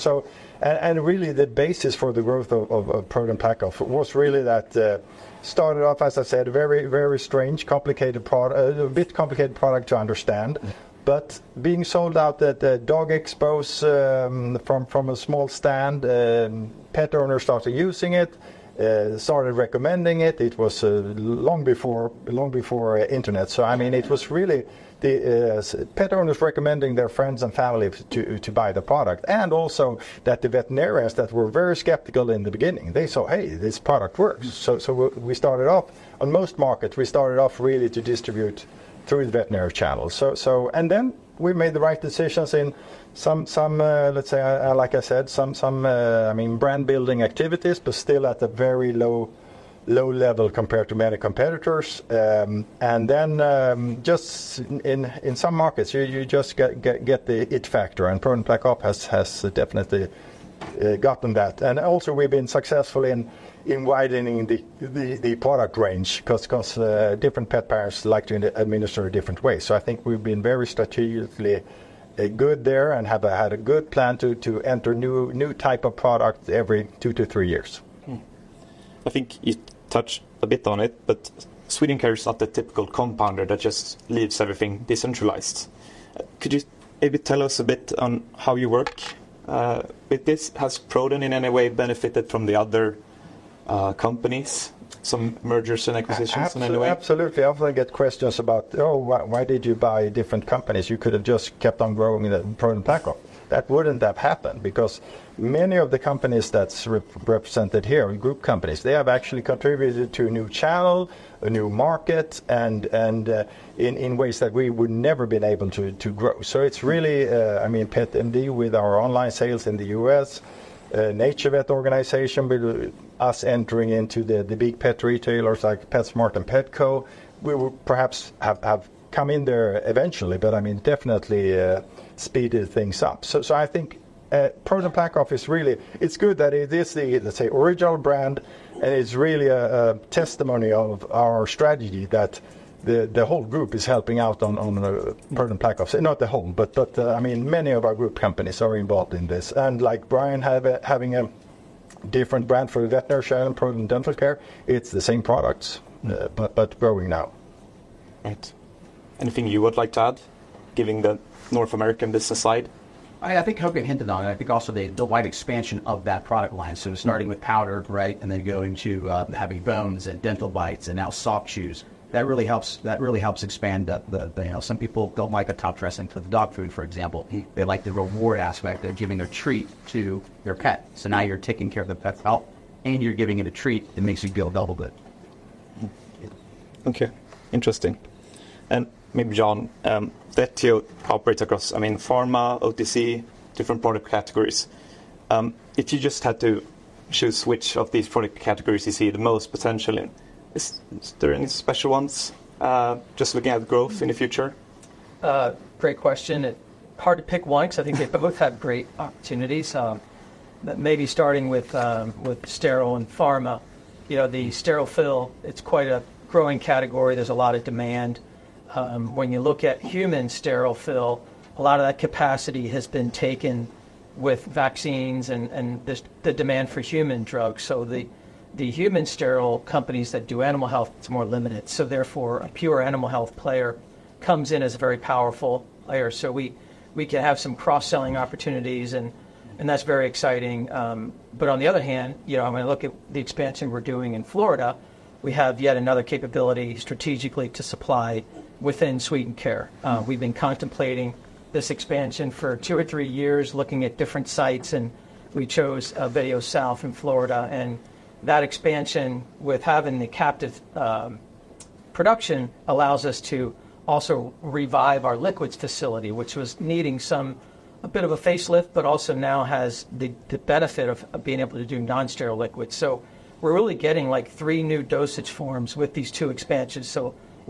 Really, the basis for the growth of ProDen PlaqueOff was really that started off, as I said, very strange, a bit complicated product to understand. Being sold out at the dog expos from a small stand, pet owners started using it, started recommending it. It was long before internet. It was really pet owners recommending their friends and family to buy the product. Also that the veterinarians that were very skeptical in the beginning, they saw, "Hey, this product works." We started off, on most markets, we started off really to distribute through the veterinary channel. Then we made the right decisions in some, like I said some brand-building activities, but still at a very low level compared to many competitors. Then, just in some markets, you just get the it factor, and ProDen PlaqueOff has definitely gotten that. Also, we've been successful in widening the product range, because different pet parents like to administer different ways. I think we've been very strategically good there and have had a good plan to enter new type of product every two to three years. Hmm. I think you touched a bit on it, Swedencare is not the typical compounder that just leaves everything decentralized. Could you maybe tell us a bit on how you work? With this, has ProDen in any way benefited from the other companies, some mergers and acquisitions in any way? Absolutely. I often get questions about, "Oh, why did you buy different companies? You could have just kept on growing ProDen PlaqueOff." That wouldn't have happened, because many of the companies that's represented here, group companies, they have actually contributed to a new channel, a new market, and in ways that we would never been able to grow. It's really Pet MD, with our online sales in the U.S., NaturVet organization, with us entering into the big pet retailers like PetSmart and Petco. We would perhaps have come in there eventually, but definitely speeded things up. I think ProDen PlaqueOff is really. It's good that it is the, let's say, original brand, and it's really a testimony of our strategy that the whole group is helping out on ProDen PlaqueOff. Not the whole, but many of our group companies are involved in this. Like Brian having a different brand for the veterinary channel, ProDen Dental Care, it's the same products, but growing now. Right. Anything you would like to add, giving the North American business side? I think Håkan hinted on it. I think also the wide expansion of that product line. Starting with powder, right, and then going to having bones and dental bites and now soft chews, that really helps expand that. Some people don't like a top dressing for the dog food, for example. They like the reward aspect of giving a treat to their pet. Now you're taking care of the pet's health, and you're giving it a treat that makes you feel double good. Okay. Interesting. Maybe John, Vetio operates across pharma, OTC, different product categories. If you just had to choose which of these product categories you see the most potential in, is there any special ones, just looking at growth in the future? Great question. Hard to pick one, because I think they both have great opportunities. Maybe starting with sterile and pharma. The sterile fill, it's quite a growing category. There's a lot of demand. When you look at human sterile fill, a lot of that capacity has been taken with vaccines and the demand for human drugs. The human sterile companies that do animal health, it's more limited. Therefore, a pure animal health player comes in as a very powerful player. We can have some cross-selling opportunities, and that's very exciting. On the other hand, when I look at the expansion we're doing in Florida, we have yet another capability strategically to supply within Swedencare. We've been contemplating this expansion for two or three years, looking at different sites, and we chose Vetio South in Florida. That expansion, with having the captive production, allows us to also revive our liquids facility, which was needing a bit of a facelift, but also now has the benefit of being able to do non-sterile liquids. We're really getting three new dosage forms with these two expansions.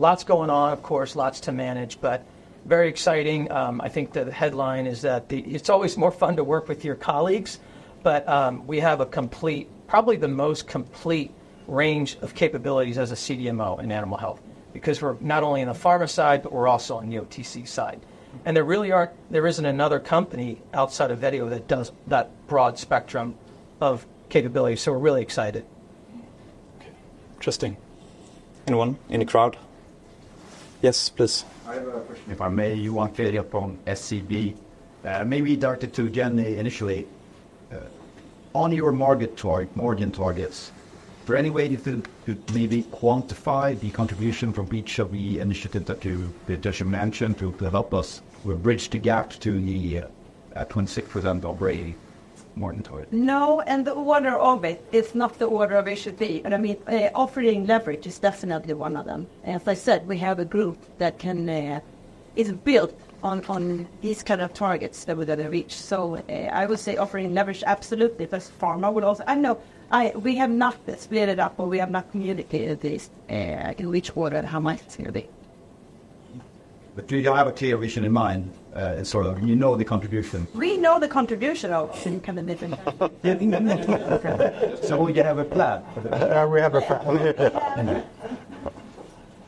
Lots going on, of course, lots to manage, but very exciting. I think the headline is that it's always more fun to work with your colleagues, but we have a complete, probably the most complete range of capabilities as a CDMO in animal health. Because we're not only in the pharma side, but we're also on the OTC side. There isn't another company outside of Vetio that does that broad spectrum of capabilities, so we're really excited. Okay. Interesting. Anyone in the crowd? Yes, please. I have a question, if I may. Johan Fred from SEB. Maybe directed to Jenny initially. On your margin targets, is there any way you could maybe quantify the contribution from each of the initiatives that you mentioned to help us bridge the gap to the 26% operating margin target? No. The order of it is not the order of it should be. Operating leverage is definitely one of them. As I said, we have a group that is built on these kind of targets that we're going to reach. I would say operating leverage, absolutely. Plus pharma would also I know. We have not split it up, or we have not communicated this in which order and how much it's going to be. You have a clear vision in mind, and sort of, you know the contribution. We know the contribution of commitment. You have a plan. We have a plan. We have a plan.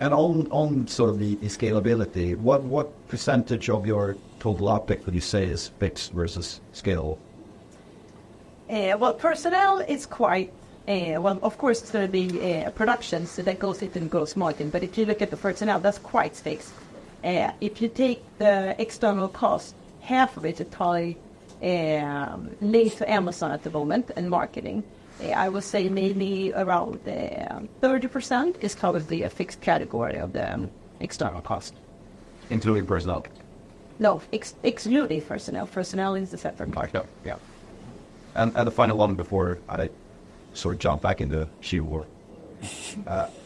On sort of the scalability, what percentage of your total OpEx would you say is fixed versus scale? Well, personnel is Well, of course, the production, so that goes into gross margin. If you look at the personnel, that's quite fixed. If you take the external cost, half of it is probably linked to Amazon at the moment, and marketing. I would say maybe around 30% is kind of the fixed category of the external cost. Including personnel? No. Excluding personnel. Personnel is a separate part. Okay. Yeah. The final one before I sort of jump back into [shield war].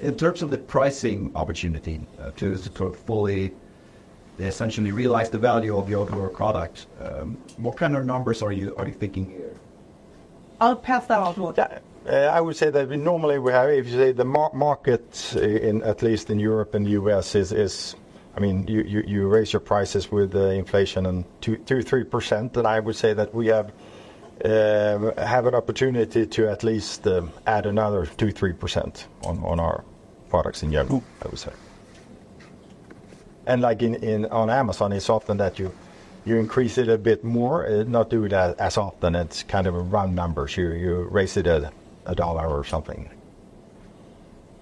In terms of the pricing opportunity, to sort of fully They essentially realize the value of your product. What kind of numbers are you thinking here? I'll pass that on to Laszlo. I would say that normally if you say the market, at least in Europe and U.S., you raise your prices with the inflation and 2%-3%, then I would say that we have an opportunity to at least add another 2%, 3% on our products in general, I would say. On Amazon, it's often that you increase it a bit more, not do it as often. It's kind of round numbers. You raise it $1 or something.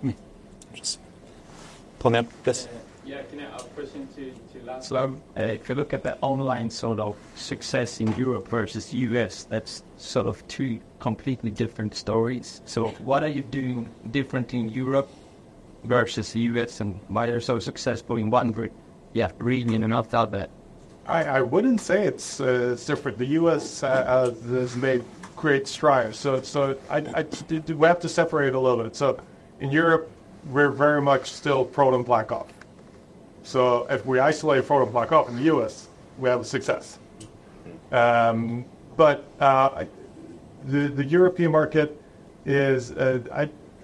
Yes. Yeah. Can I have a question to Laszlo? If you look at the online success in Europe versus U.S., that's two completely different stories. What are you doing different in Europe versus U.S. and why are you so successful in one region and not the other? I wouldn't say it's different. The U.S. has made great strides. We have to separate it a little bit. In Europe, we're very much still ProDen PlaqueOff. If we isolate ProDen PlaqueOff in the U.S., we have a success. The European market is,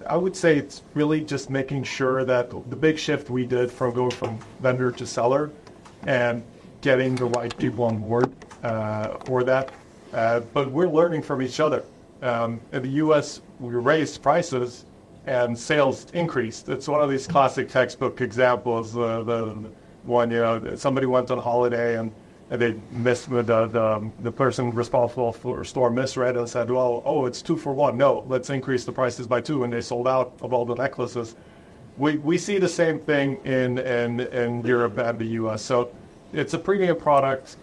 I would say, it's really just making sure that the big shift we did from going from Vendor to Seller and getting the right people on board for that. We're learning from each other. In the U.S., we raised prices and sales increased. It's one of these classic textbook examples of when somebody went on holiday, and the person responsible for store misread and said, "Well, oh, it's two for one. No, let's increase the prices by two." And they sold out of all the necklaces. We see the same thing in Europe and the U.S. It's a premium product.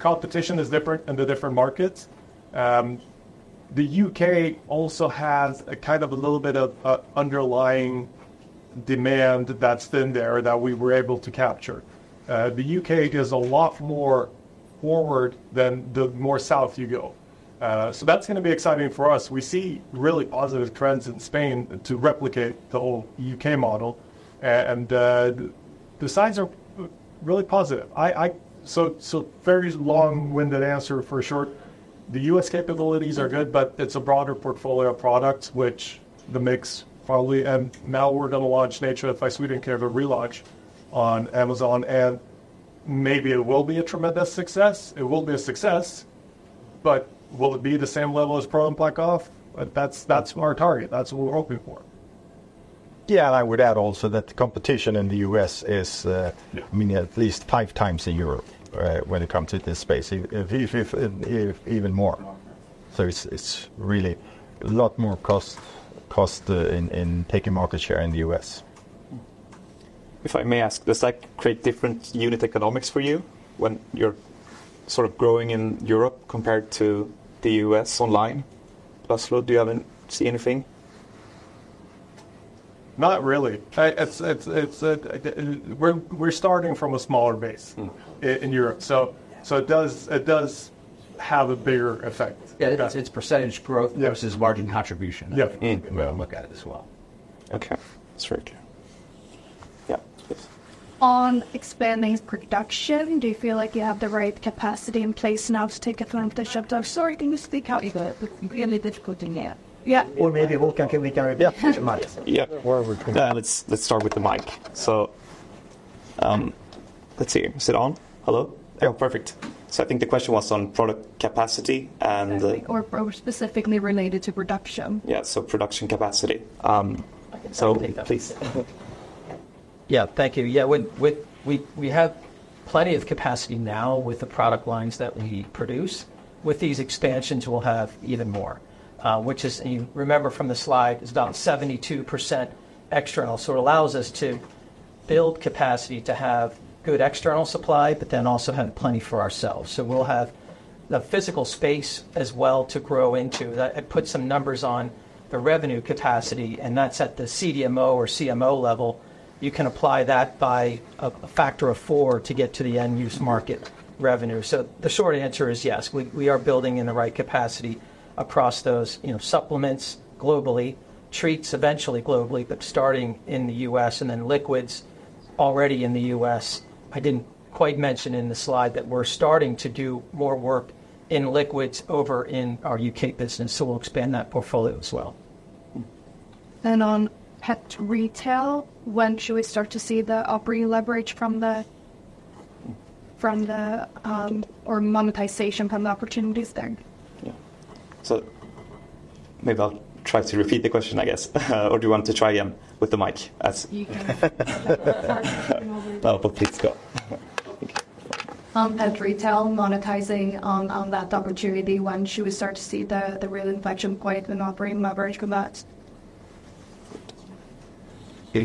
Competition is different in the different markets. The U.K. also has a little bit of underlying demand that's thin there that we were able to capture. The U.K. is a lot more forward than the more south you go. That's going to be exciting for us. We see really positive trends in Spain to replicate the whole U.K. model. The signs are really positive. Very long-winded answer for short, the U.S. capabilities are good. It's a broader portfolio of products, which the mix probably. Now we're going to launch NaturVet by Swedencare, the relaunch on Amazon, and maybe it will be a tremendous success. It will be a success, but will it be the same level as ProDen PlaqueOff? That's our target. That's what we're hoping for. Yeah. I would add also that the competition in the U.S. is- Yeah at least five times a year when it comes to this space, even more. More. It's really a lot more cost in taking market share in the U.S. If I may ask, does that create different unit economics for you when you're growing in Europe compared to the U.S. online? Laszlo, do you see anything? Not really. We're starting from a smaller base. in Europe, so it does have a bigger effect. Yeah. Its percentage growth- Yeah versus margin contribution- Yeah if you look at it as well. Okay. That's fair too. Yeah, please. On expanding production, do you feel like you have the right capacity in place now to take advantage of the Sorry, can you speak up? It's really difficult in here. Yeah. Maybe we can repeat the mic. Yeah. Yeah. Or we can- Let's start with the mic. Let's see. Is it on? Hello? Yeah. Perfect. I think the question was on product capacity and the- Exactly, or specifically related to production. Yeah, production capacity. I can take that. Please. Yeah. Thank you. Yeah, we have plenty of capacity now with the product lines that we produce. With these expansions, we'll have even more, which is, and you remember from the slide, is about 72% external. It allows us to build capacity to have good external supply, also have plenty for ourselves. We'll have the physical space as well to grow into. I put some numbers on the revenue capacity, and that's at the CDMO or CMO level. You can apply that by a factor of four to get to the end-use market revenue. The short answer is yes. We are building in the right capacity across those supplements globally, treats eventually globally, but starting in the U.S., and then liquids already in the U.S. I didn't quite mention in the slide that we're starting to do more work in liquids over in our U.K. business. We'll expand that portfolio as well. On pet retail, when should we start to see the operating leverage or monetization from the opportunities there? Yeah. Maybe I'll try to repeat the question, I guess. Do you want to try again with the mic? You can. Sorry. No, but please go. On pet retail, monetizing on that opportunity, when should we start to see the real inflection point in operating leverage from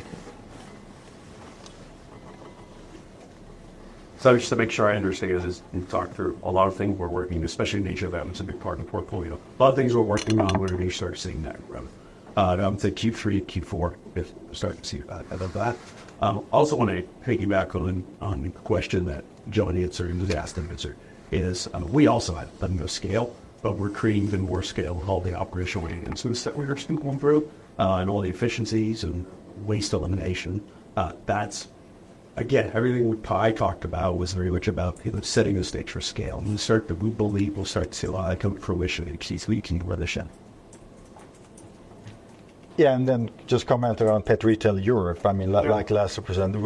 that? Just to make sure I understand, as you talk through a lot of things we're working, especially in Asia, that was a big part of the portfolio. A lot of things we're working on, when are we start seeing that growth? I would say Q3, Q4, we'll start to see out of that. Also want to piggyback on the question that Jenny answered, and you asked, and answered, is we also have a no scale, but we're creating even more scale with all the operational agencies that we are still going through, and all the efficiencies and waste elimination. Again, everything I talked about was very much about setting the stage for scale. We believe we'll start to come to fruition as we continue with this journey. Yeah, just comment around pet retail Europe. Yeah last represent.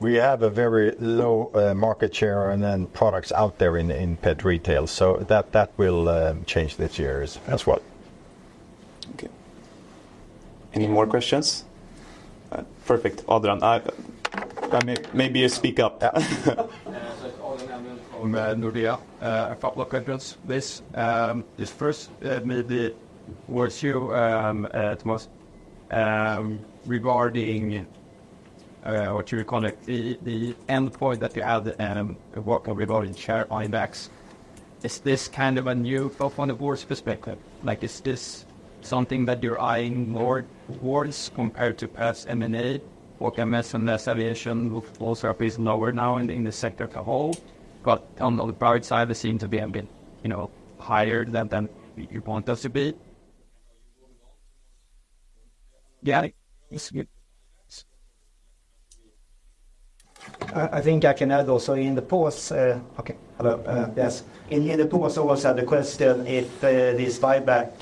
We have a very low market share and then products out there in pet retail. That will change this year as well. Okay. Any more questions? Perfect. Adrian, maybe you speak up. It's Adrian Elmlund from Nordea. A couple of questions. This first may be towards you, Thomas, regarding the end point that you have regarding share buybacks. Is this kind of a new, both on the board's perspective, is this something that you're eyeing more towards compared to past M&A or MS and aviation? Those are a bit lower now in the sector as a whole, but on the bright side, they seem to be a bit higher than you want us to be. I think I can add also in the pause, okay. Hello? Yes. In the pause, I also had the question if this buyback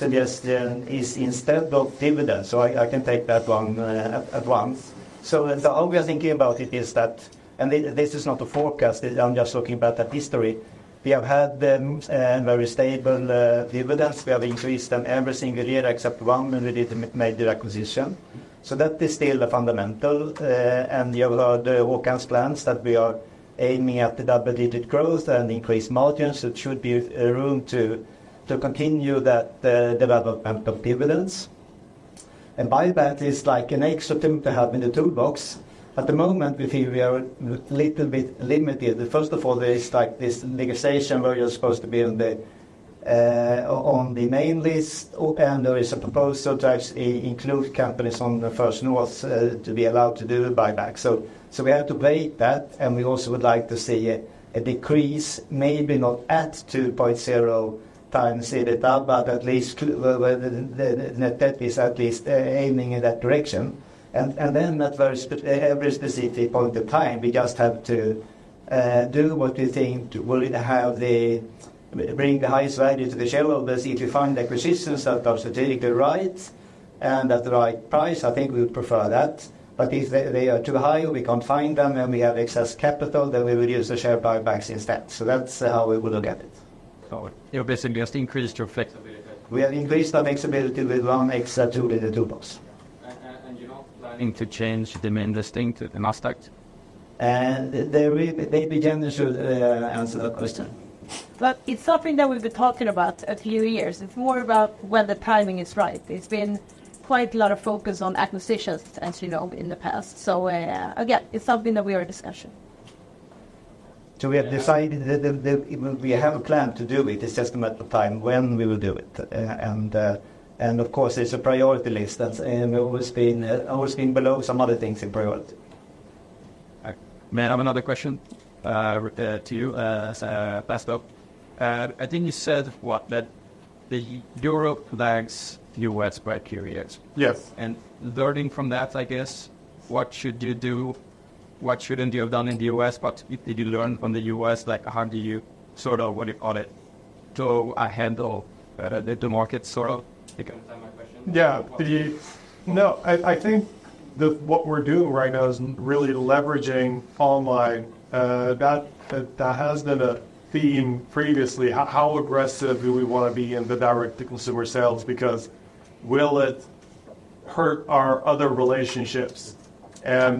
suggestion is instead of dividends. I can take that one at once. The only way of thinking about it is that, and this is not a forecast, I am just talking about the history. We have had very stable dividends. We have increased them every single year except one, when we did a major acquisition. That is still the fundamental, and you have heard Håkan's plans that we are aiming at the double-digit growth and increased margins. It should be room to continue that development of dividends. Buyback is like an extra thing to have in the toolbox. At the moment, we feel we are little bit limited. First of all, there is like this negotiation where you are supposed to be on the main list, and there is a proposal to actually include companies on the First North to be allowed to do buyback. We have to weigh that, and we also would like to see a decrease, maybe not at 2.0x EBITDA, but at least where the net debt is at least aiming in that direction. Then at very specific point of time, we just have to do what we think will bring the highest value to the shareholders. If we find acquisitions that are strategically right and at the right price, I think we would prefer that. If they are too high or we cannot find them, and we have excess capital, then we will use the share buybacks instead. That is how we will look at it. You basically just increased your flexibility. We have increased our flexibility with one extra tool in the toolbox. You're not planning to change the main listing to the Nasdaq? Maybe Jenny should answer that question. It's something that we've been talking about a few years. It's more about when the timing is right. It's been quite a lot of focus on acquisitions, as you know, in the past. Again, it's something that we are discussing. We have decided that we have a plan to do it. It's just a matter of time when we will do it. Of course, there's a priority list that's always been below some other things in priority. May I have another question to you, Laszlo? I think you said, what? That Europe lags the U.S. by a few years. Yes. Learning from that, I guess, what should you do? What shouldn't you have done in the U.S.? What did you learn from the U.S.? Like, how do you sort of, what do you call it, to handle the market sort of? Can I ask my question? Yeah. No, I think that what we're doing right now is really leveraging online. That has been a theme previously. How aggressive do we want to be in the direct-to-consumer sales? Because will it hurt our other relationships?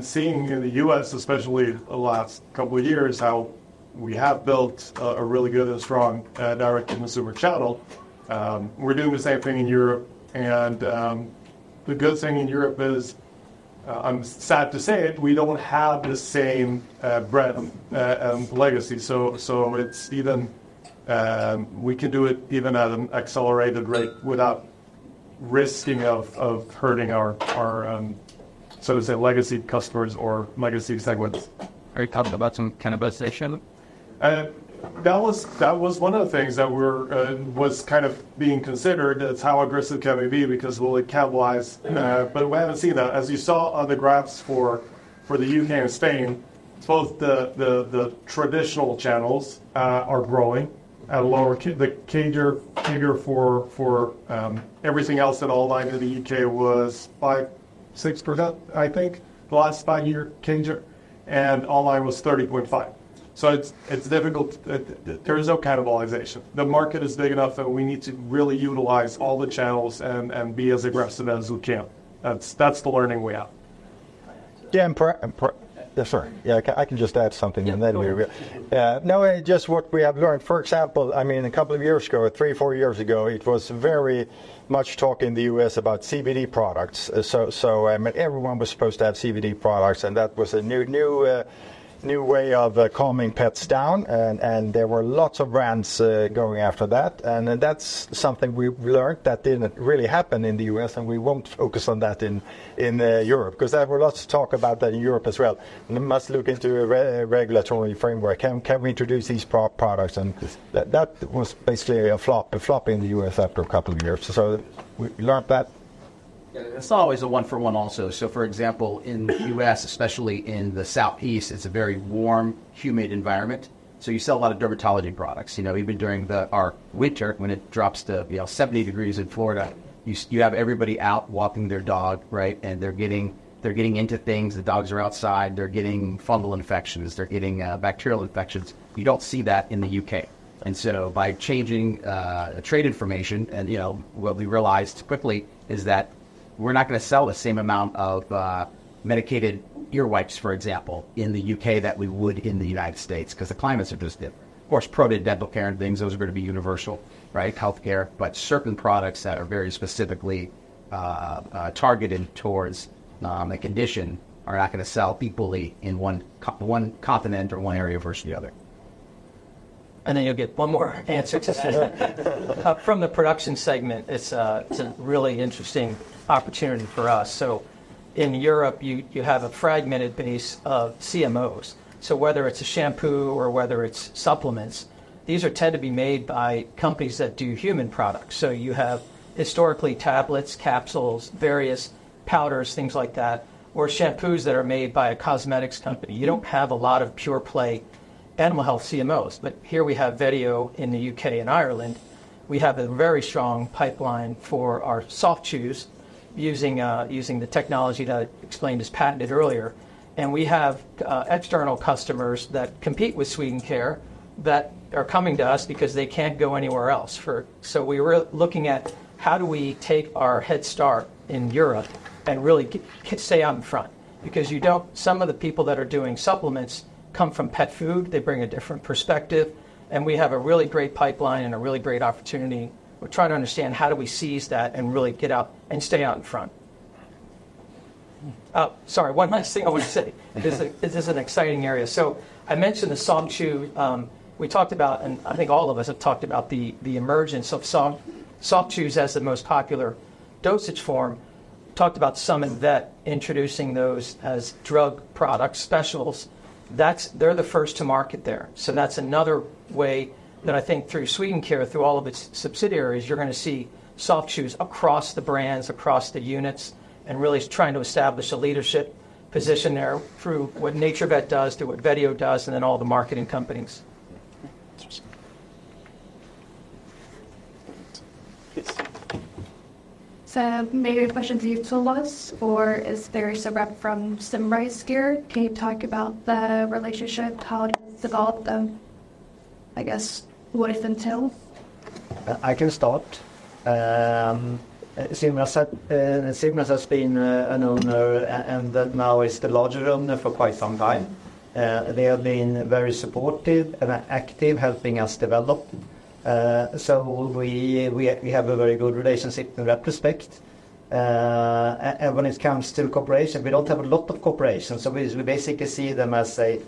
Seeing in the U.S., especially the last couple of years, how we have built a really good and strong direct-to-consumer channel, we're doing the same thing in Europe. The good thing in Europe is, I'm sad to say it, we don't have the same breadth of legacy, so we can do it even at an accelerated rate without risking of hurting our legacy customers or legacy segments. Are you talking about some cannibalization? That was one of the things that was kind of being considered, is how aggressive can we be, because will it cannibalize? We haven't seen that. As you saw on the graphs for the U.K. and Spain, the CAGR figure for everything else at online in the U.K. was 5%-6%, I think, the last five year CAGR, and online was 30.5%. It's difficult. There is no cannibalization. The market is big enough that we need to really utilize all the channels and be as aggressive as we can. That's the learning we have. Yes, sir. I can just add something, and then we will- Please do. Just what we have learned, for example, I mean, a couple of years ago, three or four years ago, it was very much talk in the U.S. about CBD products. Everyone was supposed to have CBD products, and that was a new way of calming pets down, and there were lots of brands going after that. That's something we learned that didn't really happen in the U.S., and we won't focus on that in Europe, because there were lots of talk about that in Europe as well, and must look into a regulatory framework. Can we introduce these products? That was basically a flop in the U.S. after a couple of years. We learned that Yeah, it's not always a one-for-one also. For example, in the U.S., especially in the Southeast, it's a very warm, humid environment, so you sell a lot of dermatology products. Even during our winter, when it drops to 70 degrees in Florida, you have everybody out walking their dog, right? They're getting into things. The dogs are outside. They're getting fungal infections. They're getting bacterial infections. You don't see that in the U.K. By changing trade information, what we realized quickly is that we're not going to sell the same amount of medicated ear wipes, for example, in the U.K. that we would in the United States because the climates are just different. Of course, ProDen Dental Care and things, those are going to be universal, right? Healthcare. Certain products that are very specifically targeted towards a condition are not going to sell equally in one continent or one area versus the other. You'll get one more answer. From the production segment, it's a really interesting opportunity for us. In Europe, you have a fragmented base of CMOs. Whether it's a shampoo or whether it's supplements, these tend to be made by companies that do human products. You have historically tablets, capsules, various powders, things like that, or shampoos that are made by a cosmetics company. You don't have a lot of pure play animal health CMOs. Here we have Vetio in the U.K. and Ireland. We have a very strong pipeline for our soft chews using the technology that I explained as patented earlier. We have external customers that compete with Swedencare that are coming to us because they can't go anywhere else. We're looking at how do we take our head start in Europe and really stay out in front because some of the people that are doing supplements come from pet food. They bring a different perspective, we have a really great pipeline and a really great opportunity. We're trying to understand how do we seize that and really get out and stay out in front. Sorry, one last thing I want to say because this is an exciting area. I mentioned the soft chew. We talked about, I think all of us have talked about the emergence of soft chews as the most popular dosage form. Talked about SummitVet introducing those as drug product specials. They're the first to market there. That's another way that I think through Swedencare, through all of its subsidiaries, you're going to see soft chews across the brands, across the units, and really trying to establish a leadership position there through what NaturVet does, through what Vetio does, and then all the marketing companies. Interesting. Maybe a question for you, Thomas, or is there a rep from Symrise here? Can you talk about the relationship, how it has developed and, I guess, what if until? I can start. Symrise has been an owner, and that now is the larger owner for quite some time. They have been very supportive and active, helping us develop. We have a very good relationship in retrospect. When it comes to cooperation, we don't have a lot of cooperation, we basically see them as a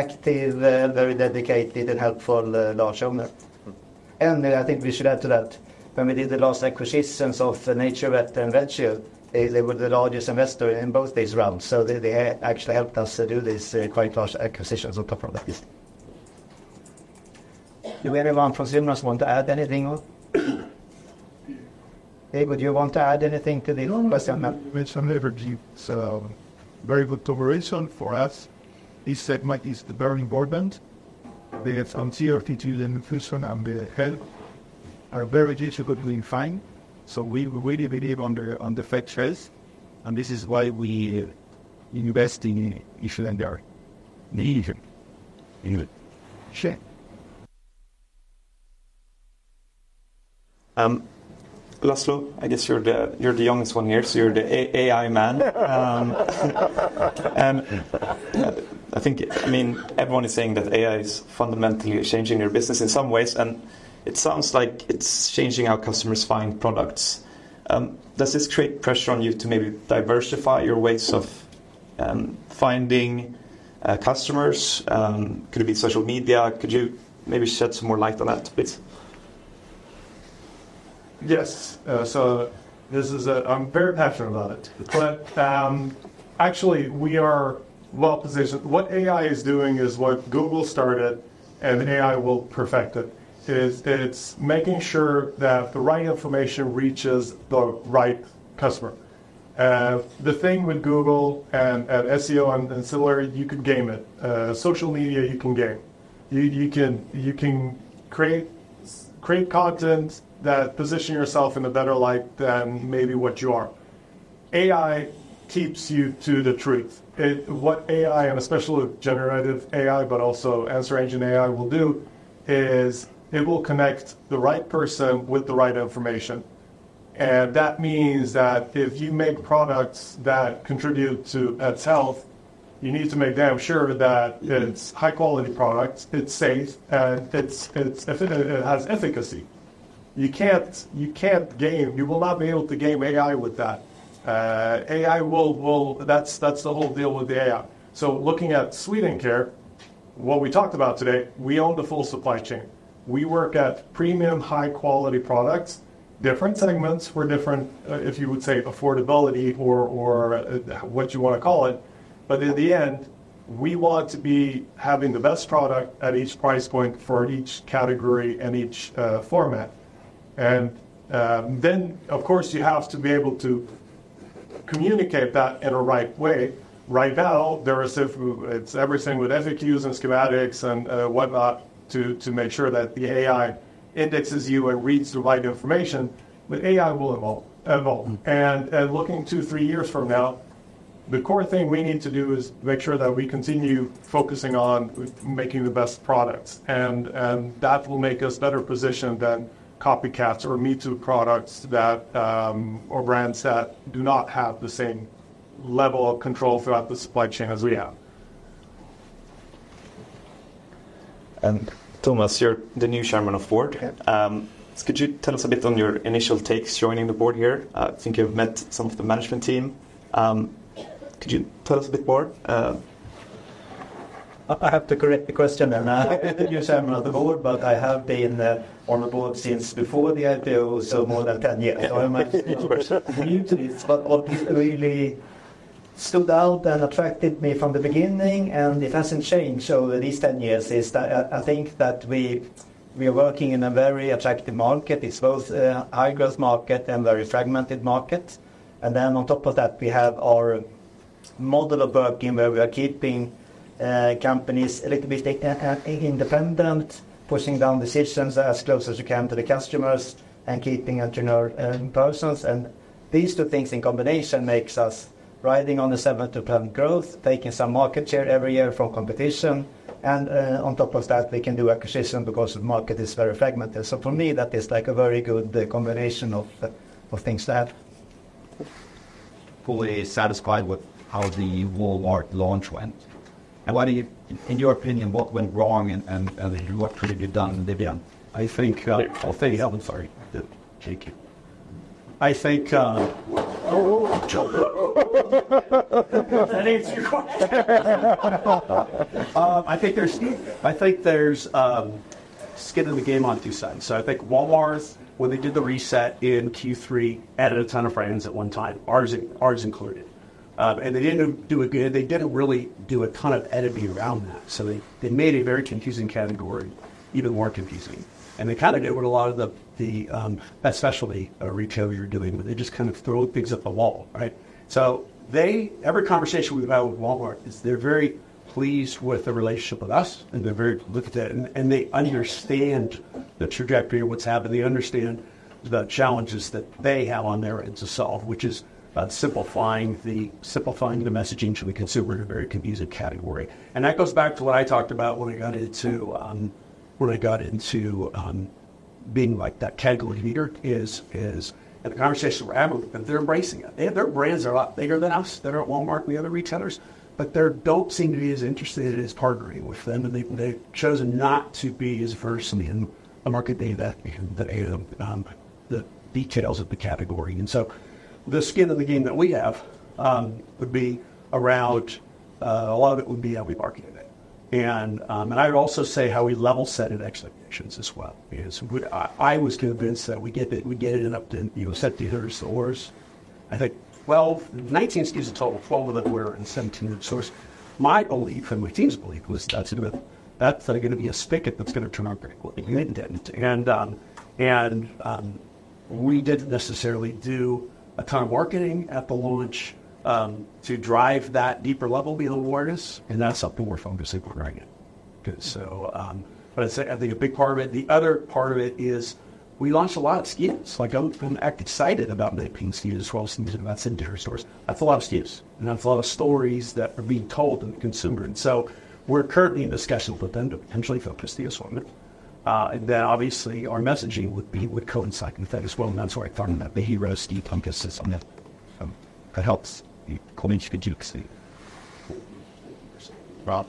active, very dedicated, and helpful large owner. I think we should add to that, when we did the last acquisitions of NaturVet and Vetio, they were the largest investor in both these rounds. They actually helped us to do these quite large acquisitions on top of that. Do anyone from Symrise want to add anything or? Eivind, do you want to add anything to this question? I think you mentioned everything. Very good cooperation for us. This segment is very important. The uncertainty to the nutrition and the health are very difficult to define. We really believe on the pet health, and this is why we invest in each other's need. Sure. Laszlo, I guess you're the youngest one here. You're the AI man. I think everyone is saying that AI is fundamentally changing their business in some ways, and it sounds like it's changing how customers find products. Does this create pressure on you to maybe diversify your ways of finding customers? Could it be social media? Could you maybe shed some more light on that a bit? Yes. I'm very passionate about it. Actually, we are well-positioned. What AI is doing is what Google started and AI will perfect it's making sure that the right information reaches the right customer. The thing with Google and SEO and similar, you could game it. Social media, you can game. You can create content that positions yourself in a better light than maybe what you are. AI keeps you to the truth. What AI, and especially with generative AI, but also answer engine AI will do is it will connect the right person with the right information. That means that if you make products that contribute to pets' health, you need to make damn sure that it's high-quality product, it's safe, and it has efficacy. You can't game. You will not be able to game AI with that. That's the whole deal with AI. Looking at Swedencare, what we talked about today, we own the full supply chain. We work at premium, high-quality products. Different segments for different, if you would say, affordability or what you want to call it. In the end. We want to be having the best product at each price point for each category and each format. Then, of course, you have to be able to communicate that in a right way. Right now, it's everything with FAQs and schematics and whatnot to make sure that the AI indexes you and reads the right information. AI will evolve. Looking two, three years from now, the core thing we need to do is make sure that we continue focusing on making the best products, and that will make us better positioned than copycats or me-too products or brands that do not have the same level of control throughout the supply chain as we have. Thomas, you're the new Chairman of the Board. Yeah. Could you tell us a bit on your initial takes joining the board here? I think you've met some of the management team. Could you tell us a bit more? I have to correct the question. I'm not the new Chairman of the Board, I have been on the board since before the IPO, so more than 10 years. Of course. I'm not new to this, but what really stood out and attracted me from the beginning, and it hasn't changed over these 10 years, is that I think that we are working in a very attractive market. It's both a high-growth market and very fragmented market. On top of that, we have our model of working where we are keeping companies a little bit independent, pushing down decisions as close as we can to the customers, and keeping entrepreneur persons. These two things in combination makes us riding on the 7%-10% growth, taking some market share every year from competition. On top of that, we can do acquisition because the market is very fragmented. For me, that is a very good combination of things there. Fully satisfied with how the Walmart launch went. In your opinion, what went wrong and what could have been done differently? I think- Oh, thank you. I'm sorry. Yeah. Thank you. Oh. That answers your question. I think there's skin in the game on two sides. I think Walmart, when they did the reset in Q3, added a ton of brands at one time, ours included. They didn't really do a ton of EDB around that. They made a very confusing category even more confusing, and they kind of did what a lot of the best specialty retailer you're dealing with. They just kind of throw things at the wall, right? Every conversation we've had with Walmart is they're very pleased with the relationship with us, and they're very committed, and they understand the trajectory of what's happened. They understand the challenges that they have on their end to solve, which is simplifying the messaging to the consumer in a very confusing category. That goes back to what I talked about when I got into being that category leader is in the conversations we're having with them, they're embracing it. Their brands are a lot bigger than us. They're at Walmart and the other retailers, they don't seem to be as interested in partnering with them, and they've chosen not to be as versed in the market data, the A to Z of the details of the category. The skin in the game that we have would be around, a lot of it would be how we marketed it. I would also say how we level set in expectations as well, because I was convinced that we'd get it up to 70 to 30 stores. I think 19 SKUs total, 12 of them were in 70 new stores. My belief, and my team's belief, was that's going to be a spigot that's going to turn out very quickly. It didn't. We didn't necessarily do a ton of marketing at the launch to drive that deeper level beyond awareness, and that's something we're focusing more on right now because. I'd say I think a big part of it, the other part of it is we launched a lot of SKUs. I'm excited about 19 SKUs, 12 of them that's in 30 stores. That's a lot of SKUs, and that's a lot of stories that are being told to the consumer. We're currently in discussions with them to potentially focus the assortment. Then obviously our messaging would coincide with that as well, and that's where I talked about the hero SKU focus is something that helps convince the consumer. Rob?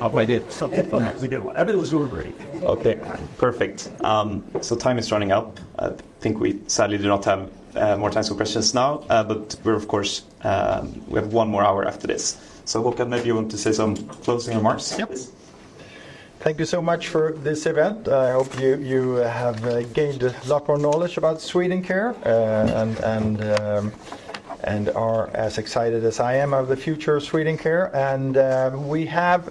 Hope I did. That was a good one. I think it was really great. Okay, perfect. Time is running out. I think we sadly do not have more time for questions now. We're, of course, we have one more hour after this. Håkan, maybe you want to say some closing remarks, please. Yep. Thank you so much for this event. I hope you have gained a lot more knowledge about Swedencare and are as excited as I am of the future of Swedencare. We have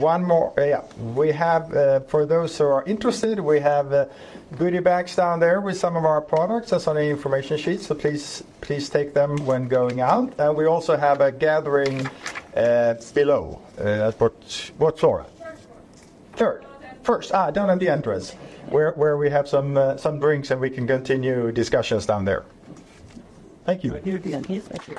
one more. Yeah. For those who are interested, we have goodie bags down there with some of our products and some information sheets, so please take them when going out. We also have a gathering below. What floor? First floor. Third? Down at the entrance. First. Down at the entrance. Yeah. Where we have some drinks, and we can continue discussions down there. Thank you. Thank you. Thank you.